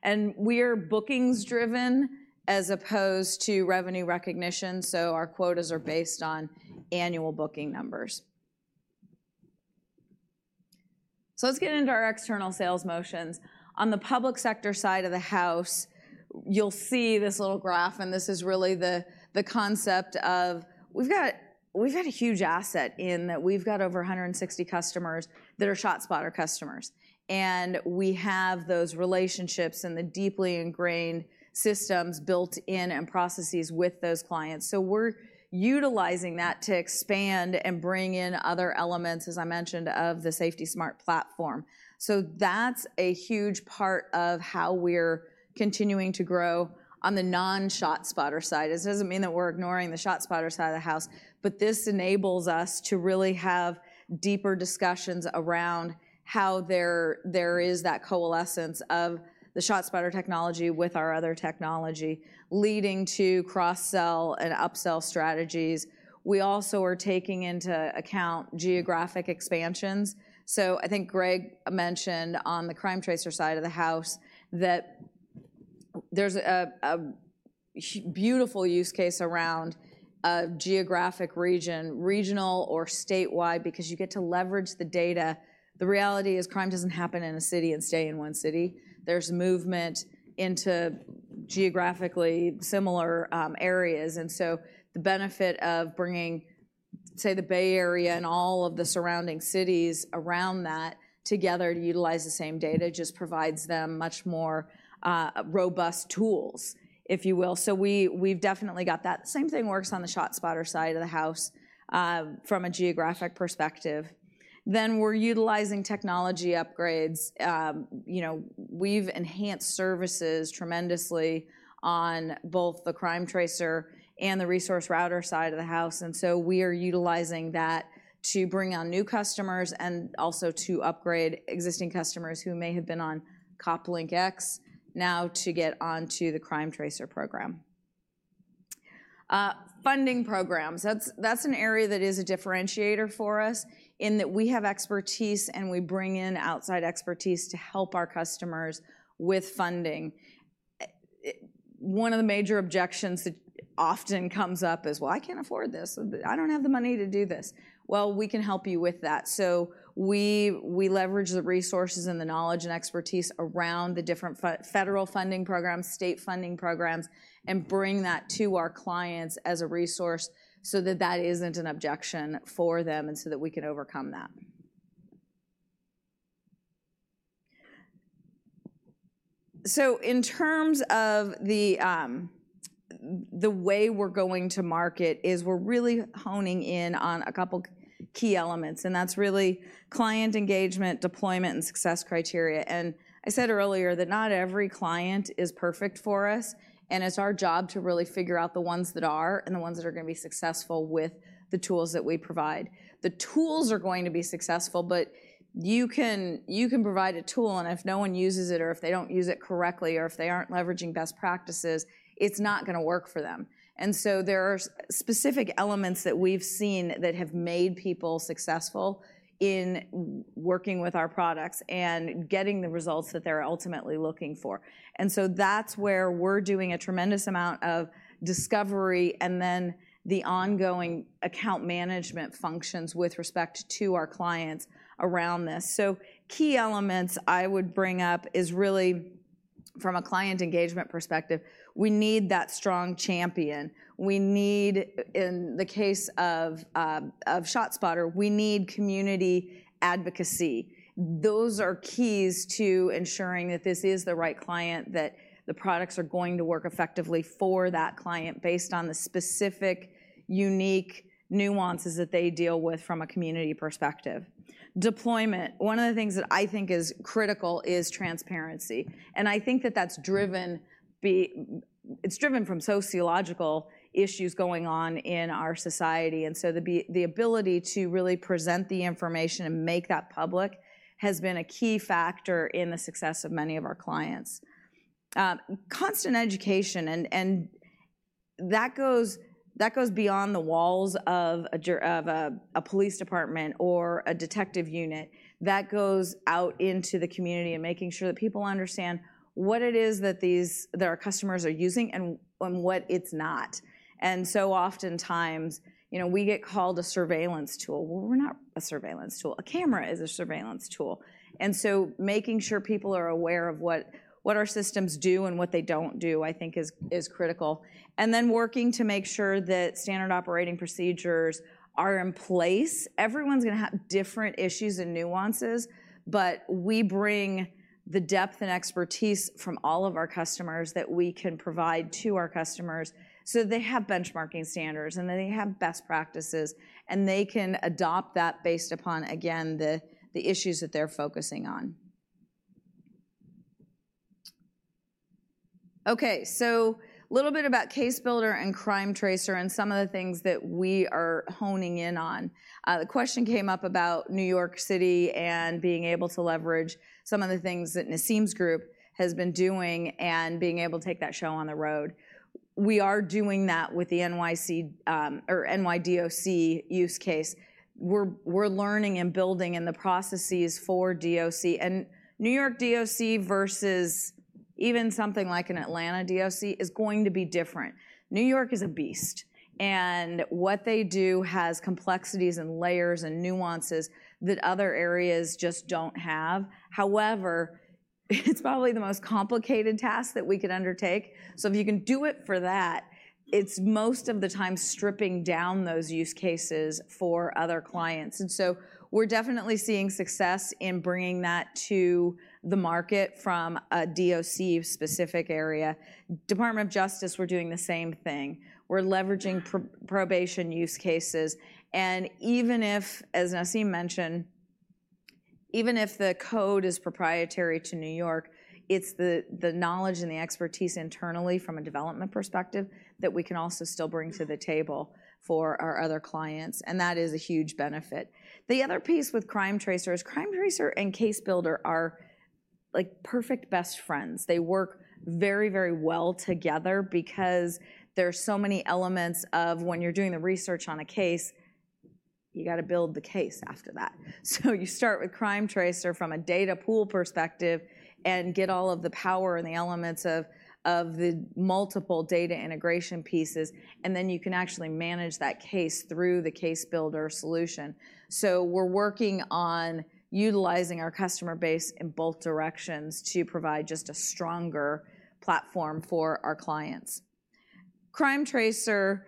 And we are bookings driven, as opposed to revenue recognition, so our quotas are based on annual booking numbers. So let's get into our external sales motions. On the public sector side of the house, you'll see this little graph, and this is really the concept of we've got a huge asset in that we've got over 160 customers that are ShotSpotter customers, and we have those relationships and the deeply ingrained systems built in and processes with those clients. So we're utilizing that to expand and bring in other elements, as I mentioned, of the SafetySmart Platform. So that's a huge part of how we're continuing to grow on the non-ShotSpotter side. This doesn't mean that we're ignoring the ShotSpotter side of the house, but this enables us to really have deeper discussions around how there is that coalescence of the ShotSpotter technology with our other technology, leading to cross-sell and upsell strategies. We also are taking into account geographic expansions. So I think Greg mentioned on the CrimeTracer side of the house, that there's a beautiful use case around a geographic region, regional or statewide, because you get to leverage the data. The reality is, crime doesn't happen in a city and stay in one city. There's movement into geographically similar areas, and so the benefit of bringing, say, the Bay Area and all of the surrounding cities around that together to utilize the same data, just provides them much more robust tools, if you will. So we've definitely got that. Same thing works on the ShotSpotter side of the house, from a geographic perspective. Then, we're utilizing technology upgrades. You know, we've enhanced services tremendously on both the CrimeTracer and the ResourceRouter side of the house, and so we are utilizing that to bring on new customers and also to upgrade existing customers who may have been on COPLINK X, now to get onto the CrimeTracer program. Funding programs, that's an area that is a differentiator for us in that we have expertise, and we bring in outside expertise to help our customers with funding. One of the major objections that often comes up is, "Well, I can't afford this. I don't have the money to do this." Well, we can help you with that. So we leverage the resources and the knowledge and expertise around the different federal funding programs, state funding programs, and bring that to our clients as a resource so that that isn't an objection for them, and so that we can overcome that. So in terms of the way we're going to market, is we're really honing in on a couple key elements, and that's really client engagement, deployment, and success criteria. I said earlier that not every client is perfect for us, and it's our job to really figure out the ones that are and the ones that are gonna be successful with the tools that we provide. The tools are going to be successful, but you can, you can provide a tool, and if no one uses it, or if they don't use it correctly, or if they aren't leveraging best practices, it's not gonna work for them. And so there are specific elements that we've seen that have made people successful in working with our products and getting the results that they're ultimately looking for. And so that's where we're doing a tremendous amount of discovery, and then the ongoing account management functions with respect to our clients around this. So key elements I would bring up is really from a client engagement perspective, we need that strong champion. We need, in the case of, of ShotSpotter, we need community advocacy. Those are keys to ensuring that this is the right client, that the products are going to work effectively for that client, based on the specific, unique nuances that they deal with from a community perspective. Deployment, one of the things that I think is critical is transparency, and I think that that's driven. It's driven from sociological issues going on in our society, and so the ability to really present the information and make that public, has been a key factor in the success of many of our clients. Constant education. That goes beyond the walls of a jurisdiction of a police department or a detective unit. That goes out into the community and making sure that people understand what it is that these, that our customers are using and what it's not. And so oftentimes, you know, we get called a surveillance tool. Well, we're not a surveillance tool. A camera is a surveillance tool. And so making sure people are aware of what, what our systems do and what they don't do, I think is, is critical. And then working to make sure that standard operating procedures are in place. Everyone's gonna have different issues and nuances, but we bring the depth and expertise from all of our customers that we can provide to our customers, so they have benchmarking standards, and they have best practices, and they can adopt that based upon, again, the, the issues that they're focusing on. Okay, so a little bit about CaseBuilder and CrimeTracer and some of the things that we are honing in on. The question came up about New York City and being able to leverage some of the things that Nasim's group has been doing and being able to take that show on the road. We are doing that with the NYC or NYDOC use case. We're learning and building in the processes for DOC, and New York DOC versus even something like an Atlanta DOC is going to be different. New York is a beast, and what they do has complexities and layers and nuances that other areas just don't have. However, it's probably the most complicated task that we could undertake, so if you can do it for that, it's most of the time stripping down those use cases for other clients. We're definitely seeing success in bringing that to the market from a DOC-specific area. Department of Justice, we're doing the same thing. We're leveraging probation use cases, and even if, as Nasim mentioned, even if the code is proprietary to New York, it's the knowledge and the expertise internally from a development perspective that we can also still bring to the table for our other clients, and that is a huge benefit. The other piece with CrimeTracer is CrimeTracer and CaseBuilder are like perfect best friends. They work very, very well together because there are so many elements of when you're doing the research on a case, you got to build the case after that. So you start with CrimeTracer from a data pool perspective and get all of the power and the elements of the multiple data integration pieces, and then you can actually manage that case through the CaseBuilder solution. So we're working on utilizing our customer base in both directions to provide just a stronger platform for our clients. CrimeTracer,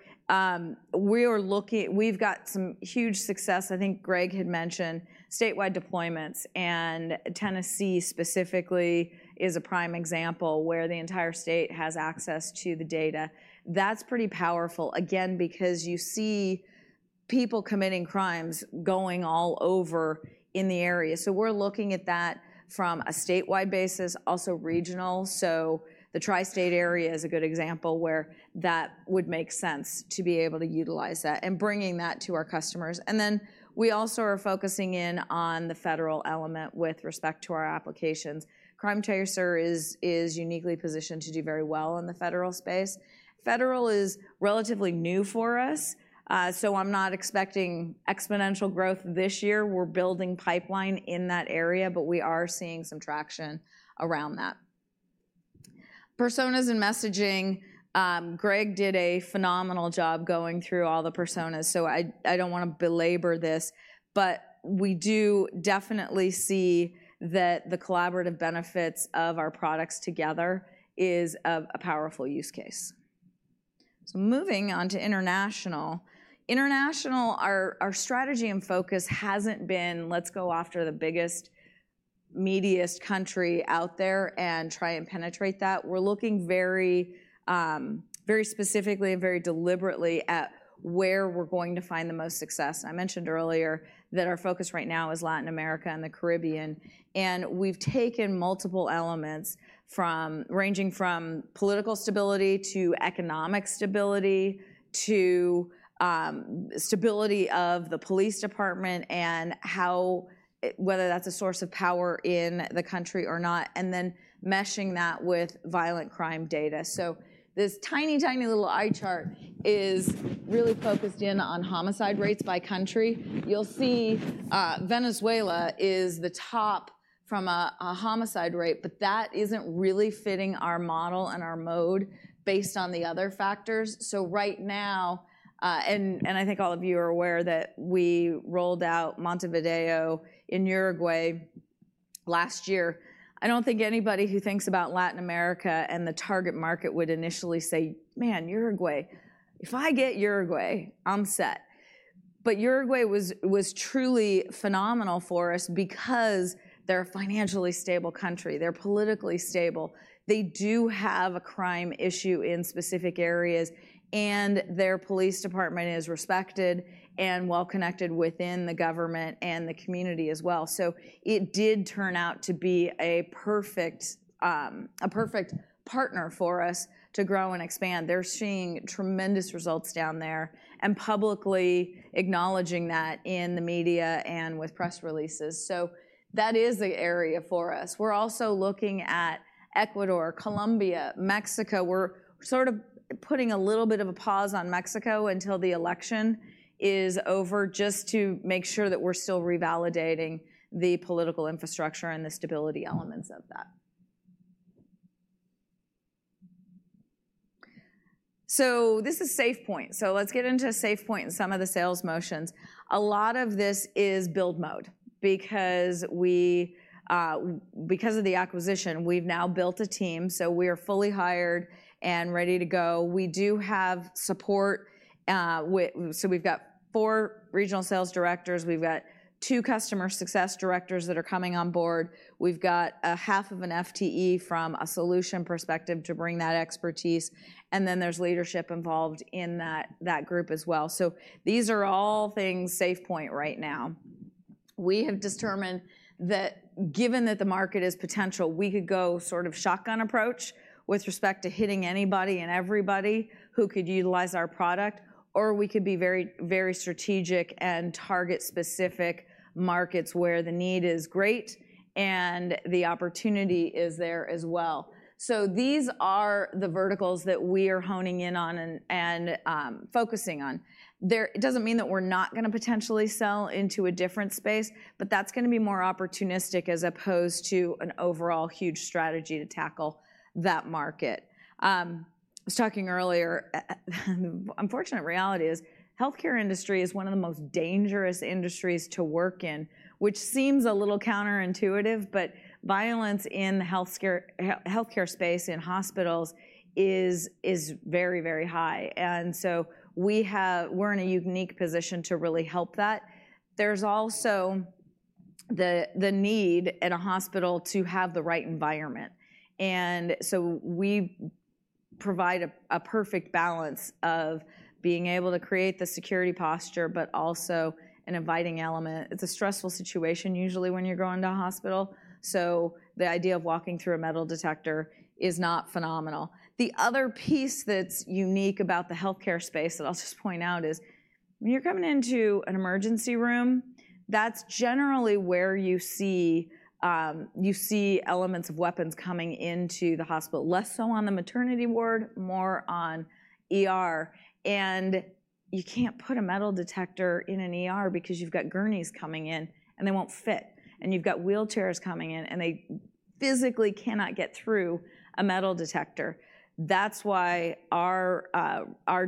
we are looking. We've got some huge success. I think Greg had mentioned statewide deployments, and Tennessee specifically is a prime example where the entire state has access to the data. That's pretty powerful, again, because you see people committing crimes going all over in the area. So we're looking at that from a statewide basis, also regional. So the tri-state area is a good example where that would make sense to be able to utilize that and bringing that to our customers. And then we also are focusing in on the federal element with respect to our applications. CrimeTracer is uniquely positioned to do very well in the federal space. Federal is relatively new for us, so I'm not expecting exponential growth this year. We're building pipeline in that area, but we are seeing some traction around that. Personas and messaging, Greg did a phenomenal job going through all the personas, so I, I don't wanna belabor this, but we do definitely see that the collaborative benefits of our products together is a, a powerful use case. So moving on to international. International, our, our strategy and focus hasn't been, let's go after the biggest, meatiest country out there and try and penetrate that. We're looking very, very specifically and very deliberately at where we're going to find the most success. I mentioned earlier that our focus right now is Latin America and the Caribbean, and we've taken multiple elements from ranging from political stability to economic stability, to, stability of the police department and how it. whether that's a source of power in the country or not, and then meshing that with violent crime data. So this tiny, tiny little eye chart is really focused in on homicide rates by country. You'll see, Venezuela is the top from a homicide rate, but that isn't really fitting our model and our mode based on the other factors. So right now, and I think all of you are aware that we rolled out Montevideo in Uruguay last year. I don't think anybody who thinks about Latin America and the target market would initially say: "Man, Uruguay. If I get Uruguay, I'm set." But Uruguay was truly phenomenal for us because they're a financially stable country, they're politically stable. They do have a crime issue in specific areas, and their police department is respected and well connected within the government and the community as well. So it did turn out to be a perfect, a perfect partner for us to grow and expand. They're seeing tremendous results down there and publicly acknowledging that in the media and with press releases. So that is the area for us. We're also looking at Ecuador, Colombia, Mexico. We're sort of putting a little bit of a pause on Mexico until the election is over, just to make sure that we're still revalidating the political infrastructure and the stability elements of that. So this is SafePointe. So let's get into SafePointe and some of the sales motions. A lot of this is build mode, because of the acquisition, we've now built a team, so we are fully hired and ready to go. We do have support with. So we've got four regional sales directors. We've got two customer success directors that are coming on board. We've got a half of an FTE from a solution perspective to bring that expertise, and then there's leadership involved in that group as well. So these are all things SafePointe right now. We have determined that given that the market is potential, we could go sort of shotgun approach with respect to hitting anybody and everybody who could utilize our product, or we could be very, very strategic and target specific markets where the need is great and the opportunity is there as well. So these are the verticals that we are honing in on and focusing on. There it doesn't mean that we're not gonna potentially sell into a different space, but that's gonna be more opportunistic as opposed to an overall huge strategy to tackle that market. I was talking earlier, the unfortunate reality is, healthcare industry is one of the most dangerous industries to work in, which seems a little counterintuitive, but violence in healthcare space, in hospitals, is very, very high, and so we're in a unique position to really help that. There's also the need at a hospital to have the right environment, and so we provide a perfect balance of being able to create the security posture, but also an inviting element. It's a stressful situation usually when you're going to a hospital, so the idea of walking through a metal detector is not phenomenal. The other piece that's unique about the healthcare space that I'll just point out is, when you're coming into an emergency room, that's generally where you see elements of weapons coming into the hospital, less so on the maternity ward, more on ER. You can't put a metal detector in an ER because you've got gurneys coming in, and they won't fit, and you've got wheelchairs coming in, and they physically cannot get through a metal detector. That's why our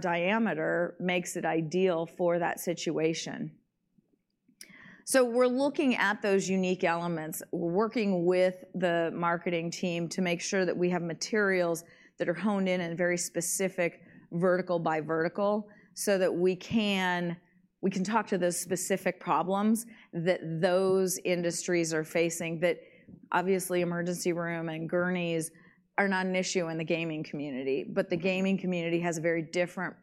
diameter makes it ideal for that situation. So we're looking at those unique elements. We're working with the marketing team to make sure that we have materials that are honed in and very specific, vertical by vertical, so that we can talk to the specific problems that those industries are facing, that obviously, emergency room and gurneys are not an issue in the gaming community. But the gaming community has a very different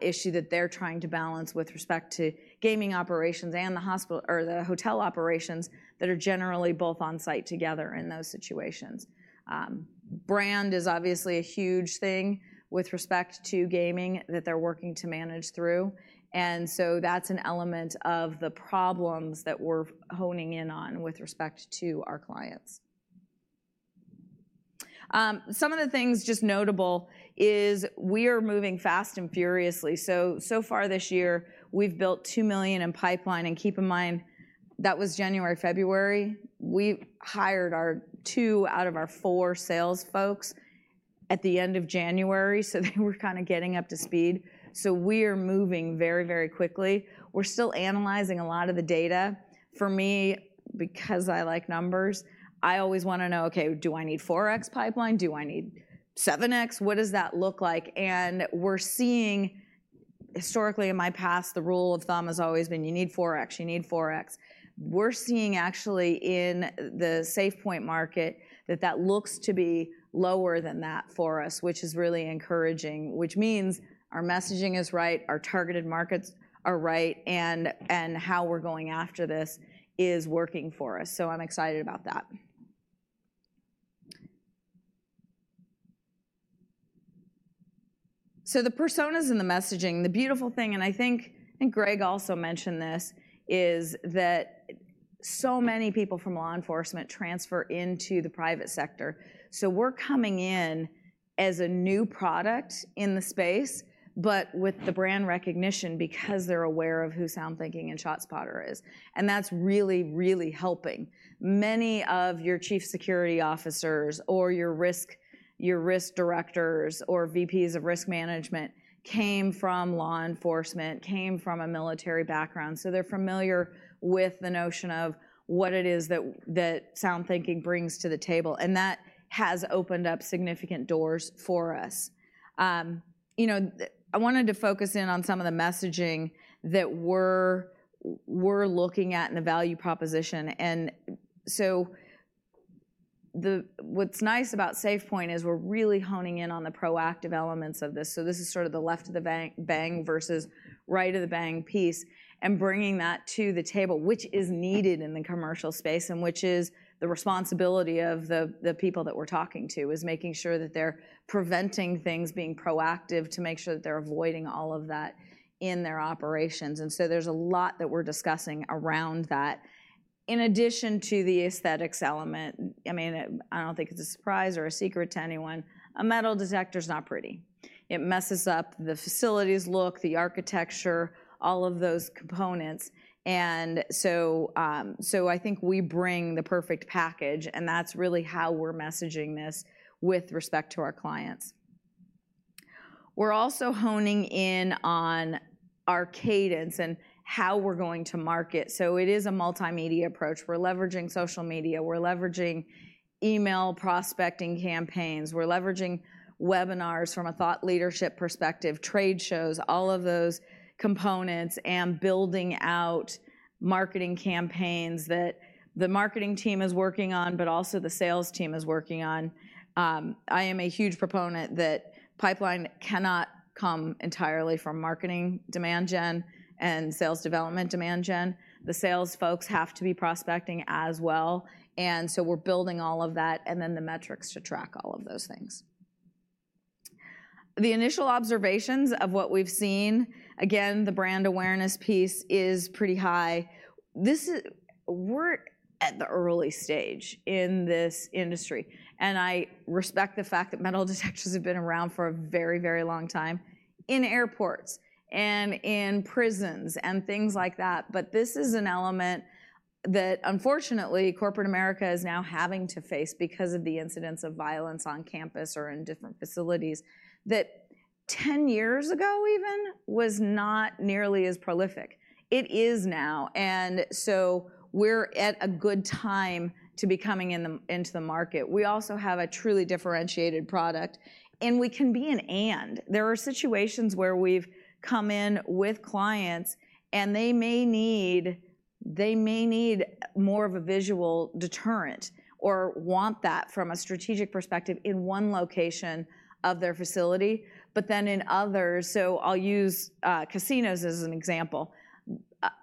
issue that they're trying to balance with respect to gaming operations and the hospital or the hotel operations that are generally both on-site together in those situations. Brand is obviously a huge thing with respect to gaming that they're working to manage through, and so that's an element of the problems that we're honing in on with respect to our clients. Some of the things just notable is we are moving fast and furiously. So, so far this year, we've built $2 million in pipeline, and keep in mind, that was January, February. We hired our two out of our four sales folks at the end of January, so they were kind of getting up to speed. So we are moving very, very quickly. We're still analyzing a lot of the data. For me, because I like numbers, I always wanna know, okay, do I need 4x pipeline? Do I need 7x? What does that look like? And we're seeing. Historically, in my past, the rule of thumb has always been: you need 4x, you need 4x. We're seeing actually in the SafePointe market that that looks to be lower than that for us, which is really encouraging, which means our messaging is right, our targeted markets are right, and, and how we're going after this is working for us. So I'm excited about that. So the personas and the messaging, the beautiful thing, and I think, I think Greg also mentioned this, is that so many people from law enforcement transfer into the private sector. So we're coming in as a new product in the space, but with the brand recognition because they're aware of who SoundThinking and ShotSpotter is, and that's really, really helping. Many of your chief security officers or your risk, your risk directors, or VPs of risk management came from law enforcement, came from a military background, so they're familiar with the notion of what it is that, that SoundThinking brings to the table, and that has opened up significant doors for us. You know, I wanted to focus in on some of the messaging that we're, we're looking at in the value proposition. And so the. What's nice about SafePointe is we're really honing in on the proactive elements of this. So this is sort of the left of the bang, bang versus right of the bang piece, and bringing that to the table, which is needed in the commercial space, and which is the responsibility of the people that we're talking to, is making sure that they're preventing things, being proactive, to make sure that they're avoiding all of that in their operations. And so there's a lot that we're discussing around that. In addition to the aesthetics element, I mean, it, I don't think it's a surprise or a secret to anyone, a metal detector is not pretty. It messes up the facilities look, the architecture, all of those components. And so, so I think we bring the perfect package, and that's really how we're messaging this with respect to our clients. We're also honing in on our cadence and how we're going to market. So it is a multimedia approach. We're leveraging social media. We're leveraging email prospecting campaigns. We're leveraging webinars from a thought leadership perspective, trade shows, all of those components, and building out marketing campaigns that the marketing team is working on, but also the sales team is working on. I am a huge proponent that pipeline cannot come entirely from marketing demand gen and sales development demand gen. The sales folks have to be prospecting as well, and so we're building all of that, and then the metrics to track all of those things. The initial observations of what we've seen, again, the brand awareness piece is pretty high. This is, we're at the early stage in this industry, and I respect the fact that metal detectors have been around for a very, very long time in airports and in prisons and things like that. But this is an element that, unfortunately, corporate America is now having to face because of the incidents of violence on campus or in different facilities, that ten years ago even, was not nearly as prolific. It is now, and so we're at a good time to be coming into the market. We also have a truly differentiated product, and we can be an and. There are situations where we've come in with clients and they may need, they may need more of a visual deterrent or want that from a strategic perspective in one location of their facility, but then in others. So I'll use casinos as an example.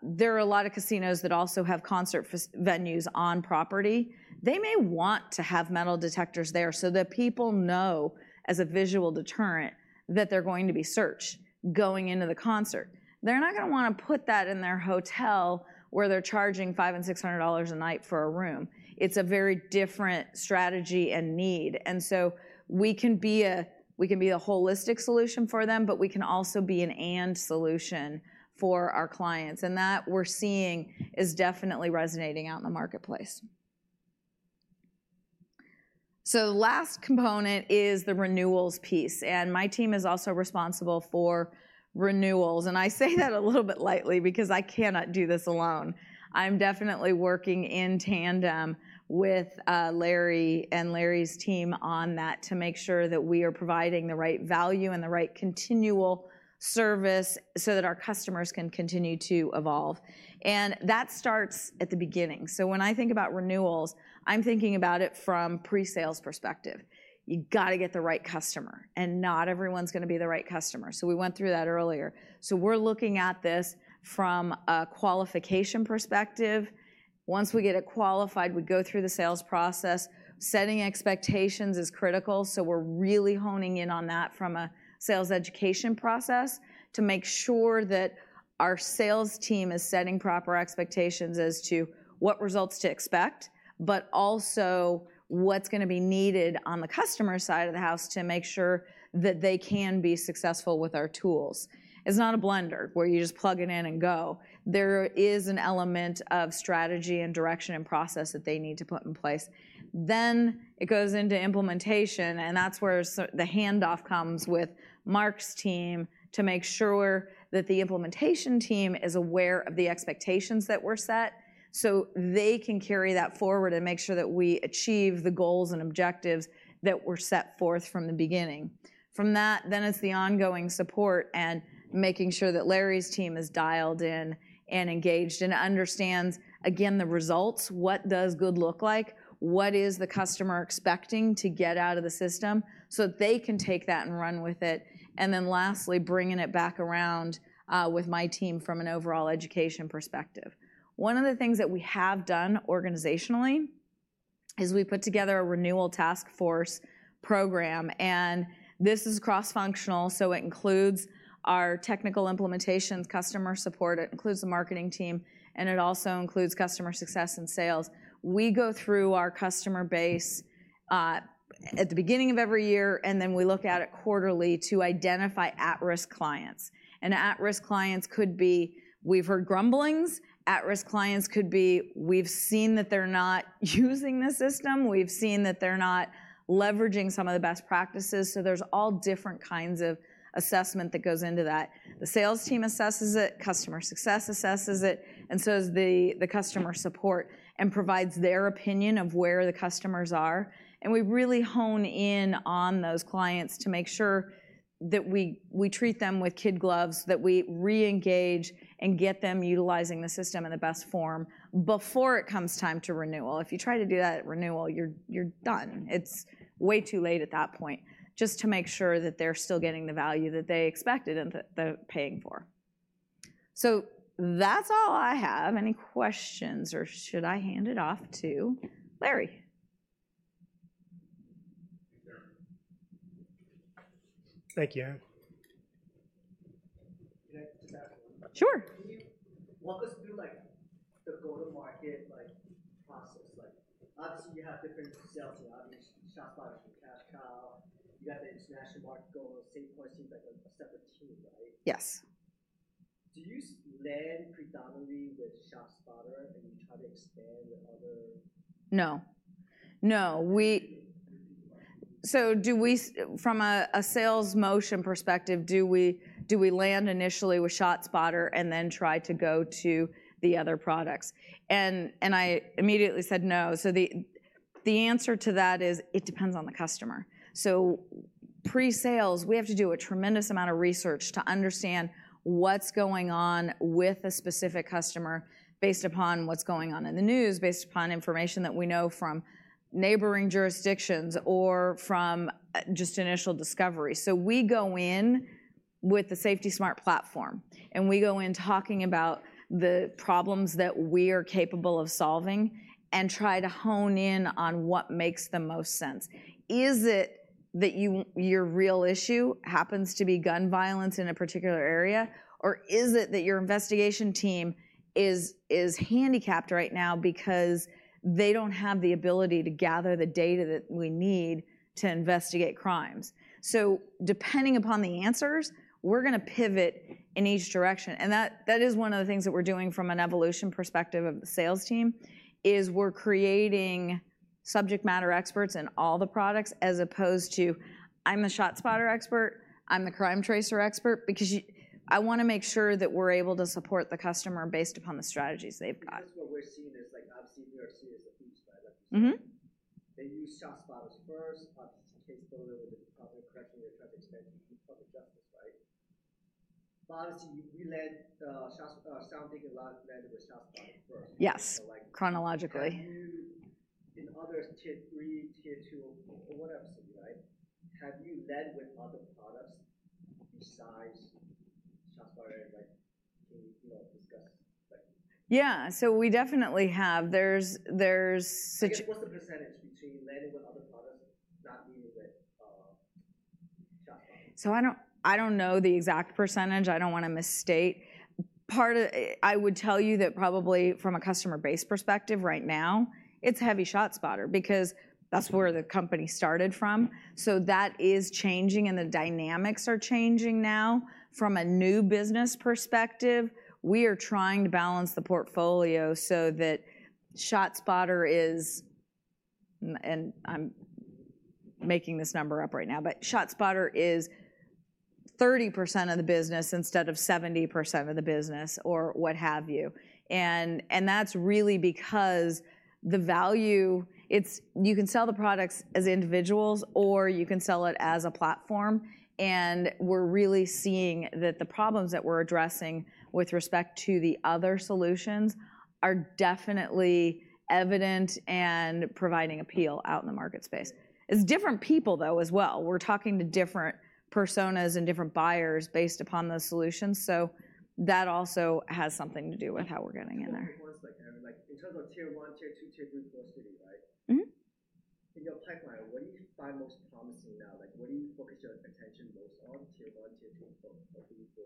There are a lot of casinos that also have concert venues on property. They may want to have metal detectors there so that people know, as a visual deterrent, that they're going to be searched going into the concert. They're not gonna wanna put that in their hotel, where they're charging $500 to $600 a night for a room. It's a very different strategy and need, and so we can be a holistic solution for them, but we can also be an "and" solution for our clients, and that, we're seeing, is definitely resonating out in the marketplace. So the last component is the renewals piece, and my team is also responsible for renewals. I say that a little bit lightly because I cannot do this alone. I'm definitely working in tandem with Larry and Larry's team on that to make sure that we are providing the right value and the right continual service so that our customers can continue to evolve. That starts at the beginning. When I think about renewals, I'm thinking about it from pre-sales perspective. You gotta get the right customer, and not everyone's gonna be the right customer, so we went through that earlier. We're looking at this from a qualification perspective. Once we get it qualified, we go through the sales process. Setting expectations is critical, so we're really honing in on that from a sales education process to make sure that our sales team is setting proper expectations as to what results to expect, but also what's gonna be needed on the customer side of the house to make sure that they can be successful with our tools. It's not a blender, where you just plug it in and go. There is an element of strategy and direction and process that they need to put in place. Then it goes into implementation, and that's where the handoff comes with Mark's team to make sure that the implementation team is aware of the expectations that were set, so they can carry that forward and make sure that we achieve the goals and objectives that were set forth from the beginning. From that, then it's the ongoing support and making sure that Larry's team is dialed in and engaged and understands, again, the results. What does good look like? What is the customer expecting to get out of the system? So they can take that and run with it. And then lastly, bringing it back around with my team from an overall education perspective. One of the things that we have done organizationally is we put together a renewal task force program, and this is cross-functional, so it includes our technical implementations, customer support, it includes the marketing team, and it also includes customer success and sales. We go through our customer base at the beginning of every year, and then we look at it quarterly to identify at-risk clients. And at-risk clients could be, we've heard grumblings. At-risk clients could be, we've seen that they're not using the system. We've seen that they're not leveraging some of the best practices. There's all different kinds of assessment that goes into that. The sales team assesses it, customer success assesses it, and so does the customer support and provides their opinion of where the customers are. And we really hone in on those clients to make sure that we treat them with kid gloves, that we reengage and get them utilizing the system in the best form before it comes time to renewal. If you try to do that at renewal, you're done. It's way too late at that point. Just to make sure that they're still getting the value that they expected and that they're paying for. That's all I have. Any questions, or should I hand it off to Larry? Thank you, Erin. Can I just ask one? Sure. Can you walk us through, like, the go-to-market, like, process? Like, obviously, you have different sales and obviously ShotSpotter from Cash Cow. You have the international market goal, SafePointe seems like a separate team, right? Yes. Do you land predominantly with ShotSpotter, and you try to expand with other? No. No. So, from a sales motion perspective, do we land initially with ShotSpotter and then try to go to the other products? And I immediately said no. So the answer to that is, it depends on the customer. So pre-sales, we have to do a tremendous amount of research to understand what's going on with a specific customer based upon what's going on in the news, based upon information that we know from neighboring jurisdictions or from just initial discovery. So we go in with the SafetySmart Platform, and we go in talking about the problems that we are capable of solving and try to hone in on what makes the most sense. Is it that your real issue happens to be gun violence in a particular area? Or is it that your investigation team is handicapped right now because they don't have the ability to gather the data that we need to investigate crimes? So depending upon the answers, we're gonna pivot in each direction. And that is one of the things that we're doing from an evolution perspective of the sales team, is we're creating subject matter experts in all the products, as opposed to, "I'm a ShotSpotter expert, I'm a CrimeTracer expert," because I wanna make sure that we're able to support the customer based upon the strategies they've got. Because what we're seeing is, like, obviously, we are seeing as a huge driver. They use ShotSpotter first, CaseBuilder with the public correction, they're trying to expand public justice, right? But obviously, we led the ShotSpotter, SoundThinking led with ShotSpotter first. Yes, chronologically. Have you, in other tier three, tier two, or whatevers, right, have you led with other products besides ShotSpotter? Like, can you, you know, discuss, like? Yeah, so we definitely have. There's such What's the percentage between landing with other products, not leading with ShotSpotter? So I don't, I don't know the exact percentage. I don't wanna misstate. Part of it, I would tell you that probably from a customer base perspective, right now, it's heavy ShotSpotter because that's where the company started from. So that is changing, and the dynamics are changing now. From a new business perspective, we are trying to balance the portfolio so that ShotSpotter is, and I'm making this number up right now, but ShotSpotter is 30% of the business instead of 70% of the business or what have you. And, and that's really because the value, it's you can sell the products as individuals, or you can sell it as a platform, and we're really seeing that the problems that we're addressing with respect to the other solutions are definitely evident and providing appeal out in the market space. It's different people, though, as well. We're talking to different personas and different buyers based upon those solutions, so that also has something to do with how we're getting in there. One second, like, in terms of tier one, tier two, tier three, four, city, right? In your pipeline, what do you find most promising now? Like, what do you focus your attention most on, tier one, tier two, four, what do you do?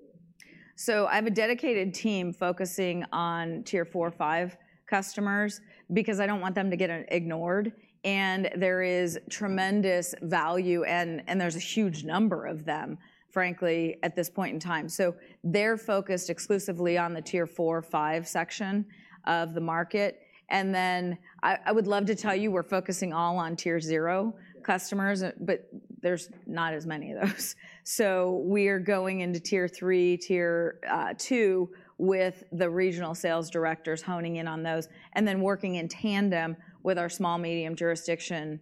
So I have a dedicated team focusing on tier four or five customers because I don't want them to get ignored, and there is tremendous value, and, and there's a huge number of them, frankly, at this point in time. So they're focused exclusively on the tier four, five section of the market. And then I, I would love to tell you we're focusing all on tier zero customers, but there's not as many of those. So we are going into tier three, tier two, with the regional sales directors honing in on those, and then working in tandem with our small, medium jurisdiction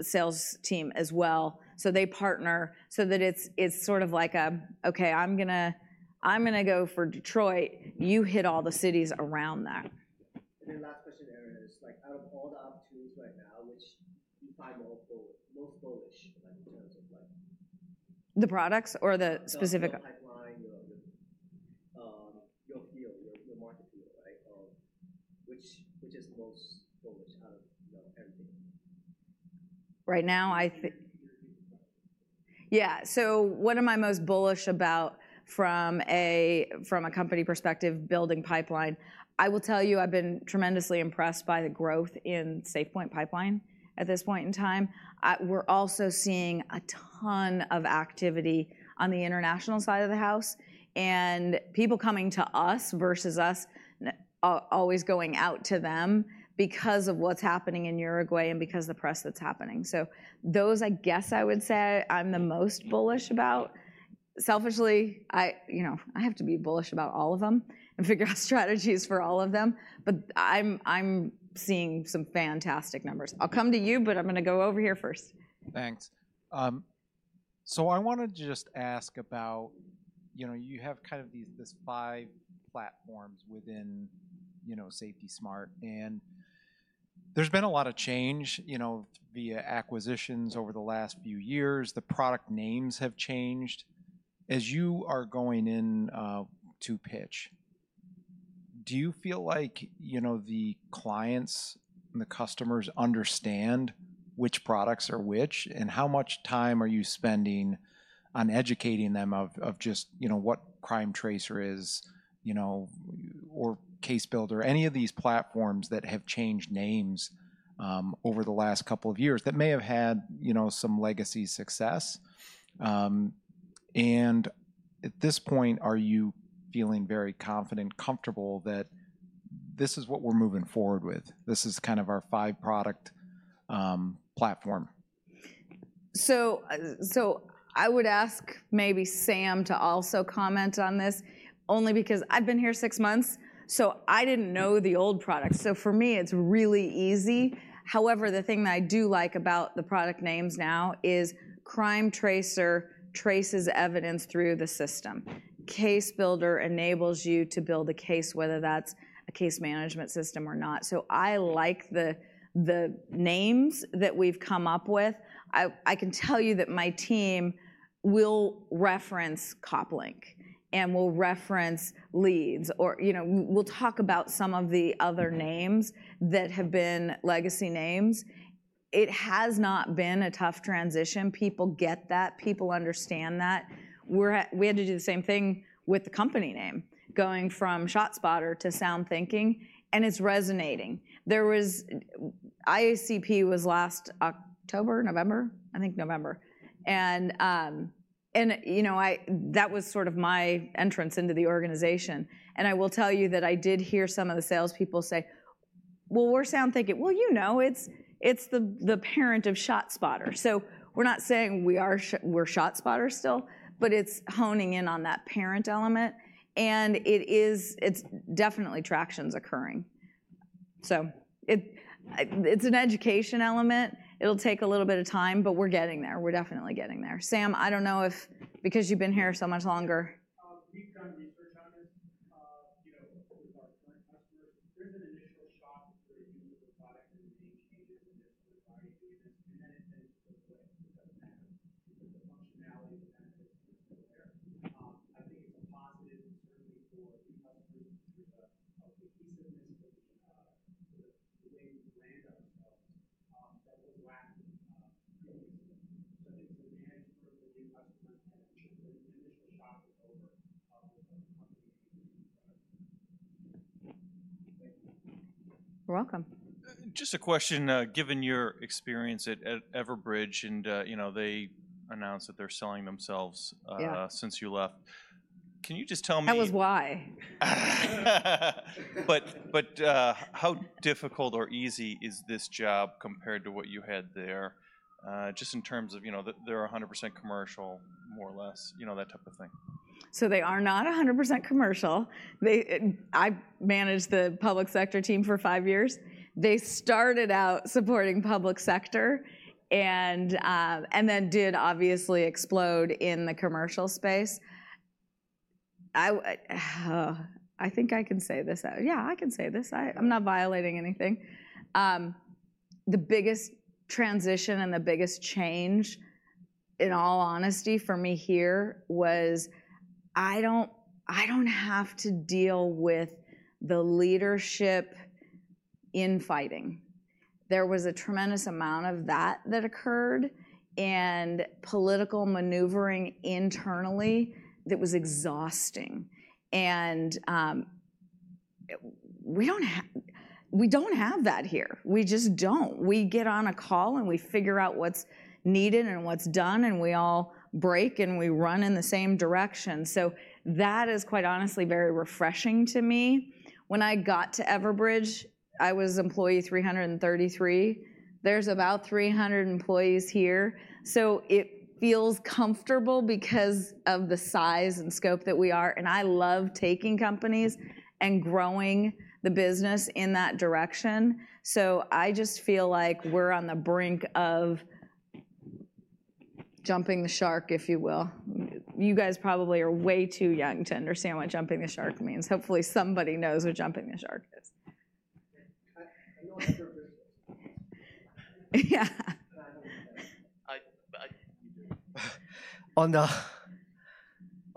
sales team as well. So they partner so that it's, it's sort of like a, "Okay, I'm gonna, I'm gonna go for Detroit. You hit all the cities around that. Last question, Erin, is, like, out of all the opportunities right now, which you find more bullish, like, in terms of like? The products or the specific. The pipeline or your field, your market field, right? Which is the most bullish out of, you know, everything. Right now, I think. Your, your. Yeah, so what am I most bullish about from a company perspective, building pipeline? I will tell you, I've been tremendously impressed by the growth in SafePointe pipeline at this point in time. We're also seeing a ton of activity on the international side of the house, and people coming to us versus us always going out to them because of what's happening in Uruguay and because of the press that's happening. So those, I guess I would say, I'm the most bullish about. Selfishly, you know, I have to be bullish about all of them and figure out strategies for all of them, but I'm seeing some fantastic numbers. I'll come to you, but I'm gonna go over here first. Thanks. So I wanted to just ask about, you know, you have kind of these, this five platforms within, you know, SafetySmart, and there's been a lot of change, you know, via acquisitions over the last few years. The product names have changed. As you are going in to pitch, do you feel like, you know, the clients and the customers understand which products are which? And how much time are you spending on educating them of just, you know, what CrimeTracer is, you know, or CaseBuilder, any of these platforms that have changed names over the last couple of years, that may have had, you know, some legacy success? And at this point, are you feeling very confident and comfortable that this is what we're moving forward with, this is kind of our five-product platform? So, I would ask maybe Sam to also comment on this, only because I've been here six months, so I didn't know the old products. So for me, it's really easy. However, the thing that I do like about the product names now is CrimeTracer traces evidence through the system. CaseBuilder enables you to build a case, whether that's a case management system or not. So I like the names that we've come up with. I can tell you that my team will reference COPLINK and will reference Leeds, or, you know, we'll talk about some of the other names that have been legacy names. It has not been a tough transition. People get that. People understand that. We had to do the same thing with the company name, going from ShotSpotter to SoundThinking, and it's resonating. There was IACP was last October, November? I think November. And, you know, that was sort of my entrance into the organization, and I will tell you that I did hear some of the salespeople say, "Well, we're SoundThinking." "Well, you know, it's, it's the, the parent of ShotSpotter." So we're not saying we are Sh- we're ShotSpotter still, but it's honing in on that parent element, and it is- it's definitely, traction's occurring. So it, it's an education element. goes away. It doesn't matter because the functionality and the benefits are still there. I think it's a positive certainly for new customers, there's a cohesiveness of sort of the way we brand ourselves that was lacking previously. So I think the management for the new customer, the initial shock is over with the company. Thank you. You're welcome. Just a question, given your experience at Everbridge, and, you know, they announced that they're selling themselves since you left. Can you just tell me? That was why. But, how difficult or easy is this job compared to what you had there, just in terms of, you know, they're 100% commercial, more or less, you know, that type of thing? So they are not 100% commercial. They, I managed the public sector team for five years. They started out supporting public sector and then did obviously explode in the commercial space. I think I can say this out loud. Yeah, I can say this. I'm not violating anything. The biggest transition and the biggest change, in all honesty, for me here, was I don't, I don't have to deal with the leadership infighting. There was a tremendous amount of that that occurred, and political maneuvering internally that was exhausting, and we don't have that here. We just don't. We get on a call, and we figure out what's needed and what's done, and we all break, and we run in the same direction. So that is, quite honestly, very refreshing to me. When I got to Everbridge, I was employee 333. There's about 300 employees here, so it feels comfortable because of the size and scope that we are, and I love taking companies and growing the business in that direction. So I just feel like we're on the brink of jumping the shark, if you will. You guys probably are way too young to understand what jumping the shark means. Hopefully, somebody knows what jumping the shark is. I know what Everbridge is. But I don't know. I do.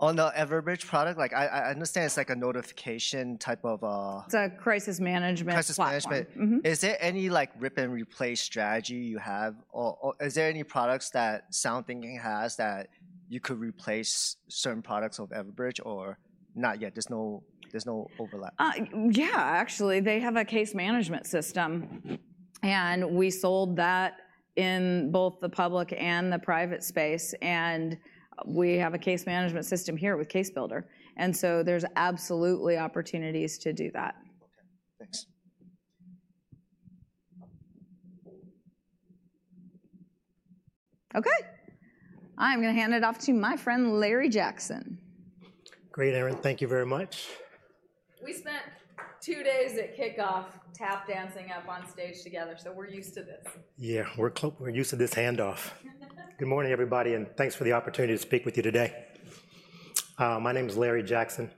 On the Everbridge product, like I understand it's like a notification type of. It's a crisis management platform. Crisis management. Is there any, like, rip-and-replace strategy you have, or, or is there any products that SoundThinking has that you could replace certain products of Everbridge, or not yet, there's no, there's no overlap? Yeah, actually, they have a case management system, and we sold that in both the public and the private space, and we have a case management system here with CaseBuilder, and so there's absolutely opportunities to do that. Okay, thanks. Okay. I'm gonna hand it off to my friend, Larry Jackson. Great, Erin. Thank you very much. We spent two days at kickoff tap dancing up on stage together, so we're used to this. Yeah, we're used to this handoff. Good morning, everybody, and thanks for the opportunity to speak with you today. My name is Larry Jackson.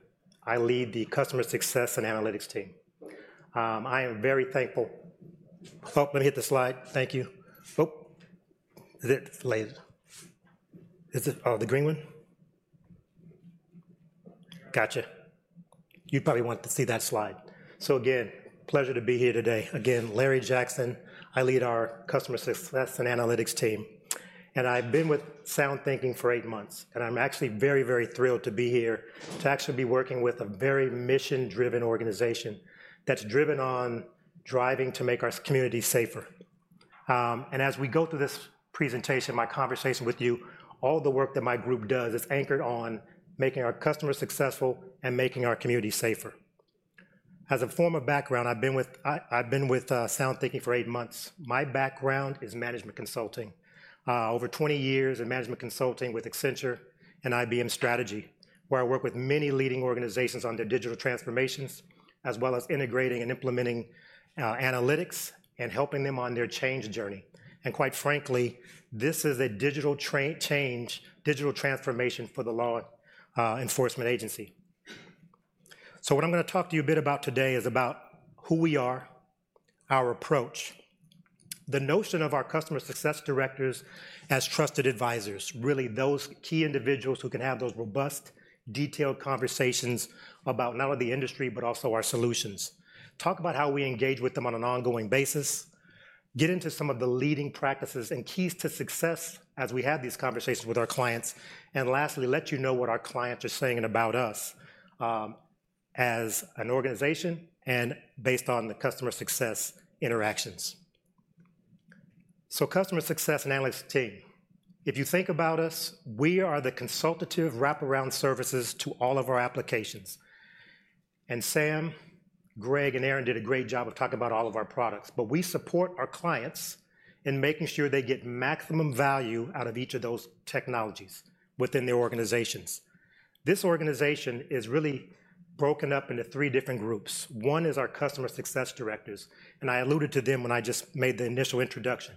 I lead the Customer Success and Analytics team. I am very thankful. Oh, I'm gonna hit the slide. Thank you. Oh. Is it laser? Is it, oh, the green one? Gotcha. You probably want to see that slide. So again, pleasure to be here today. Again, Larry Jackson, I lead our customer success and analytics team, and I've been with SoundThinking for eight months, and I'm actually very, very thrilled to be here, to actually be working with a very mission-driven organization that's driven on driving to make our community safer. And as we go through this presentation, my conversation with you, all the work that my group does is anchored on making our customers successful and making our community safer. As for my background, I've been with SoundThinking for eight months. My background is management consulting. Over 20 years in management consulting with Accenture and IBM Strategy, where I worked with many leading organizations on their digital transformations, as well as integrating and implementing analytics and helping them on their change journey. And quite frankly, this is a digital change, digital transformation for the law enforcement agency. So what I'm gonna talk to you a bit about today is about who we are, our approach, the notion of our customer success directors as trusted advisors, really those key individuals who can have those robust, detailed conversations about not only the industry, but also our solutions. Talk about how we engage with them on an ongoing basis, get into some of the leading practices and keys to success as we have these conversations with our clients, and lastly, let you know what our clients are saying about us, as an organization and based on the customer success interactions. So customer success analysis team. If you think about us, we are the consultative wraparound services to all of our applications, and Sam, Greg, and Erin did a great job of talking about all of our products, but we support our clients in making sure they get maximum value out of each of those technologies within their organizations. This organization is really broken up into three different groups. One is our customer success directors, and I alluded to them when I just made the initial introduction.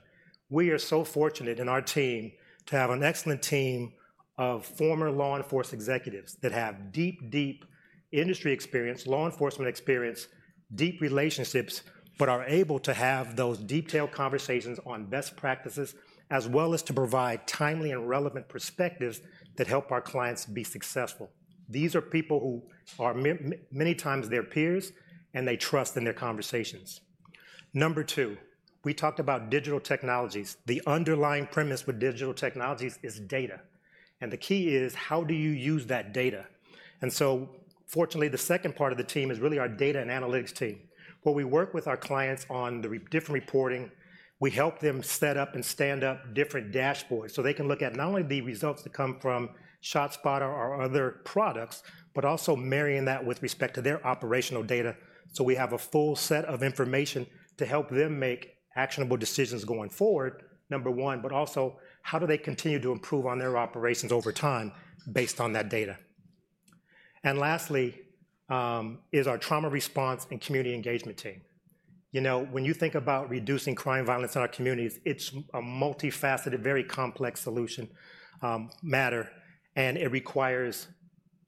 We are so fortunate in our team to have an excellent team of former law enforcement executives that have deep, deep industry experience, law enforcement experience, deep relationships, but are able to have those detailed conversations on best practices, as well as to provide timely and relevant perspectives that help our clients be successful. These are people who are many times their peers, and they trust in their conversations. Number two, we talked about digital technologies. The underlying premise with digital technologies is data, and the key is, how do you use that data? And so, fortunately, the second part of the team is really our data and analytics team, where we work with our clients on the different reporting. We help them set up and stand up different dashboards, so they can look at not only the results that come from ShotSpotter or other products, but also marrying that with respect to their operational data, so we have a full set of information to help them make actionable decisions going forward, number one, but also, how do they continue to improve on their operations over time based on that data? And lastly, is our trauma response and community engagement team. You know, when you think about reducing crime violence in our communities, it's a multifaceted, very complex solution, matter, and it requires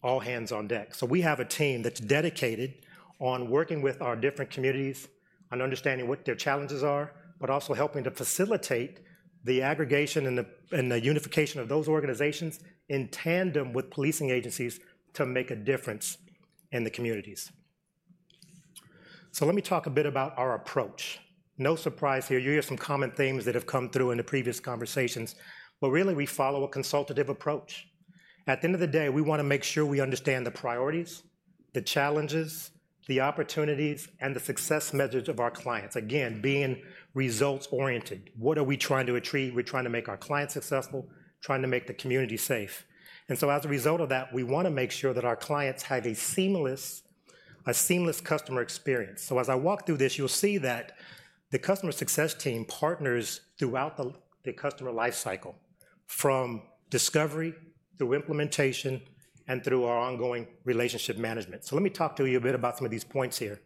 all hands on deck. So we have a team that's dedicated on working with our different communities, on understanding what their challenges are, but also helping to facilitate the aggregation and the unification of those organizations in tandem with policing agencies to make a difference in the communities. So let me talk a bit about our approach. No surprise here, you'll hear some common themes that have come through in the previous conversations, but really, we follow a consultative approach. At the end of the day, we wanna make sure we understand the priorities, the challenges, the opportunities, and the success measures of our clients. Again, being results-oriented. What are we trying to achieve? We're trying to make our clients successful, trying to make the community safe. And so as a result of that, we wanna make sure that our clients have a seamless customer experience. So as I walk through this, you'll see that the customer success team partners throughout the customer life cycle, from discovery through implementation and through our ongoing relationship management. Let me talk to you a bit about some of these points here.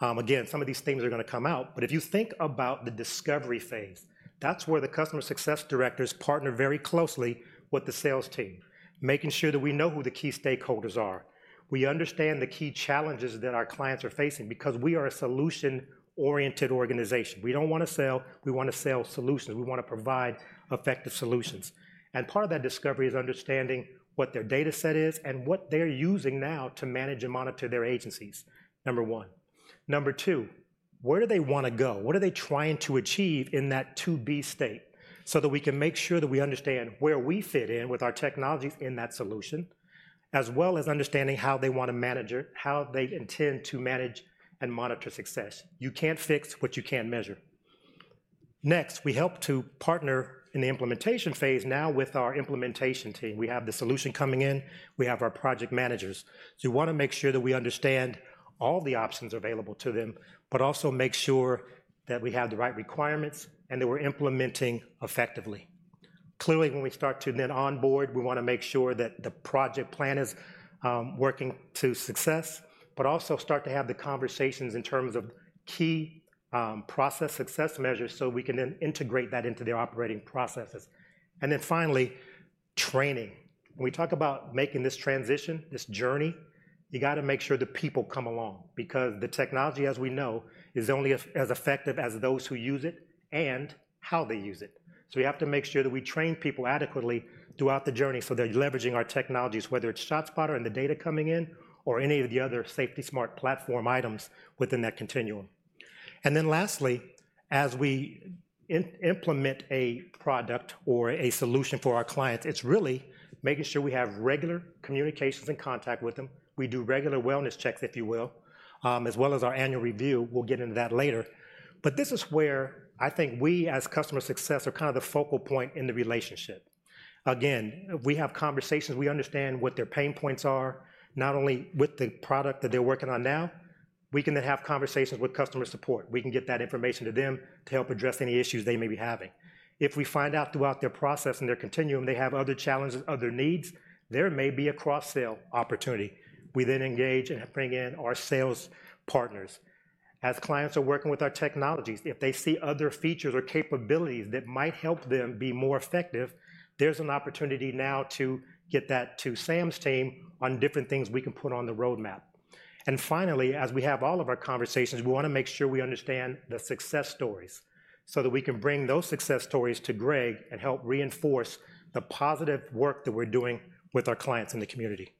Again, some of these things are gonna come out, but if you think about the discovery phase, that's where the customer success directors partner very closely with the sales team, making sure that we know who the key stakeholders are, we understand the key challenges that our clients are facing because we are a solution-oriented organization. We don't wanna sell, we wanna sell solutions. We wanna provide effective solutions. Part of that discovery is understanding what their data set is and what they're using now to manage and monitor their agencies, number one. Number two, where do they wanna go? What are they trying to achieve in that to-be state, so that we can make sure that we understand where we fit in with our technologies in that solution, as well as understanding how they wanna manage it, how they intend to manage and monitor success. You can't fix what you can't measure. Next, we help to partner in the implementation phase now with our implementation team. We have the solution coming in. We have our project managers. So we wanna make sure that we understand all the options available to them, but also make sure that we have the right requirements and that we're implementing effectively. Clearly, when we start to then onboard, we wanna make sure that the project plan is working to success, but also start to have the conversations in terms of key process success measures, so we can then integrate that into their operating processes. And then finally, training. When we talk about making this transition, this journey, you gotta make sure the people come along, because the technology, as we know, is only as effective as those who use it and how they use it. So we have to make sure that we train people adequately throughout the journey so they're leveraging our technologies, whether it's ShotSpotter and the data coming in, or any of the other SafetySmart Platform items within that continuum. And then lastly, as we implement a product or a solution for our clients, it's really making sure we have regular communications and contact with them. We do regular wellness checks, if you will, as well as our annual review. We'll get into that later. But this is where I think we, as customer success, are kind of the focal point in the relationship. Again, we have conversations, we understand what their pain points are, not only with the product that they're working on now, we can then have conversations with customer support. We can get that information to them to help address any issues they may be having. If we find out throughout their process and their continuum, they have other challenges, other needs, there may be a cross-sell opportunity. We then engage and bring in our sales partners. As clients are working with our technologies, if they see other features or capabilities that might help them be more effective, there's an opportunity now to get that to Sam's team on different things we can put on the roadmap. And finally, as we have all of our conversations, we wanna make sure we understand the success stories, so that we can bring those success stories to Greg and help reinforce the positive work that we're doing with our clients in the community.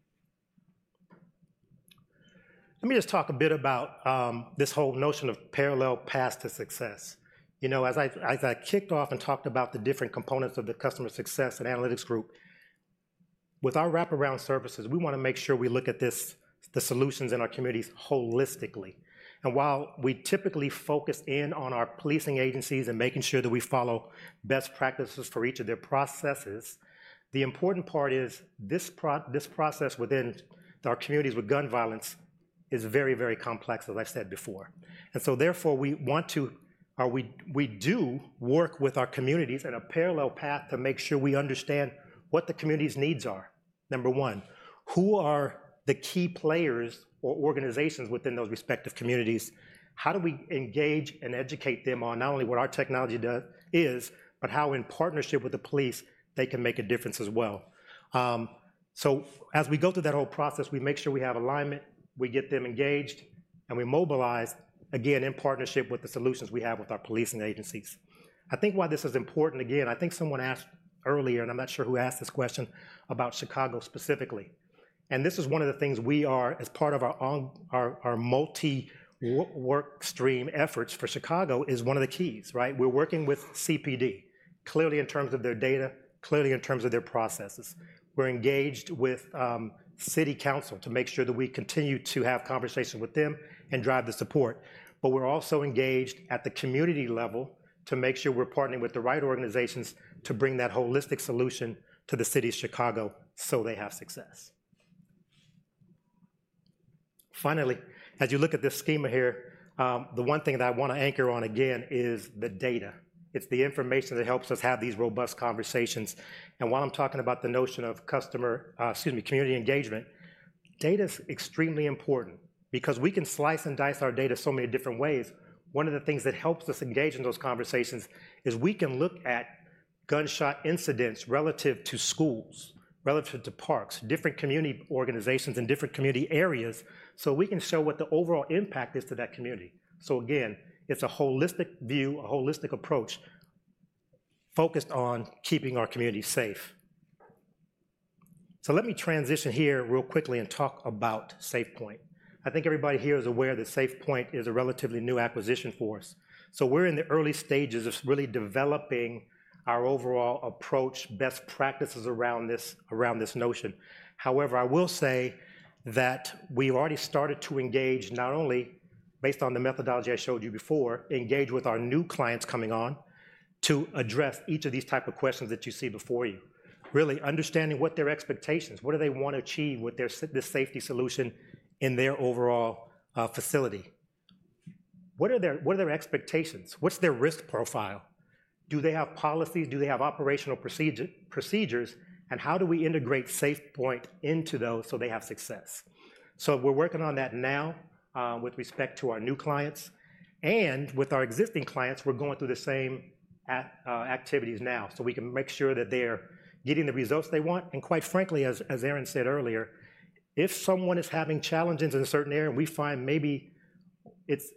Let me just talk a bit about this whole notion of parallel paths to success. You know, as I've, as I kicked off and talked about the different components of the customer success and analytics group, with our wraparound services, we wanna make sure we look at this, the solutions in our communities holistically. While we typically focus in on our policing agencies and making sure that we follow best practices for each of their processes, the important part is this this process within our communities with gun violence is very, very complex, as I've said before. So therefore, we want to, or we, we do work with our communities in a parallel path to make sure we understand what the community's needs are. Number one, who are the key players or organizations within those respective communities? How do we engage and educate them on not only what our technology does, is, but how in partnership with the police, they can make a difference as well? So as we go through that whole process, we make sure we have alignment, we get them engaged, and we mobilize, again, in partnership with the solutions we have with our policing agencies. I think why this is important, again, I think someone asked earlier, and I'm not sure who asked this question about Chicago specifically, and this is one of the things we are, as part of our multi-workstream efforts for Chicago, is one of the keys, right? We're working with CPD, clearly in terms of their data, clearly in terms of their processes. We're engaged with City Council to make sure that we continue to have conversations with them and drive the support. But we're also engaged at the community level to make sure we're partnering with the right organizations to bring that holistic solution to the city of Chicago, so they have success. Finally, as you look at this schema here, the one thing that I wanna anchor on again is the data. It's the information that helps us have these robust conversations. While I'm talking about the notion of customer, excuse me, community engagement, data is extremely important, because we can slice and dice our data so many different ways. One of the things that helps us engage in those conversations is we can look at gunshot incidents relative to schools, relative to parks, different community organizations, and different community areas, so we can show what the overall impact is to that community. Again, it's a holistic view, a holistic approach, focused on keeping our community safe. Let me transition here real quickly and talk about SafePointe. I think everybody here is aware that SafePointe is a relatively new acquisition for us. We're in the early stages of really developing our overall approach, best practices around this, around this notion. However, I will say that we've already started to engage, not only based on the methodology I showed you before, engage with our new clients coming on, to address each of these type of questions that you see before you. Really understanding what their expectations, what do they wanna achieve with this safety solution in their overall facility? What are their expectations? What's their risk profile? Do they have policies? Do they have operational procedures, and how do we integrate SafePointe into those so they have success? So we're working on that now with respect to our new clients, and with our existing clients, we're going through the same activities now, so we can make sure that they're getting the results they want. And quite frankly, as Erin said earlier, if someone is having challenges in a certain area, and we find maybe it's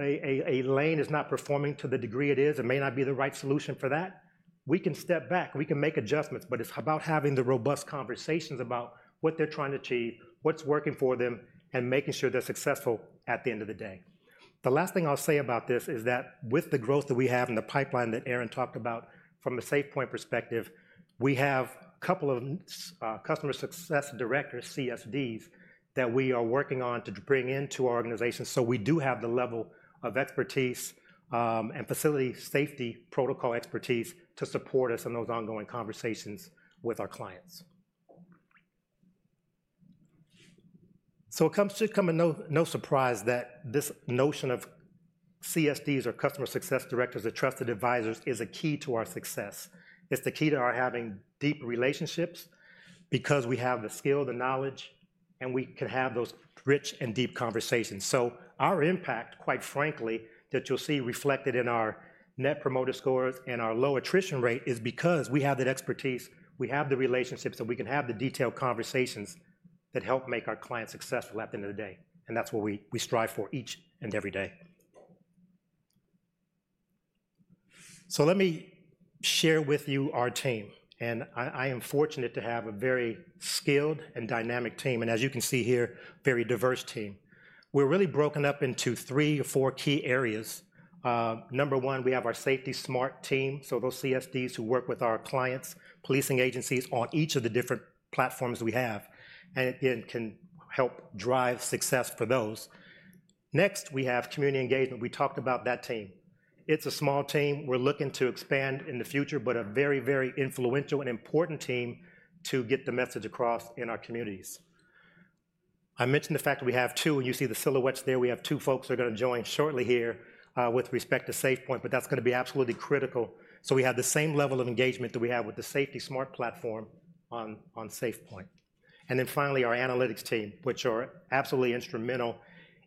a lane is not performing to the degree it is, it may not be the right solution for that, we can step back, and we can make adjustments. But it's about having the robust conversations about what they're trying to achieve, what's working for them, and making sure they're successful at the end of the day. The last thing I'll say about this is that with the growth that we have in the pipeline that Erin talked about from a SafePointe perspective, we have a couple of customer success directors, CSDs, that we are working on to bring into our organization, so we do have the level of expertise and facility safety protocol expertise to support us in those ongoing conversations with our clients. So it comes as no surprise that this notion of CSDs, or customer success directors, or trusted advisors, is a key to our success. It's the key to our having deep relationships because we have the skill, the knowledge, and we can have those rich and deep conversations. So our impact, quite frankly, that you'll see reflected in our net promoter scores and our low attrition rate, is because we have that expertise, we have the relationships, and we can have the detailed conversations that help make our clients successful at the end of the day, and that's what we, we strive for each and every day. So let me share with you our team, and I, I am fortunate to have a very skilled and dynamic team, and as you can see here, very diverse team. We're really broken up into three or four key areas. Number one, we have our SafetySmart team, so those CSDs who work with our clients, policing agencies, on each of the different platforms we have, and, and can help drive success for those. Next, we have community engagement. We talked about that team. It's a small team. We're looking to expand in the future, but a very, very influential and important team to get the message across in our communities. I mentioned the fact that we have two, and you see the silhouettes there. We have two folks that are gonna join shortly here with respect to SafePointe, but that's gonna be absolutely critical, so we have the same level of engagement that we have with the SafetySmart Platform on SafePointe. And then finally, our analytics team, which are absolutely instrumental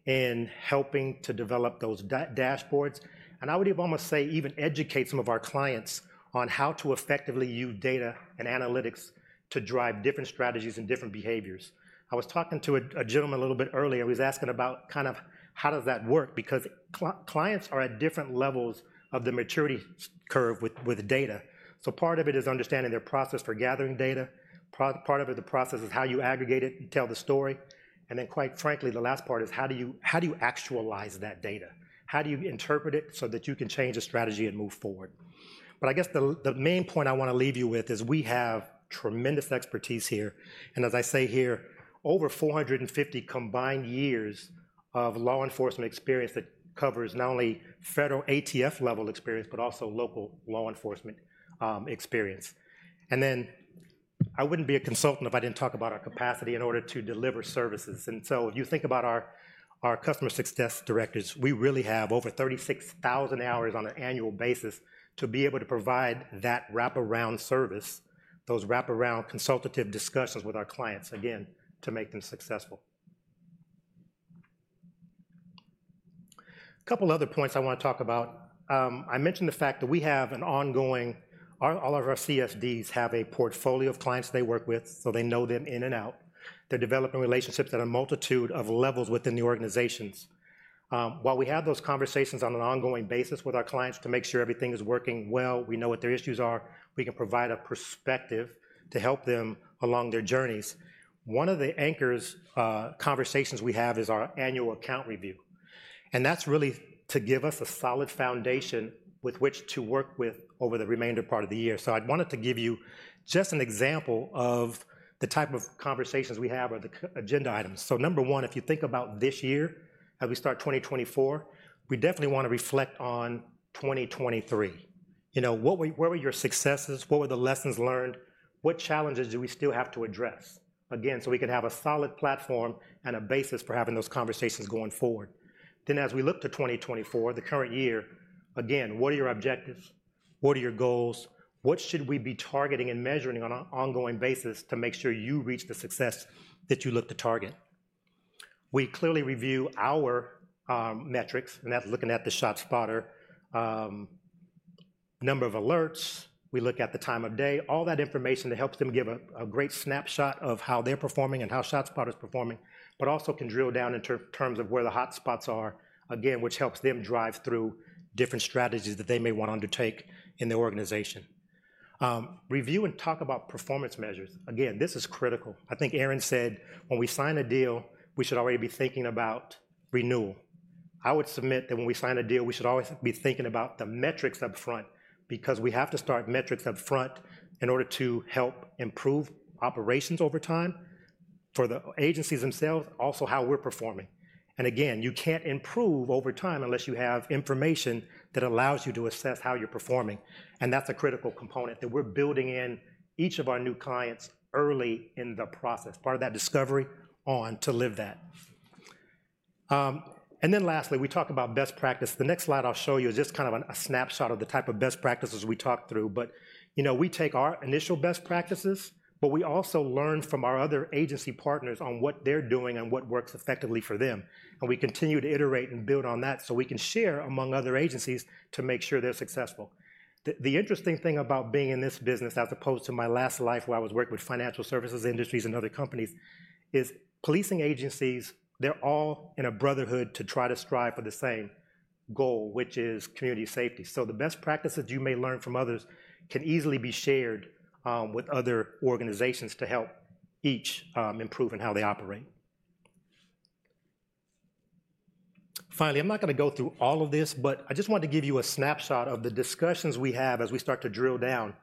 in helping to develop those dashboards, and I would almost say even educate some of our clients on how to effectively use data and analytics to drive different strategies and different behaviors. I was talking to a gentleman a little bit earlier, and he was asking about kind of how does that work? Because clients are at different levels of the maturity curve with data. So part of it is understanding their process for gathering data. Part of it, the process, is how you aggregate it and tell the story, and then, quite frankly, the last part is how do you actualize that data? How do you interpret it so that you can change the strategy and move forward? But I guess the main point I wanna leave you with is we have tremendous expertise here, and as I say here, over 450 combined years of law enforcement experience that covers not only federal ATF level experience but also local law enforcement experience. Then, I wouldn't be a consultant if I didn't talk about our capacity in order to deliver services, and so if you think about our, our customer success directors, we really have over 36,000 hours on an annual basis to be able to provide that wraparound service, those wraparound consultative discussions with our clients, again, to make them successful. A couple other points I wanna talk about. I mentioned the fact that we have an ongoing. All of our CSDs have a portfolio of clients they work with, so they know them in and out. They're developing relationships at a multitude of levels within the organizations. While we have those conversations on an ongoing basis with our clients to make sure everything is working well, we know what their issues are, we can provide a perspective to help them along their journeys. One of the anchors, conversations we have is our annual account review, and that's really to give us a solid foundation with which to work with over the remainder part of the year. So I wanted to give you just an example of the type of conversations we have or the key agenda items. So number one, if you think about this year, as we start 2024, we definitely wanna reflect on 2023. You know, what were, what were your successes? What were the lessons learned? What challenges do we still have to address? Again, so we can have a solid platform and a basis for having those conversations going forward. Then, as we look to 2024, the current year, again, what are your objectives? What are your goals? What should we be targeting and measuring on an ongoing basis to make sure you reach the success that you look to target? We clearly review our metrics, and that's looking at the ShotSpotter number of alerts. We look at the time of day, all that information that helps them give a great snapshot of how they're performing and how ShotSpotter is performing. But also can drill down in terms of where the hotspots are, again, which helps them drive through different strategies that they may wanna undertake in their organization. Review and talk about performance measures. Again, this is critical. I think Aaron said, "When we sign a deal, we should already be thinking about renewal." I would submit that when we sign a deal, we should always be thinking about the metrics up front because we have to start metrics up front in order to help improve operations over time for the agencies themselves, also how we're performing. And again, you can't improve over time unless you have information that allows you to assess how you're performing, and that's a critical component that we're building in each of our new clients early in the process, part of that discovery on to live that. And then lastly, we talk about best practice. The next slide I'll show you is just kind of a snapshot of the type of best practices we talk through. But, you know, we take our initial best practices, but we also learn from our other agency partners on what they're doing and what works effectively for them, and we continue to iterate and build on that, so we can share among other agencies to make sure they're successful. The interesting thing about being in this business, as opposed to my last life where I was working with financial services industries and other companies, is policing agencies, they're all in a brotherhood to try to strive for the same goal, which is community safety. So the best practices you may learn from others can easily be shared with other organizations to help each improve in how they operate. Finally, I'm not gonna go through all of this, but I just wanted to give you a snapshot of the discussions we have as we start to drill down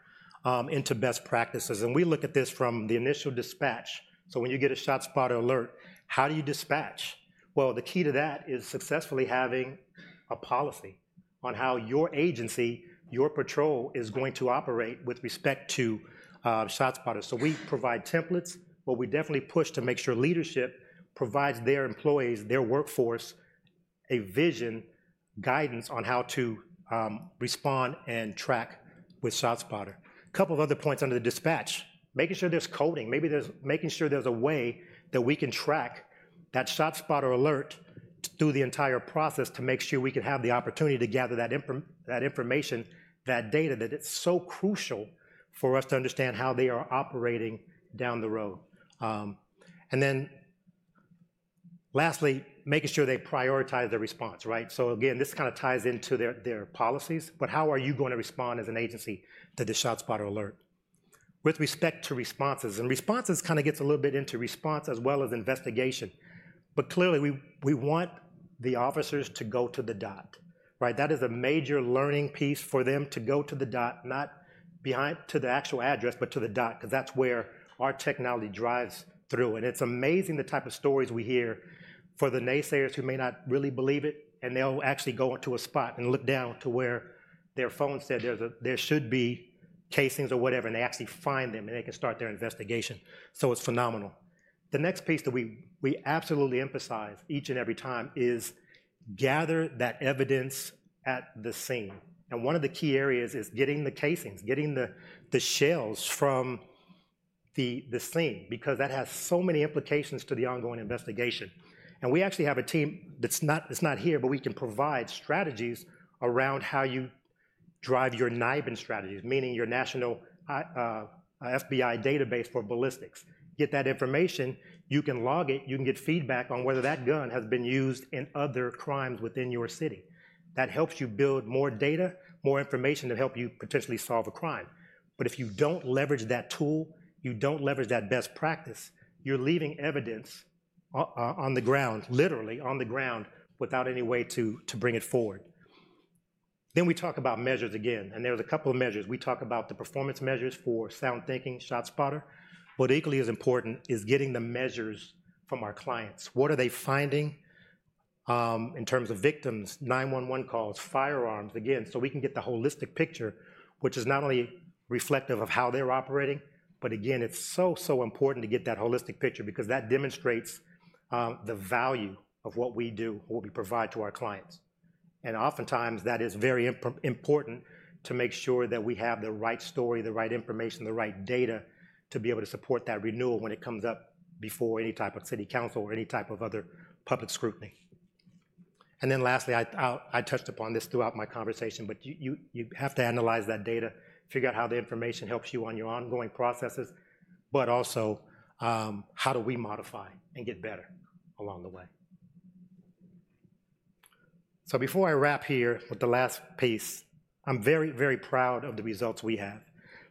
into best practices, and we look at this from the initial dispatch. So when you get a ShotSpotter alert, how do you dispatch? Well, the key to that is successfully having a policy on how your agency, your patrol, is going to operate with respect to ShotSpotter. So we provide templates, but we definitely push to make sure leadership provides their employees, their workforce, a vision, guidance on how to respond and track with ShotSpotter. Couple of other points under the dispatch, making sure there's coding, making sure there's a way that we can track that ShotSpotter alert through the entire process to make sure we can have the opportunity to gather that information, that data, that it's so crucial for us to understand how they are operating down the road. And then lastly, making sure they prioritize the response, right? So again, this kind of ties into their policies, but how are you going to respond as an agency to the ShotSpotter alert? With respect to responses, responses kind of gets a little bit into response as well as investigation, but clearly, we want the officers to go to the dot, right? That is a major learning piece for them, to go to the dot, not behind to the actual address, but to the dot, 'cause that's where our technology drives through. And it's amazing, the type of stories we hear for the naysayers who may not really believe it, and they'll actually go into a spot and look down to where their phone said there's a, there should be casings or whatever, and they actually find them, and they can start their investigation. So it's phenomenal. The next piece that we absolutely emphasize each and every time is gather that evidence at the scene, and one of the key areas is getting the casings, getting the shells from the scene, because that has so many implications to the ongoing investigation. We actually have a team that's not here, but we can provide strategies around how you drive your NIBIN strategies, meaning your national FBI database for ballistics. Get that information. You can log it, you can get feedback on whether that gun has been used in other crimes within your city. That helps you build more data, more information, to help you potentially solve a crime. But if you don't leverage that tool, you don't leverage that best practice, you're leaving evidence on the ground, literally on the ground, without any way to bring it forward. Then we talk about measures again, and there's a couple of measures. We talk about the performance measures for SoundThinking ShotSpotter. What equally is important is getting the measures from our clients. What are they finding in terms of victims, 911 calls, firearms? Again, so we can get the holistic picture, which is not only reflective of how they're operating, but again, it's so, so important to get that holistic picture because that demonstrates the value of what we do, what we provide to our clients. And oftentimes, that is very important to make sure that we have the right story, the right information, the right data to be able to support that renewal when it comes up before any type of City Council or any type of other public scrutiny. And then lastly, I touched upon this throughout my conversation, but you have to analyze that data, figure out how the information helps you on your ongoing processes, but also, how do we modify and get better along the way? So before I wrap here with the last piece, I'm very, very proud of the results we have,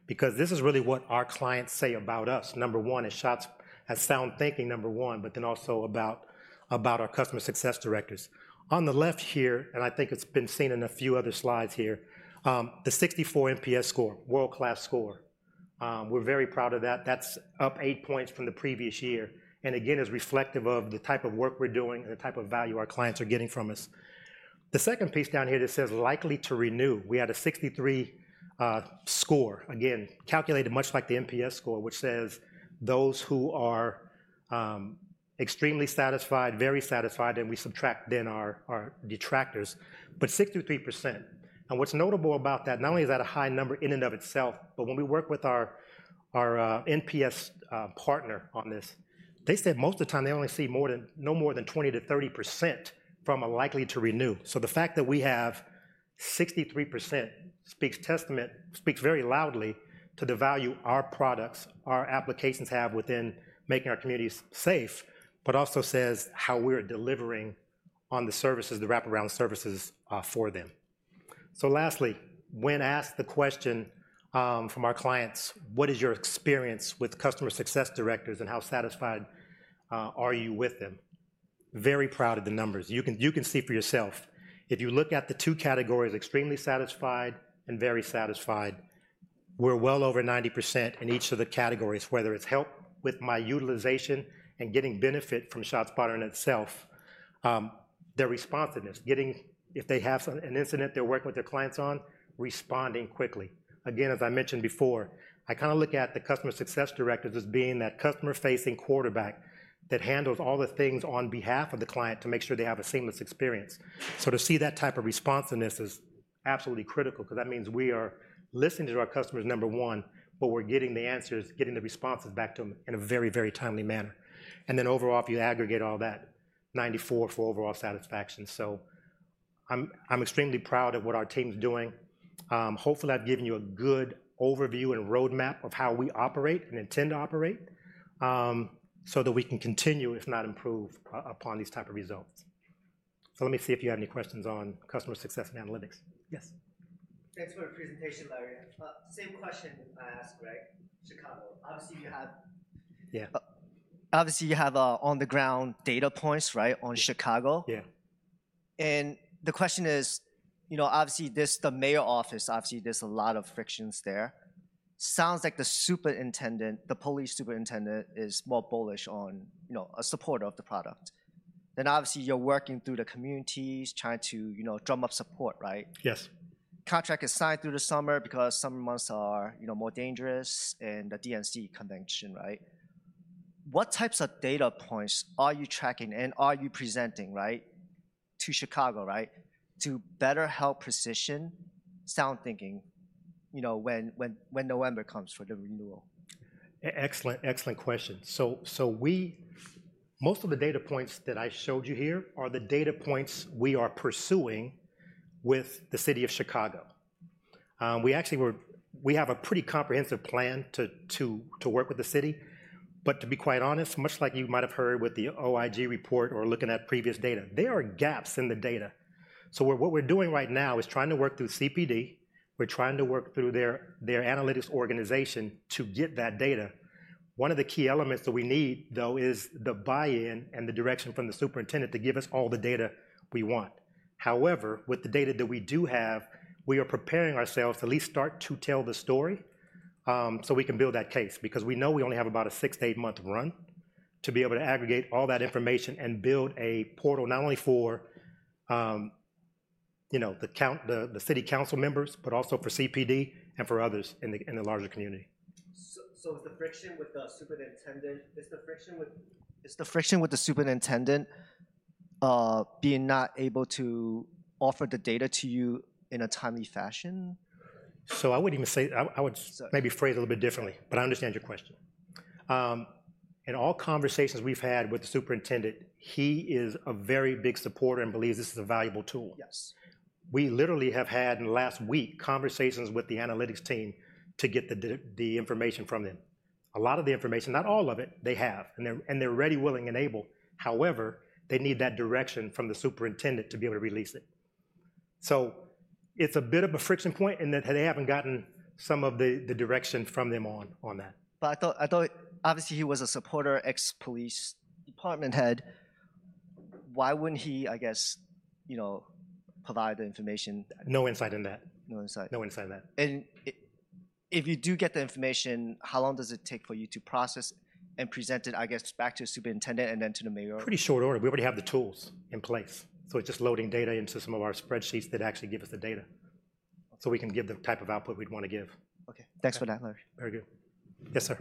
because this is really what our clients say about us. Number one is ShotSpotter at SoundThinking, number one, but then also about, about our customer success directors. On the left here, and I think it's been seen in a few other slides here, the 64 NPS score, world-class score. We're very proud of that. That's up 8 points from the previous year, and again, is reflective of the type of work we're doing and the type of value our clients are getting from us. The second piece down here that says, "Likely to renew," we had a 63 score. Again, calculated much like the NPS score, which says, those who are, extremely satisfied, very satisfied, and we subtract then our, our detractors, but 63%. What's notable about that, not only is that a high number in and of itself, but when we work with our NPS partner on this, they said most of the time they only see no more than 20%-30% from a likely to renew. So the fact that we have 63% speaks very loudly to the value our products, our applications have within making our communities safe, but also says how we're delivering on the services, the wraparound services, for them. So lastly, when asked the question from our clients, "What is your experience with customer success directors, and how satisfied are you with them?" Very proud of the numbers. You can see for yourself. If you look at the two categories, extremely satisfied and very satisfied, we're well over 90% in each of the categories, whether it's help with my utilization and getting benefit from ShotSpotter in itself, their responsiveness, getting if they have an incident they're working with their clients on, responding quickly. Again, as I mentioned before, I kinda look at the customer success directors as being that customer-facing quarterback that handles all the things on behalf of the client to make sure they have a seamless experience. So to see that type of responsiveness is absolutely critical, 'cause that means we are listening to our customers, number one, but we're getting the answers, getting the responses back to them in a very, very timely manner. And then overall, if you aggregate all that, 94 for overall satisfaction. So I'm extremely proud of what our team's doing. Hopefully, I've given you a good overview and roadmap of how we operate and intend to operate, so that we can continue, if not improve, upon these type of results. So let me see if you have any questions on customer success and analytics. Yes? Thanks for the presentation, Larry. Same question I asked, right, Chicago. Obviously, you have obviously, you have, on-the-ground data points, right, on Chicago? The question is, you know, obviously, this, the mayor's office, obviously, there's a lot of friction there. Sounds like the superintendent, the police superintendent, is more bullish on, you know, a supporter of the product. Then, obviously, you're working through the communities, trying to, you know, drum up support, right? Yes. Contract is signed through the summer, because summer months are, you know, more dangerous, and the DNC convention, right? What types of data points are you tracking, and are you presenting, right, to Chicago, right, to better help precision SoundThinking, you know, when, when, when November comes for the renewal? Excellent, excellent question. So, most of the data points that I showed you here are the data points we are pursuing with the city of Chicago. We actually have a pretty comprehensive plan to work with the city, but to be quite honest, much like you might have heard with the OIG report or looking at previous data, there are gaps in the data. So what we're doing right now is trying to work through CPD. We're trying to work through their analytics organization to get that data. One of the key elements that we need, though, is the buy-in and the direction from the superintendent to give us all the data we want. However, with the data that we do have, we are preparing ourselves to at least start to tell the story, so we can build that case, because we know we only have about a 6- to 8-month run to be able to aggregate all that information and build a portal not only for, you know, the City Council members, but also for CPD and for others in the larger community. So, is the friction with the superintendent being not able to offer the data to you in a timely fashion? So I wouldn't even say. I would. Sorry. Maybe phrase it a little bit differently, but I understand your question. In all conversations we've had with the superintendent, he is a very big supporter and believes this is a valuable tool. Yes. We literally have had, in the last week, conversations with the analytics team to get the information from them. A lot of the information, not all of it, they have, and they're ready, willing, and able. However, they need that direction from the superintendent to be able to release it. So it's a bit of a friction point, in that they haven't gotten some of the direction from them on that. But I thought, I thought obviously he was a supporter, ex-police department head. Why wouldn't he, I guess, you know, provide the information? No insight on that. No insight. No insight on that. If you do get the information, how long does it take for you to process and present it, I guess, back to the superintendent and then to the mayor? Pretty short order. We already have the tools in place, so it's just loading data into some of our spreadsheets that actually give us the data, so we can give the type of output we'd want to give. Okay, thanks for that. Very good. Yes, sir?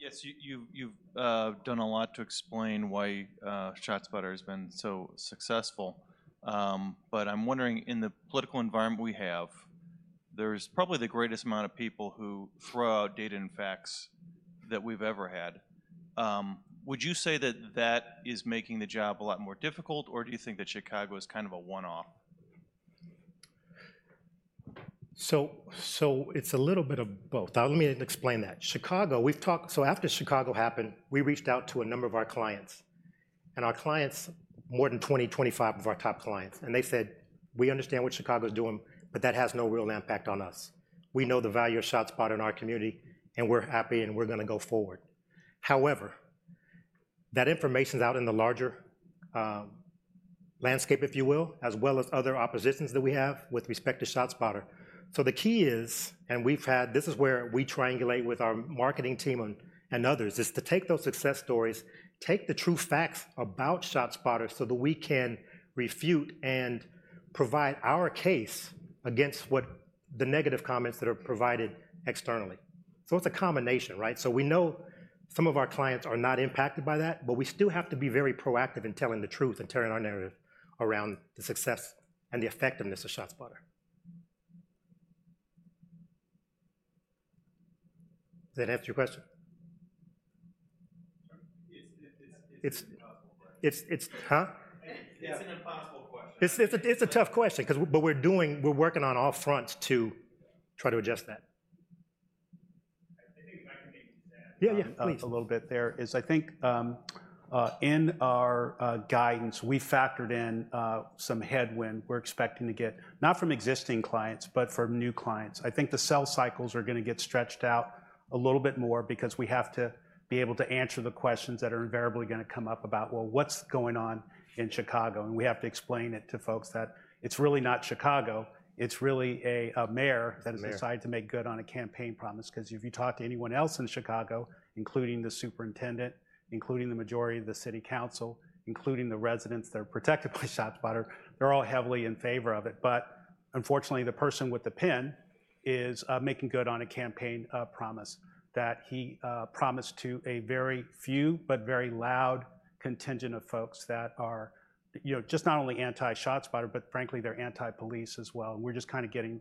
Yes, you've done a lot to explain why ShotSpotter has been so successful. But I'm wondering, in the political environment we have, there's probably the greatest amount of people who throw out data and facts than we've ever had. Would you say that is making the job a lot more difficult, or do you think that Chicago is kind of a one-off? So, it's a little bit of both. Now, let me explain that. Chicago, we've talked. After Chicago happened, we reached out to a number of our clients, and our clients, more than 20, 25 of our top clients, and they said: "We understand what Chicago is doing, but that has no real impact on us. We know the value of ShotSpotter in our community, and we're happy, and we're gonna go forward." However, that information's out in the larger landscape, if you will, as well as other oppositions that we have with respect to ShotSpotter. So the key is, and we've had. This is where we triangulate with our marketing team and others, is to take those success stories, take the true facts about ShotSpotter so that we can refute and provide our case against what the negative comments that are provided externally. So it's a combination, right? So we know some of our clients are not impacted by that, but we still have to be very proactive in telling the truth and turning our narrative around the success and the effectiveness of ShotSpotter. Does that answer your question? Sure. It's an impossible question. It's. Huh? It's an impossible question. It's a tough question, 'cause. But we're working on all fronts to try to adjust that. I think if I could maybe just add. Yeah, yeah, please. A little bit there, is I think, in our guidance, we factored in some headwind we're expecting to get, not from existing clients, but from new clients. I think the sales cycles are gonna get stretched out a little bit more because we have to be able to answer the questions that are invariably gonna come up about, "Well, what's going on in Chicago?" And we have to explain it to folks that it's really not Chicago, it's really a, mayor. A mayor. That has decided to make good on a campaign promise. 'Cause if you talk to anyone else in Chicago, including the superintendent, including the majority of the City Council, including the residents that are protected by ShotSpotter, they're all heavily in favor of it. But unfortunately, the person with the pen is making good on a campaign promise that he promised to a very few, but very loud contingent of folks that are, you know, just not only anti-ShotSpotter, but frankly, they're anti-police as well, and we're just kind of getting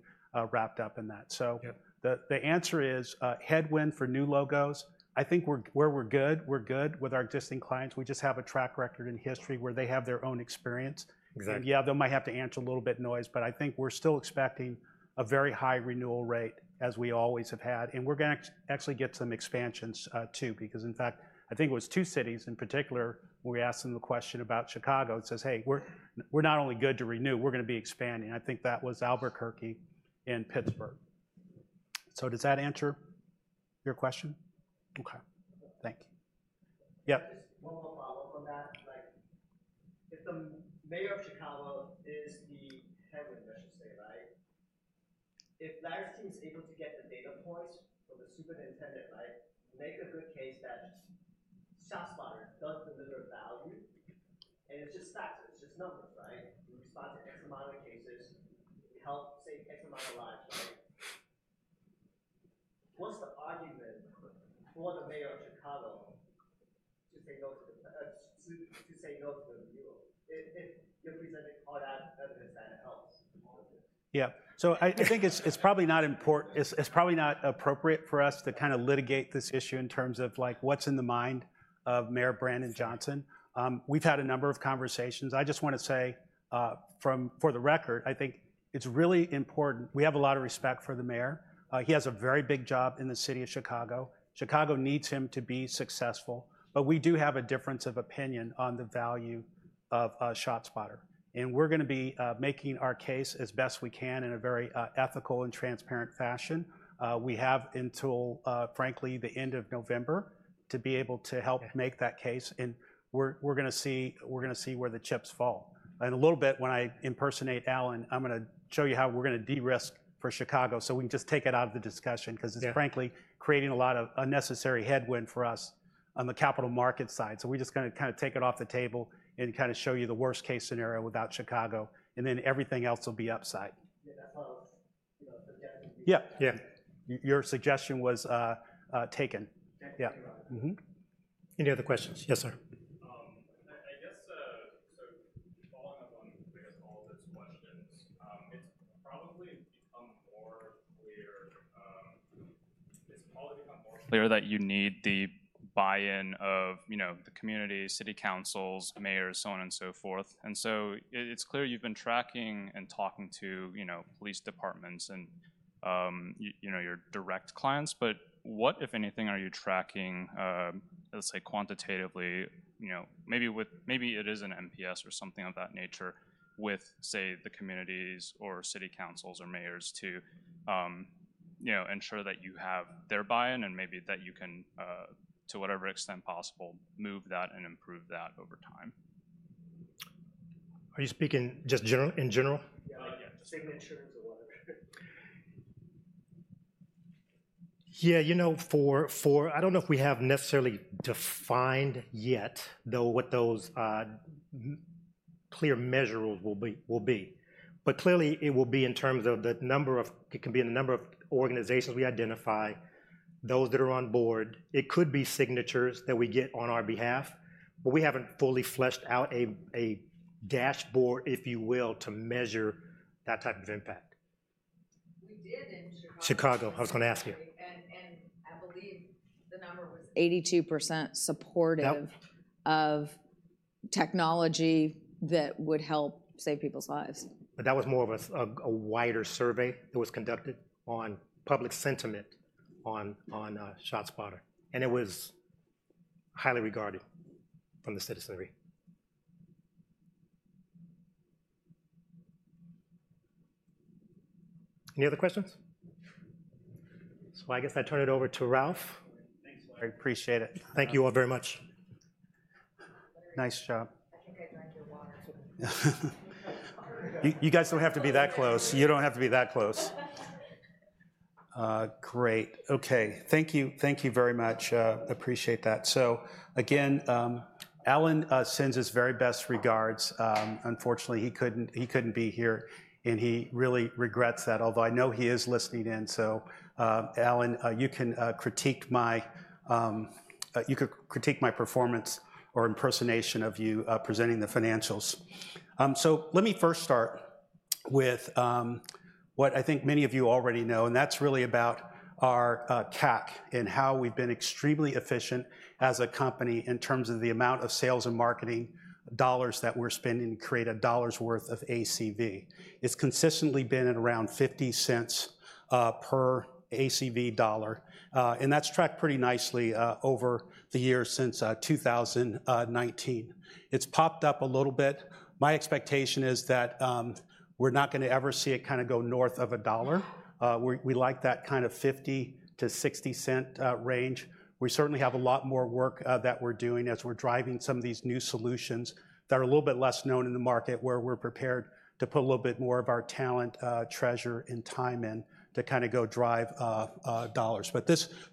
wrapped up in that. So the answer is headwind for new logos. I think we're good with our existing clients. We just have a track record and history where they have their own experience. Exactly. Yeah, they might have to answer a little bit noise, but I think we're still expecting a very high renewal rate, as we always have had, and we're gonna actually get some expansions, too, because, in fact, I think it was two cities in particular, when we asked them the question about Chicago, and says, "Hey, we're not only good to renew, we're gonna be expanding." I think that was Albuquerque and Pittsburgh. So does that answer your question? Okay. Thank you. Just one more follow-up on that. Like, if the mayor of Chicago is the headwind, I should say, right? If Nasim is able to get the data points from the superintendent, right, make a good case that-ShotSpotter does deliver value, and it's just stats, it's just numbers, right? We respond to X amount of cases. We help save X amount of lives, right? What's the argument for the mayor of Chicago to say no to the renewal if you're presenting all that evidence that it helps? Yeah. So I think it's probably not appropriate for us to kind of litigate this issue in terms of like, what's in the mind of Mayor Brandon Johnson. We've had a number of conversations. I just want to say, for the record, I think it's really important. We have a lot of respect for the mayor. He has a very big job in the city of Chicago. Chicago needs him to be successful, but we do have a difference of opinion on the value of ShotSpotter, and we're gonna be making our case as best we can in a very ethical and transparent fashion. We have until, frankly, the end of November, to be able to help make that case, and we're gonna see, we're gonna see where the chips fall. In a little bit, when I impersonate Alan, I'm gonna show you how we're gonna de-risk for Chicago, so we can just take it out of the discussion because it's frankly, creating a lot of unnecessary headwind for us on the capital market side. So we're just gonna kind of take it off the table and kind of show you the worst case scenario without Chicago, and then everything else will be upside. Yeah, that's what was, you know, the. Yeah, yeah. Your suggestion was taken. Thank you. Any other questions? Yes, sir. I guess, so following up on, I guess, all those questions, it's probably become more clear, it's probably become more clear that you need the buy-in of, you know, the community, City Councils, mayors, so on and so forth. And so it's clear you've been tracking and talking to, you know, police departments and, you know, your direct clients, but what, if anything, are you tracking, let's say quantitatively, you know, maybe it is an NPS or something of that nature, with, say, the communities or City Councils or mayors to, you know, ensure that you have their buy-in and maybe that you can, to whatever extent possible, move that and improve that over time? Are you speaking just general, in general? Signatures or whatever. Yeah, you know, I don't know if we have necessarily defined yet, though, what those clear measures will be. But clearly, it will be in terms of the number of. It can be in the number of organizations we identify, those that are on board. It could be signatures that we get on our behalf, but we haven't fully fleshed out a dashboard, if you will, to measure that type of impact. We did in Chicago. Chicago, I was gonna ask you. I believe the number was 82% supportive of technology that would help save people's lives. But that was more of a wider survey that was conducted on public sentiment on ShotSpotter, and it was highly regarded from the citizenry. Any other questions? I guess I turn it over to Ralph. Thanks, Larry. I appreciate it. Thank you all very much. Nice job. I think I drank your water, too. You guys don't have to be that close. You don't have to be that close. Great. Okay, thank you. Thank you very much, appreciate that. So again, Alan sends his very best regards. Unfortunately, he couldn't be here, and he really regrets that, although I know he is listening in, so, Alan, you can critique my performance or impersonation of you, presenting the financials. So let me first start with what I think many of you already know, and that's really about our CAC and how we've been extremely efficient as a company in terms of the amount of sales and marketing dollars that we're spending to create a dollar's worth of ACV. It's consistently been at around $0.50 per ACV dollar, and that's tracked pretty nicely over the years since 2019. It's popped up a little bit. My expectation is that we're not gonna ever see it kind of go north of $1. We like that kind of $0.50 to $0.60 range. We certainly have a lot more work that we're doing as we're driving some of these new solutions that are a little bit less known in the market, where we're prepared to put a little bit more of our talent, treasure, and time in, to kind of go drive dollars. But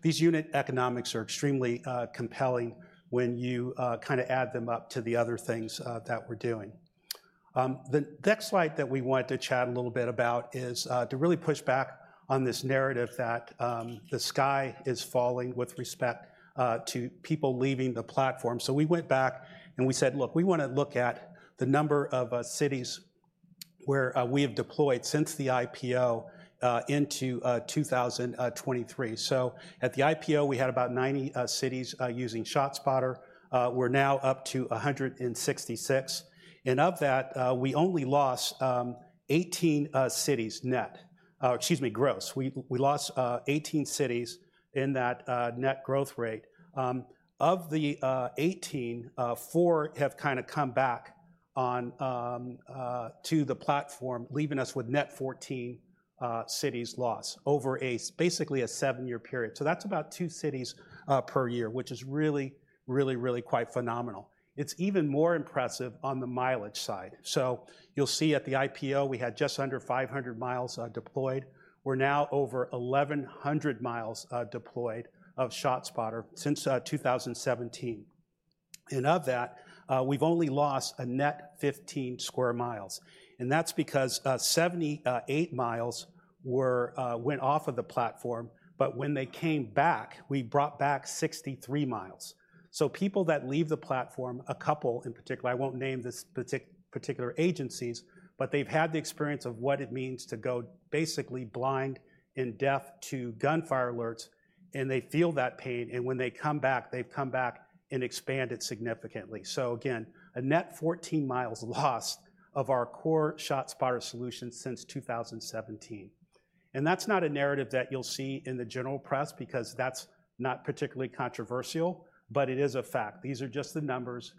these unit economics are extremely compelling when you kind of add them up to the other things that we're doing. The next slide that we wanted to chat a little bit about is to really push back on this narrative that the sky is falling with respect to people leaving the platform. So we went back, and we said: Look, we want to look at the number of cities where we have deployed since the IPO into 2023. So at the IPO, we had about 90 cities using ShotSpotter. We're now up to 166, and of that we only lost 18 cities net. Excuse me, gross. We lost 18 cities in that net growth rate. Of the 18, four have kind of come back on to the platform, leaving us with net 14 cities lost over basically a seven-year period. So that's about two cities per year, which is really, really, really quite phenomenal. It's even more impressive on the mileage side. So you'll see at the IPO, we had just under 500 mi deployed. We're now over 1,100 mi deployed of ShotSpotter since 2017 and of that, we've only lost a net 15 sq mi, and that's because 78 mi went off of the platform, but when they came back, we brought back 63 mi. So people that leave the platform, a couple in particular, I won't name the particular agencies, but they've had the experience of what it means to go basically blind and deaf to gunfire alerts, and they feel that pain, and when they come back, they've come back and expanded significantly. So again, a net 14 mi lost of our core ShotSpotter solution since 2017. And that's not a narrative that you'll see in the general press because that's not particularly controversial, but it is a fact. These are just the numbers,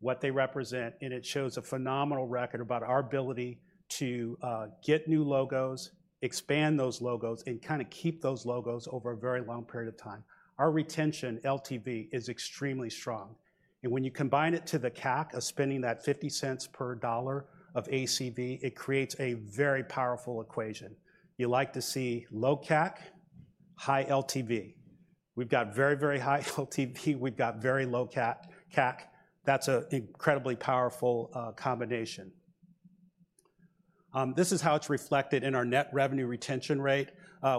what they represent, and it shows a phenomenal record about our ability to get new logos, expand those logos, and kind of keep those logos over a very long period of time. Our retention, LTV, is extremely strong, and when you combine it to the CAC of spending that $0.50 per dollar of ACV, it creates a very powerful equation. You like to see low CAC, high LTV. We've got very, very high LTV. We've got very low CAC. That's an incredibly powerful combination. This is how it's reflected in our net revenue retention rate,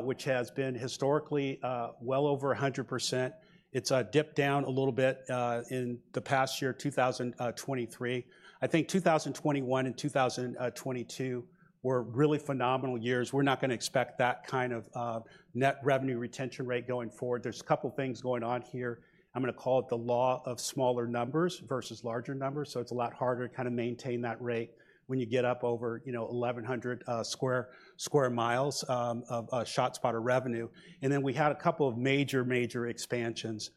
which has been historically well over 100%. It's dipped down a little bit in the past year, 2023. I think 2021 and 2022 were really phenomenal years. We're not gonna expect that kind of net revenue retention rate going forward. There's a couple of things going on here. I'm gonna call it the law of smaller numbers versus larger numbers, so it's a lot harder to kind of maintain that rate when you get up over, you know, 1,100 sq mi of ShotSpotter revenue. And then we had a couple of major expansions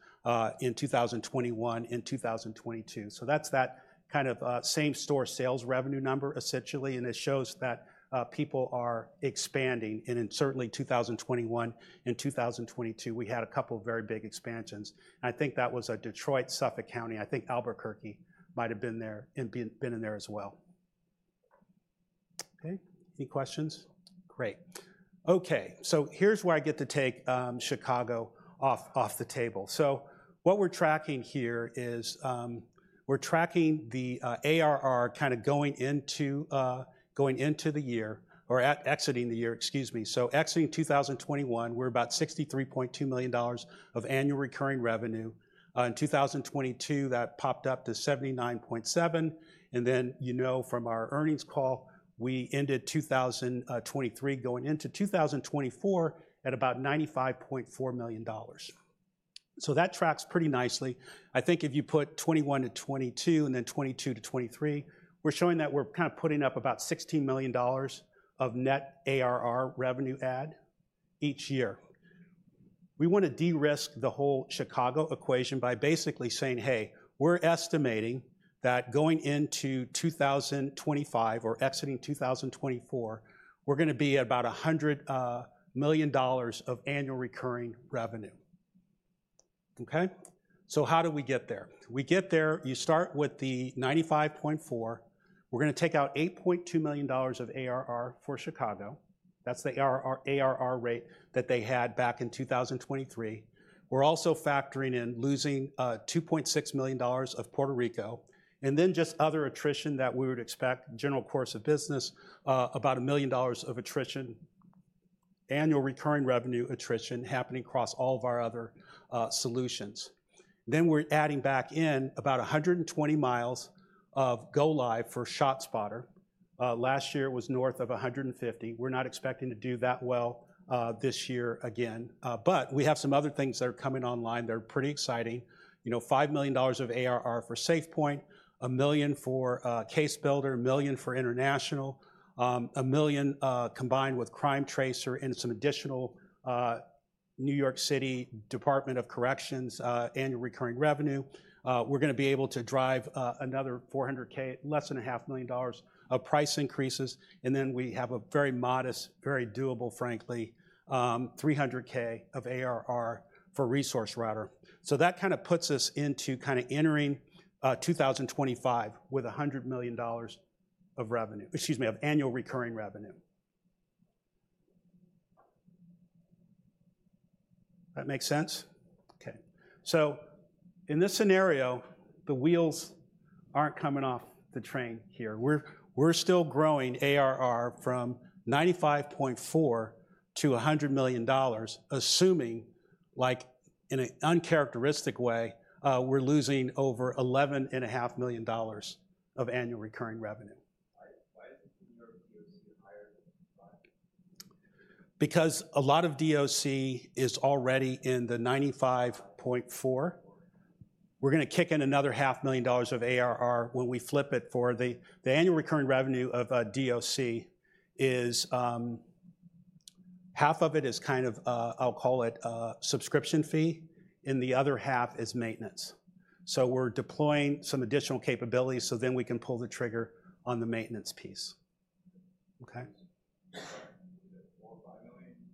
in 2021 and 2022. So that's that kind of same-store sales revenue number, essentially, and it shows that people are expanding, and in certainly 2021 and 2022, we had a couple of very big expansions, and I think that was Detroit, Suffolk County. I think Albuquerque might have been there and been in there as well. Okay, any questions? Great. Okay, so here's where I get to take Chicago off the table. So what we're tracking here is, we're tracking the ARR kind of going into the year or at exiting the year, excuse me. So exiting 2021, we're about $63.2 million of annual recurring revenue. In 2022, that popped up to $79.7 million, and then, you know, from our earnings call, we ended 2023 going into 2024, at about $95.4 million. So that tracks pretty nicely. I think if you put 2021-2022 and then 2022-2023, we're showing that we're kind of putting up about $16 million of net ARR revenue add each year. We want to de-risk the whole Chicago equation by basically saying: Hey, we're estimating that going into 2025 or exiting 2024, we're gonna be at about $100 million of annual recurring revenue. Okay? So how do we get there? We get there you start with the 95.4. We're gonna take out $8.2 million of ARR for Chicago. That's the ARR rate that they had back in 2023. We're also factoring in losing $2.6 million of Puerto Rico, and then just other attrition that we would expect, general course of business, about $1 million of attrition, annual recurring revenue attrition happening across all of our other solutions. Then we're adding back in about 120 mi of go live for ShotSpotter. Last year it was north of 150. We're not expecting to do that well, this year again, but we have some other things that are coming online that are pretty exciting. You know, $5 million of ARR for SafePointe, $1 million for CaseBuilder, $1 million for international, $1 million, combined with CrimeTracer and some additional New York City Department of Corrections annual recurring revenue. We're gonna be able to drive another $400,000, less than $500,000 of price increases, and then we have a very modest, very doable, frankly, $300,000 of ARR for ResourceRouter. So that kind of puts us into kind of entering 2025 with $100 million of revenue, excuse me, of annual recurring revenue. That makes sense? Okay. So in this scenario, the wheels aren't coming off the train here. We're still growing ARR from $95.4 million to $100 million, assuming, like in an uncharacteristic way, we're losing over $11.5 million of annual recurring revenue. Why, why is New York DOC higher than five? Because a lot of DOC is already in the $95.4 million. We're gonna kick in another $500,000 of ARR when we flip it for the annual recurring revenue of DOC is half of it is kind of I'll call it a subscription fee, and the other half is maintenance. So we're deploying some additional capabilities, so then we can pull the trigger on the maintenance piece. Okay? $4 million to $5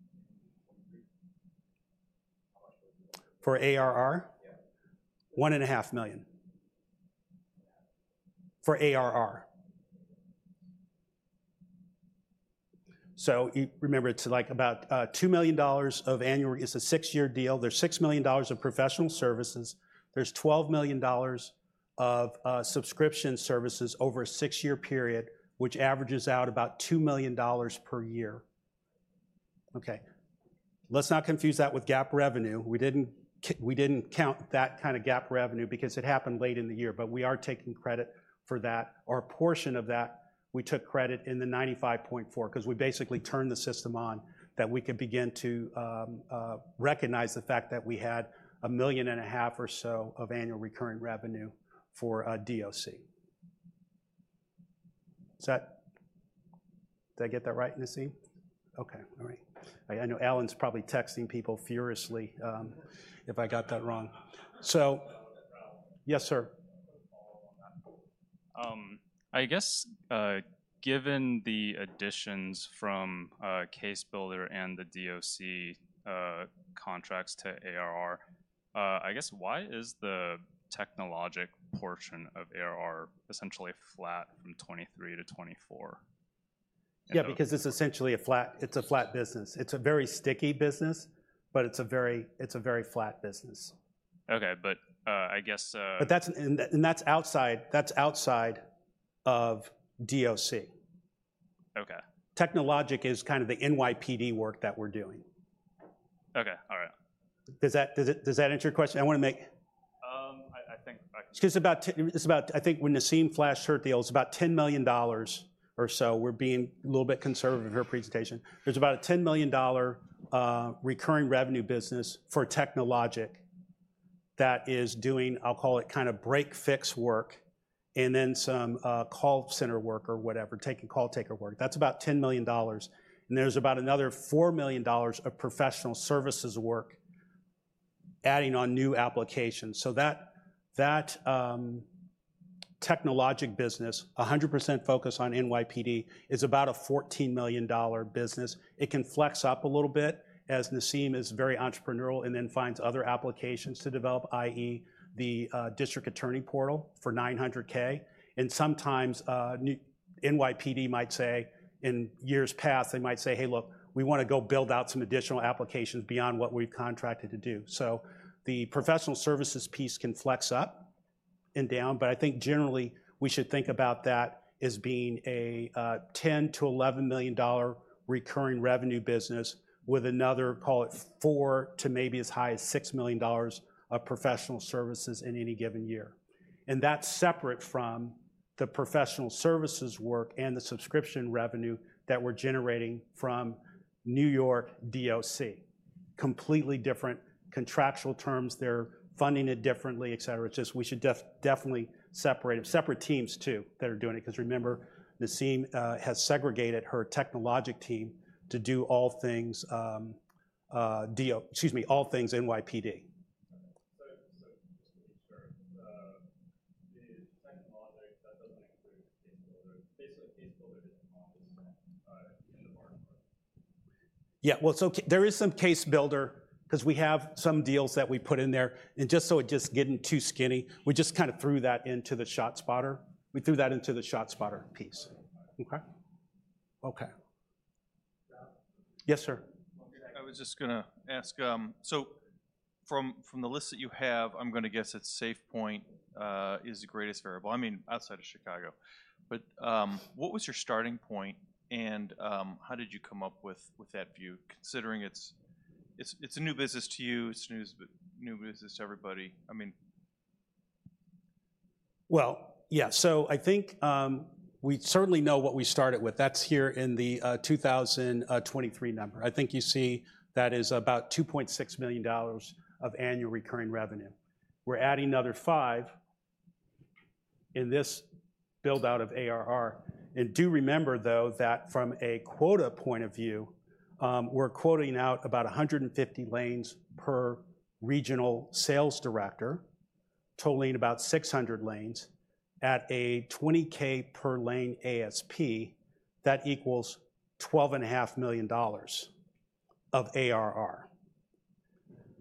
million? For ARR? $1.5 million. For ARR? So you remember, it's like about two million dollars of annual, It's a six-year deal. There's $6 million of professional services. There's $12 million of subscription services over a six-year period, which averages out about $2 million per year. Okay, let's not confuse that with GAAP revenue. We didn't count that kind of GAAP revenue because it happened late in the year, but we are taking credit for that or a portion of that. We took credit in the 95.4, 'cause we basically turned the system on, that we could begin to recognize the fact that we had a million and a half or so of annual recurring revenue for DOC. Is that did I get that right, Nasim? Okay. All right. I, I know Alan's probably texting people furiously, if I got that wrong. Yes, sir. Follow on that. I guess, given the additions from CaseBuilder and the DOC contracts to ARR, I guess, why is the technology portion of ARR essentially flat from 2023 to 2024? Yeah, because it's essentially a flat business. It's a very sticky business, but it's a very, it's a very flat business. Okay. But, I guess. But that's outside of DOC. Okay. Technology is kind of the NYPD work that we're doing. Okay. All right. Does that answer your question? I wanna make. I think I. Because about—it's about, I think when Nasim flashed her deal, it's about $10 million or so. We're being a little bit conservative in her presentation. There's about a $10 million recurring revenue business for technology that is doing, I'll call it, kind of break-fix work, and then some call center work or whatever, taking call taker work. That's about $10 million, and there's about another $4 million of professional services work adding on new applications. So that, that technology business, a hundred percent focus on NYPD, is about a $14 million business. It can flex up a little bit, as Nasim is very entrepreneurial, and then finds other applications to develop, i.e., the district attorney portal for $900K. Sometimes, NYPD might say, in years past, they might say: "Hey, look, we wanna go build out some additional applications beyond what we've contracted to do." So the professional services piece can flex up and down, but I think generally, we should think about that as being a $10 million to $11 million recurring revenue business with another, call it $4 million to $6 million of professional services in any given year. And that's separate from the professional services work and the subscription revenue that we're generating from New York DOC. Completely different contractual terms. They're funding it differently, et cetera. It's just we should definitely separate, separate teams too, that are doing it, 'cause remember, Nasim has segregated her technology team to do all things NYPD. So, so just to be clear, the technology, that doesn't include CaseBuilder. Basically, CaseBuilder is on this, in the bottom part. Yeah, well, so there is some CaseBuilder, 'cause we have some deals that we put in there, and just so it just getting too skinny, we just kind of threw that into the ShotSpotter. We threw that into the ShotSpotter piece. Okay. Okay. Yes, sir. I was just gonna ask, so from, from the list that you have, I'm gonna guess that SafePointe is the greatest variable, I mean, outside of Chicago. But, what was your starting point, and, how did you come up with, with that view, considering it's, it's, it's a new business to you, it's a new business to everybody? I mean. Well, yeah. So I think, we certainly know what we started with. That's here in the, 2023 number. I think you see that is about $2.6 million of annual recurring revenue. We're adding another $5 million in this build-out of ARR. And do remember, though, that from a quota point of view, we're quoting out about 150 lanes per regional sales director, totaling about 600 lanes at a $20K per lane ASP. That equals $12.5 million of ARR.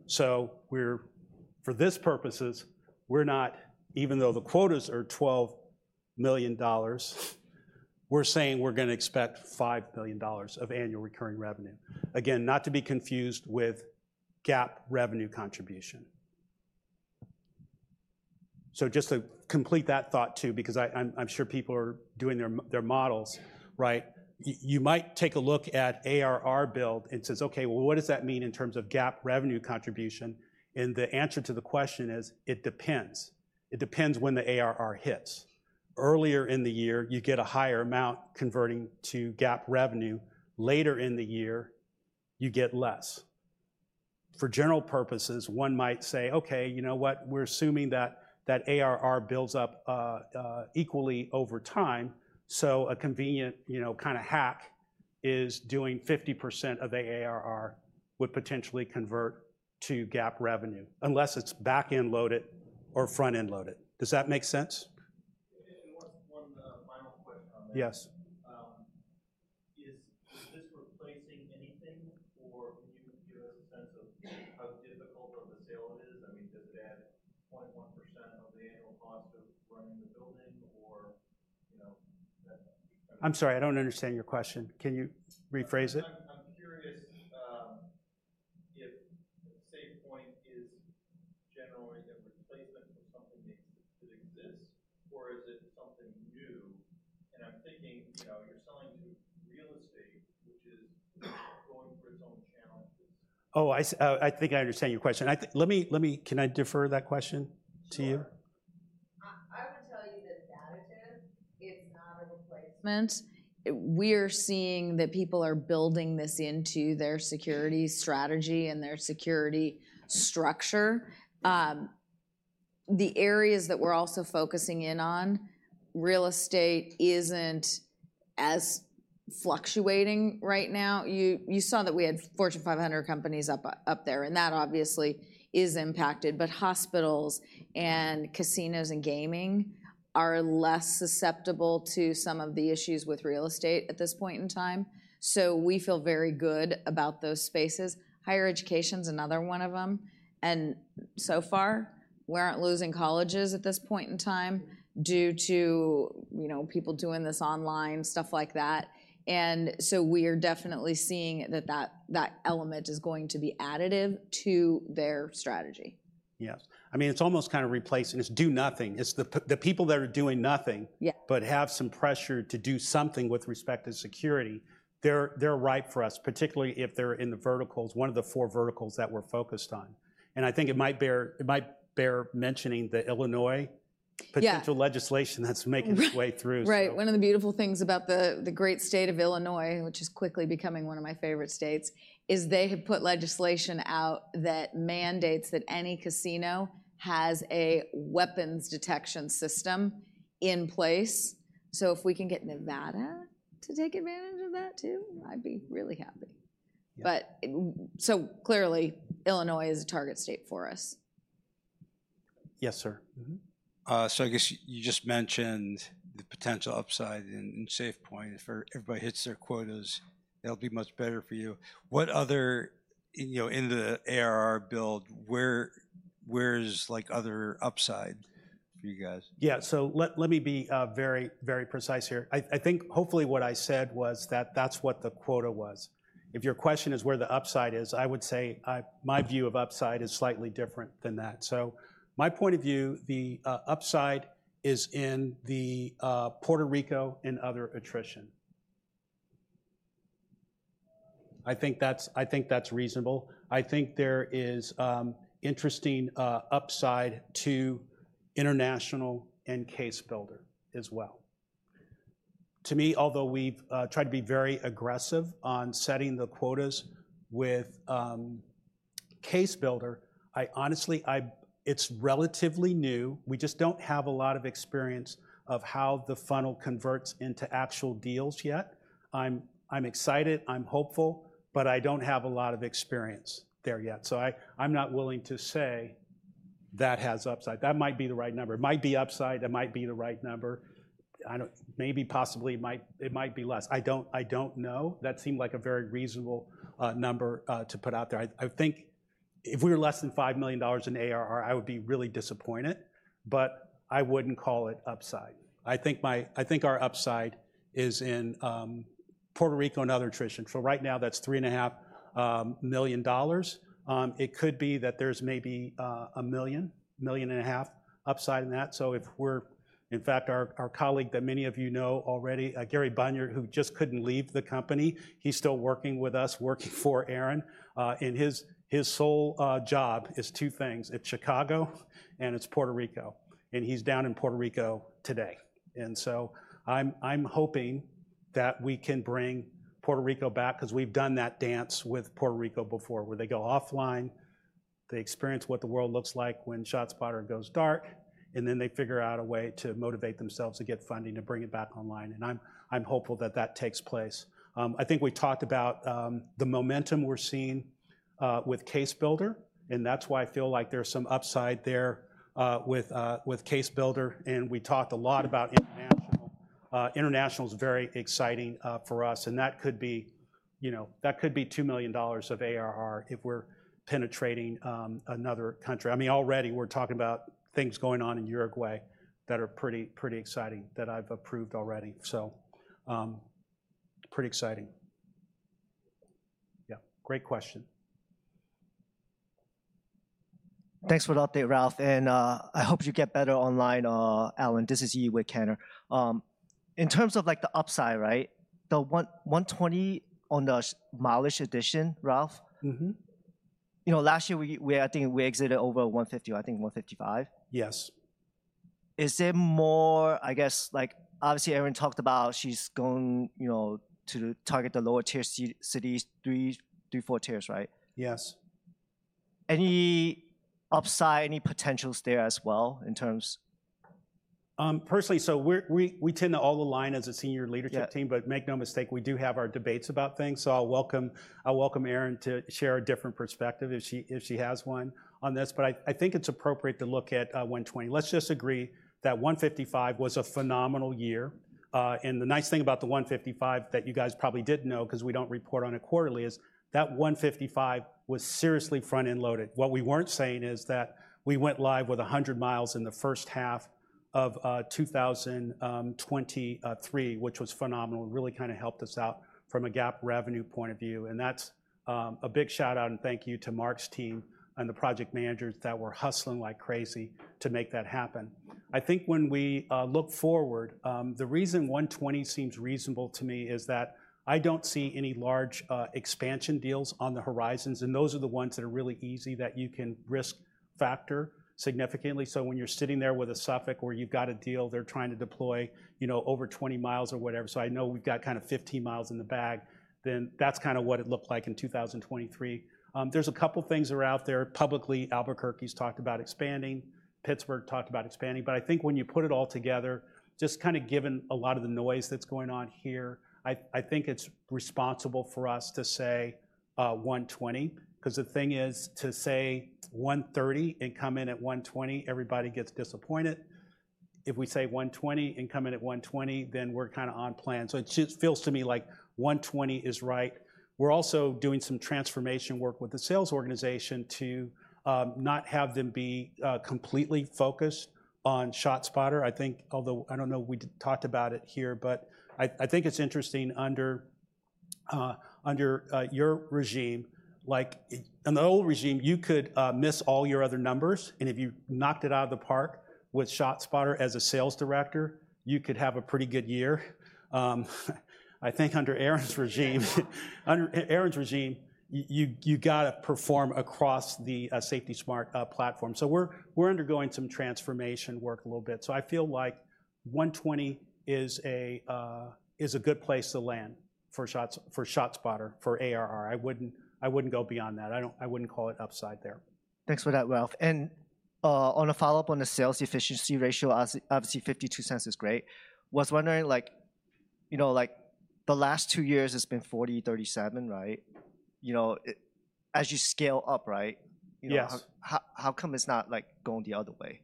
So we're, for this purposes, we're not, even though the quotas are $12 million, we're saying we're gonna expect $5 million of annual recurring revenue. Again, not to be confused with GAAP revenue contribution. So just to complete that thought, too, because I'm sure people are doing their models, right? You might take a look at ARR build and says: "Okay, well, what does that mean in terms of GAAP revenue contribution?" And the answer to the question is, it depends. It depends when the ARR hits. Earlier in the year, you get a higher amount converting to GAAP revenue. Later in the year, you get less. For general purposes, one might say, "Okay, you know what? We're assuming that ARR builds up equally over time." So a convenient, you know, kind of hack is doing 50% of ARR would potentially convert to GAAP revenue, unless it's back-end loaded or front-end loaded. Does that make sense? And one final question on that. Yes. Is this replacing anything, or can you give us a sense of how difficult of a sale it is? I mean, does it add. 21% of the annual cost of running the building or, you know, that? I'm sorry, I don't understand your question. Can you rephrase it? I'm curious if SafePointe is generally a replacement for something that exists, or is it something new? And I'm thinking, you know, you're selling to real estate, which is going through its own challenges. Oh, I think I understand your question. I think, let me, can I defer that question to you? Sure. I would tell you that additive, it's not a replacement. We're seeing that people are building this into their security strategy and their security structure. The areas that we're also focusing in on, real estate isn't as fluctuating right now. You saw that we had Fortune 500 companies up there, and that obviously is impacted. But hospitals, and casinos, and gaming are less susceptible to some of the issues with real estate at this point in time, so we feel very good about those spaces. Higher education's another one of them, and so far, we aren't losing colleges at this point in time due to, you know, people doing this online, stuff like that. And so we are definitely seeing that element is going to be additive to their strategy. Yes. I mean, it's almost kind of replacing. It's do nothing. It's the people that are doing nothing. But have some pressure to do something with respect to security, they're ripe for us, particularly if they're in the verticals, one of the four verticals that we're focused on. I think it might bear mentioning the Illinois potential legislation that's making its way through. Right. One of the beautiful things about the great state of Illinois, which is quickly becoming one of my favorite states, is they have put legislation out that mandates that any casino has a weapons detection system in place. So if we can get Nevada to take advantage of that too, I'd be really happy. So clearly, Illinois is a target state for us. Yes, sir. So I guess you just mentioned the potential upside in SafePointe. If everybody hits their quotas, that'll be much better for you. What other, you know, in the ARR build, where's like other upside for you guys? Yeah, so let me be very, very precise here. I think hopefully what I said was that that's what the quota was. If your question is, where the upside is, I would say, my view of upside is slightly different than that. So my point of view, the upside is in the Puerto Rico and other attrition. I think that's reasonable. I think there is interesting upside to international and CaseBuilder as well. To me, although we've tried to be very aggressive on setting the quotas with CaseBuilder, I honestly, it's relatively new. We just don't have a lot of experience of how the funnel converts into actual deals yet. I'm excited, I'm hopeful, but I don't have a lot of experience there yet. So I'm not willing to say that has upside. That might be the right number. It might be upside, that might be the right number. I don't maybe possibly, it might, it might be less. I don't know. That seemed like a very reasonable number to put out there. I think if we were less than $5 million in ARR, I would be really disappointed, but I wouldn't call it upside. I think our upside is in Puerto Rico and other attrition. So right now, that's $3.5 million. It could be that there's maybe $1.0 million to $1.5 million upside in that. So if we're. In fact, our colleague that many of you know already, Gary Bunyard, who just couldn't leave the company, he's still working with us, working for Erin, and his sole job is two things: It's Chicago, and it's Puerto Rico, and he's down in Puerto Rico today. So I'm hoping that we can bring Puerto Rico back, 'cause we've done that dance with Puerto Rico before, where they go offline, they experience what the world looks like when ShotSpotter goes dark, and then they figure out a way to motivate themselves to get funding to bring it back online. I'm hopeful that that takes place. I think we talked about the momentum we're seeing with CaseBuilder, and that's why I feel like there's some upside there with CaseBuilder, and we talked a lot about international. International is very exciting for us, and that could be, you know, that could be $2 million of ARR if we're penetrating another country. I mean, already, we're talking about things going on in Uruguay that are pretty, pretty exciting, that I've approved already. So, pretty exciting. Yeah, great question. Thanks for the update, Ralph, and I hope you get better online, Alan. This is Yi with Cantor. In terms of, like, the upside, right? The 1,120 on the mileage addition, Ralph you know, last year we, I think we exited over $150 or I think $155. Yes. Is there more, I guess, like, obviously, Erin talked about she's going, you know, to target the lower-tier cities, three to four tiers, right? Yes. Any upside, any potentials there as well, in terms? Personally, so we tend to all align as a senior leadership team but make no mistake, we do have our debates about things. So I'll welcome Erin to share a different perspective if she has one on this. But I think it's appropriate to look at $120. Let's just agree that $155 was a phenomenal year. And the nice thing about the $155 that you guys probably didn't know, 'cause we don't report on it quarterly, is that $155 was seriously front-end loaded. What we weren't saying is that we went live with 100 mi in the first half of 2023, which was phenomenal. It really kind of helped us out from a GAAP revenue point of view, and that's a big shout-out and thank you to Mark's team and the project managers that were hustling like crazy to make that happen. I think when we look forward, the reason 120 seems reasonable to me is that I don't see any large expansion deals on the horizons, and those are the ones that are really easy that you can risk factor significantly. So when you're sitting there with a Suffolk where you've got a deal, they're trying to deploy, you know, over 20 mi or whatever, so I know we've got kind of 15 mi in the bag, then that's kind of what it looked like in 2023. There's a couple of things that are out there publicly. Albuquerque's talked about expanding. Pittsburgh talked about expanding. But I think when you put it all together, just kind of given a lot of the noise that's going on here, I think it's responsible for us to say $120, 'cause the thing is to say $130 and come in at $120, everybody gets disappointed. If we say $120 and come in at $120, then we're kind of on plan. So it feels to me like $120 is right. We're also doing some transformation work with the sales organization to not have them be completely focused on ShotSpotter. I think, although I don't know, we talked about it here, but I think it's interesting under under your regime. Like, in the old regime, you could miss all your other numbers, and if you knocked it out of the park with ShotSpotter as a sales director, you could have a pretty good year. I think under Erin's regime, under Erin's regime, you gotta perform across the SafetySmart platform. We're undergoing some transformation work a little bit. So I feel like $120 is a good place to land for ShotSpotter, for ARR. I wouldn't go beyond that. I wouldn't call it upside there. Thanks for that, Ralph. And on a follow-up on the sales efficiency ratio, as obviously $0.52 is great, was wondering like, you know, like the last two years, it's been $0.40, $0.37, right? You know, it as you scale up, right? Yes. You know, how come it's not like going the other way?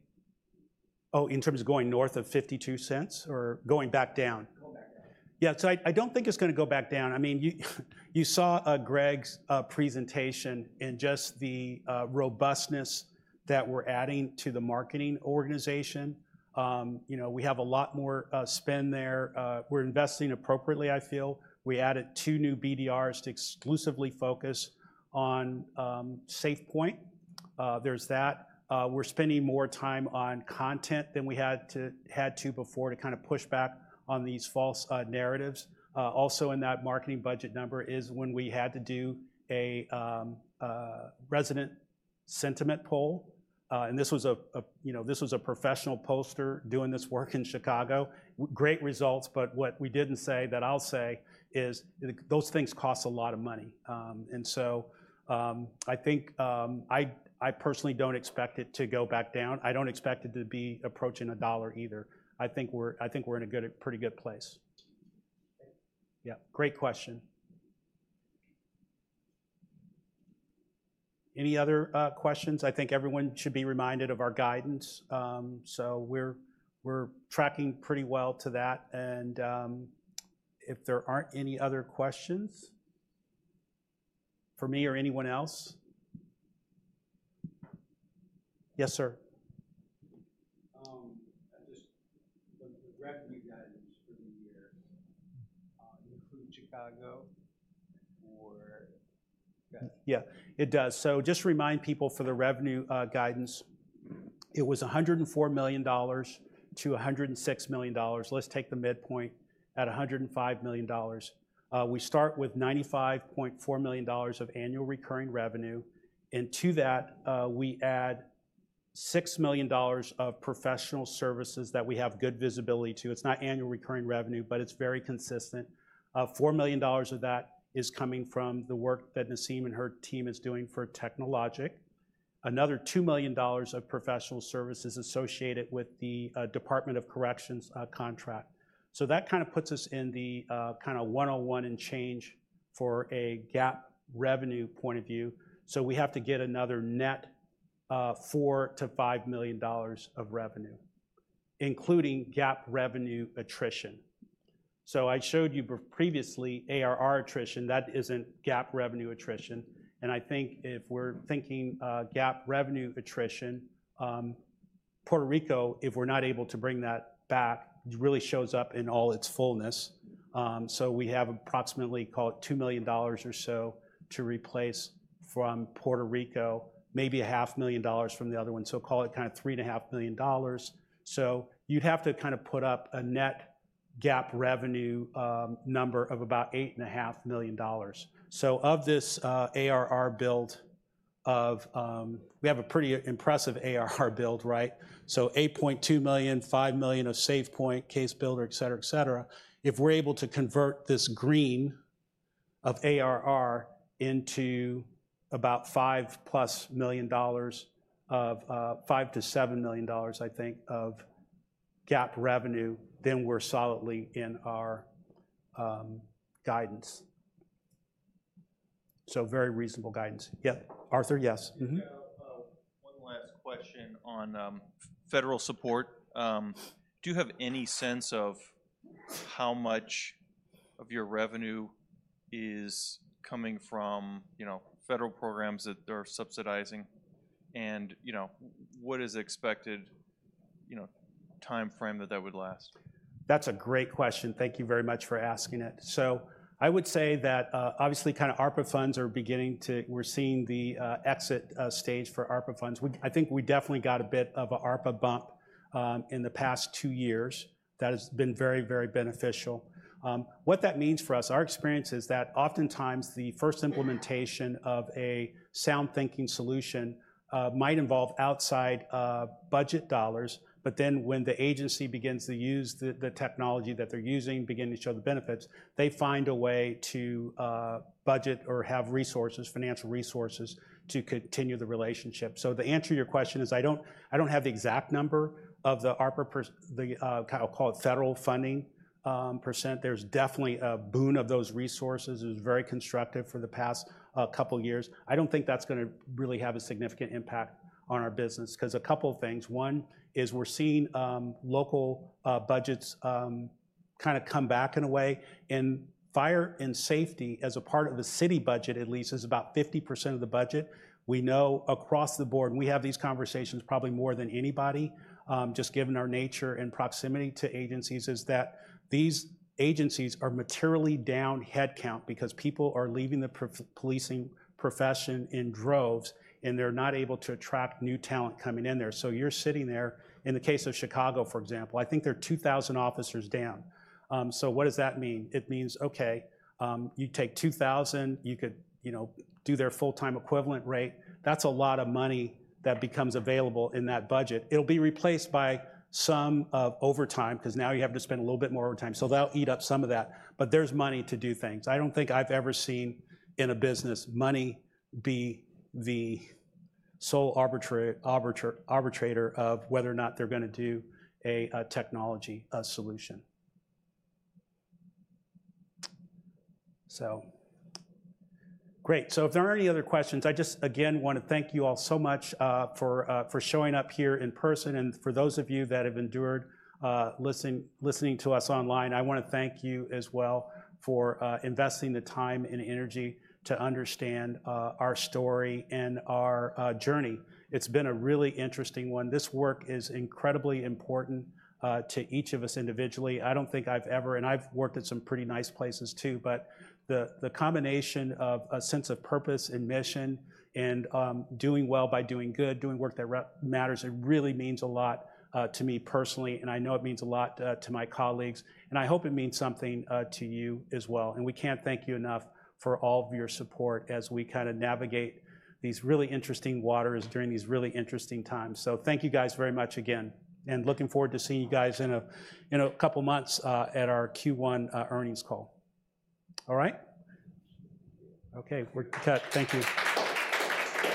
Oh, in terms of going north of $0.52 or going back down? Going back down. Yeah, so I, I don't think it's gonna go back down. I mean, you, you saw Gregg's presentation and just the robustness that we're adding to the marketing organization. You know, we have a lot more spend there. We're investing appropriately, I feel. We added two new BDRs to exclusively focus on SafePointe. There's that. We're spending more time on content than we had to before, to kind of push back on these false narratives. Also in that marketing budget number is when we had to do a resident sentiment poll. And this was a, you know, this was a professional pollster doing this work in Chicago. Great results, but what we didn't say that I'll say is the, those things cost a lot of money. I personally don't expect it to go back down. I don't expect it to be approaching a dollar either. I think we're in a pretty good place. Great. Yeah, great question. Any other questions? I think everyone should be reminded of our guidance. So we're, we're tracking pretty well to that, and, if there aren't any other questions for me or anyone else. Yes, sir. I just, the revenue guidance for the year include Chicago or? Yeah, it does. So just to remind people, for the revenue guidance, it was $104 million to $106 million. Let's take the midpoint at $105 million. We start with $95.4 million of annual recurring revenue, and to that, we add $6 million of professional services that we have good visibility to. It's not annual recurring revenue, but it's very consistent. $4 million of that is coming from the work that Nasim and her team is doing for technology. Another $2 million of professional services associated with the Department of Corrections contract. So that kind of puts us in the kind of $101 million and change for a GAAP revenue point of view. So we have to get another net, four to five million dollars of revenue, including GAAP revenue attrition. So I showed you previously ARR attrition, that isn't GAAP revenue attrition. And I think if we're thinking, GAAP revenue attrition, Puerto Rico, if we're not able to bring that back, really shows up in all its fullness. So we have approximately, call it $2 million or so to replace from Puerto Rico, maybe $500,000 from the other one, so call it kind of $3.5 million. So you'd have to kind of put up a net GAAP revenue, number of about $8.5 million. So of this, ARR build of, we have a pretty impressive ARR build, right? So $8.2 million, $5 million of SafePointe, CaseBuilder, et cetera, et cetera. If we're able to convert this green of ARR into about $5+ million of five to seven million dollars, I think, of GAAP revenue, then we're solidly in our guidance. So very reasonable guidance. Yeah, Arthur, yes. Yeah, one last question on federal support. Do you have any sense of how much of your revenue is coming from, you know, federal programs that are subsidizing? And, you know, what is expected, you know, timeframe that that would last? That's a great question. Thank you very much for asking it. So I would say that, obviously, kinda ARPA funds are beginning to we're seeing the exit stage for ARPA funds. I think we definitely got a bit of a ARPA bump in the past two years. That has been very, very beneficial. What that means for us, our experience is that oftentimes the first implementation of a SoundThinking solution might involve outside budget dollars, but then, when the agency begins to use the technology that they're using begin to show the benefits, they find a way to budget or have resources, financial resources, to continue the relationship. So the answer to your question is, I don't, I don't have the exact number of the ARPA per- the, I'll call it federal funding percent. There's definitely a boon of those resources. It was very constructive for the past couple years. I don't think that's gonna really have a significant impact on our business, 'cause a couple of things: one is we're seeing local budgets kinda come back in a way, and fire and safety, as a part of the city budget at least, is about 50% of the budget. We know across the board, we have these conversations probably more than anybody, just given our nature and proximity to agencies, is that these agencies are materially down headcount because people are leaving the policing profession in droves, and they're not able to attract new talent coming in there. So you're sitting there, in the case of Chicago, for example, I think they're 2,000 officers down. So what does that mean? It means, okay, you take 2,000, you could, you know, do their full-time equivalent rate. That's a lot of money that becomes available in that budget. It'll be replaced by some of overtime, 'cause now you have to spend a little bit more overtime, so that'll eat up some of that. But there's money to do things. I don't think I've ever seen in a business money be the sole arbitrator of whether or not they're gonna do a technology solution. So, great! So if there are any other questions, I just, again, wanna thank you all so much for showing up here in person, and for those of you that have endured listening to us online, I wanna thank you as well for investing the time and energy to understand our story and our journey. It's been a really interesting one. This work is incredibly important to each of us individually. I don't think I've worked at some pretty nice places, too, but the combination of a sense of purpose and mission and doing well by doing good, doing work that matters, it really means a lot to me personally, and I know it means a lot to my colleagues, and I hope it means something to you as well. We can't thank you enough for all of your support as we kinda navigate these really interesting waters during these really interesting times. So thank you guys very much again, and looking forward to seeing you guys in a couple months at our Q1 earnings call. All right? Okay, we're cut. Thank you.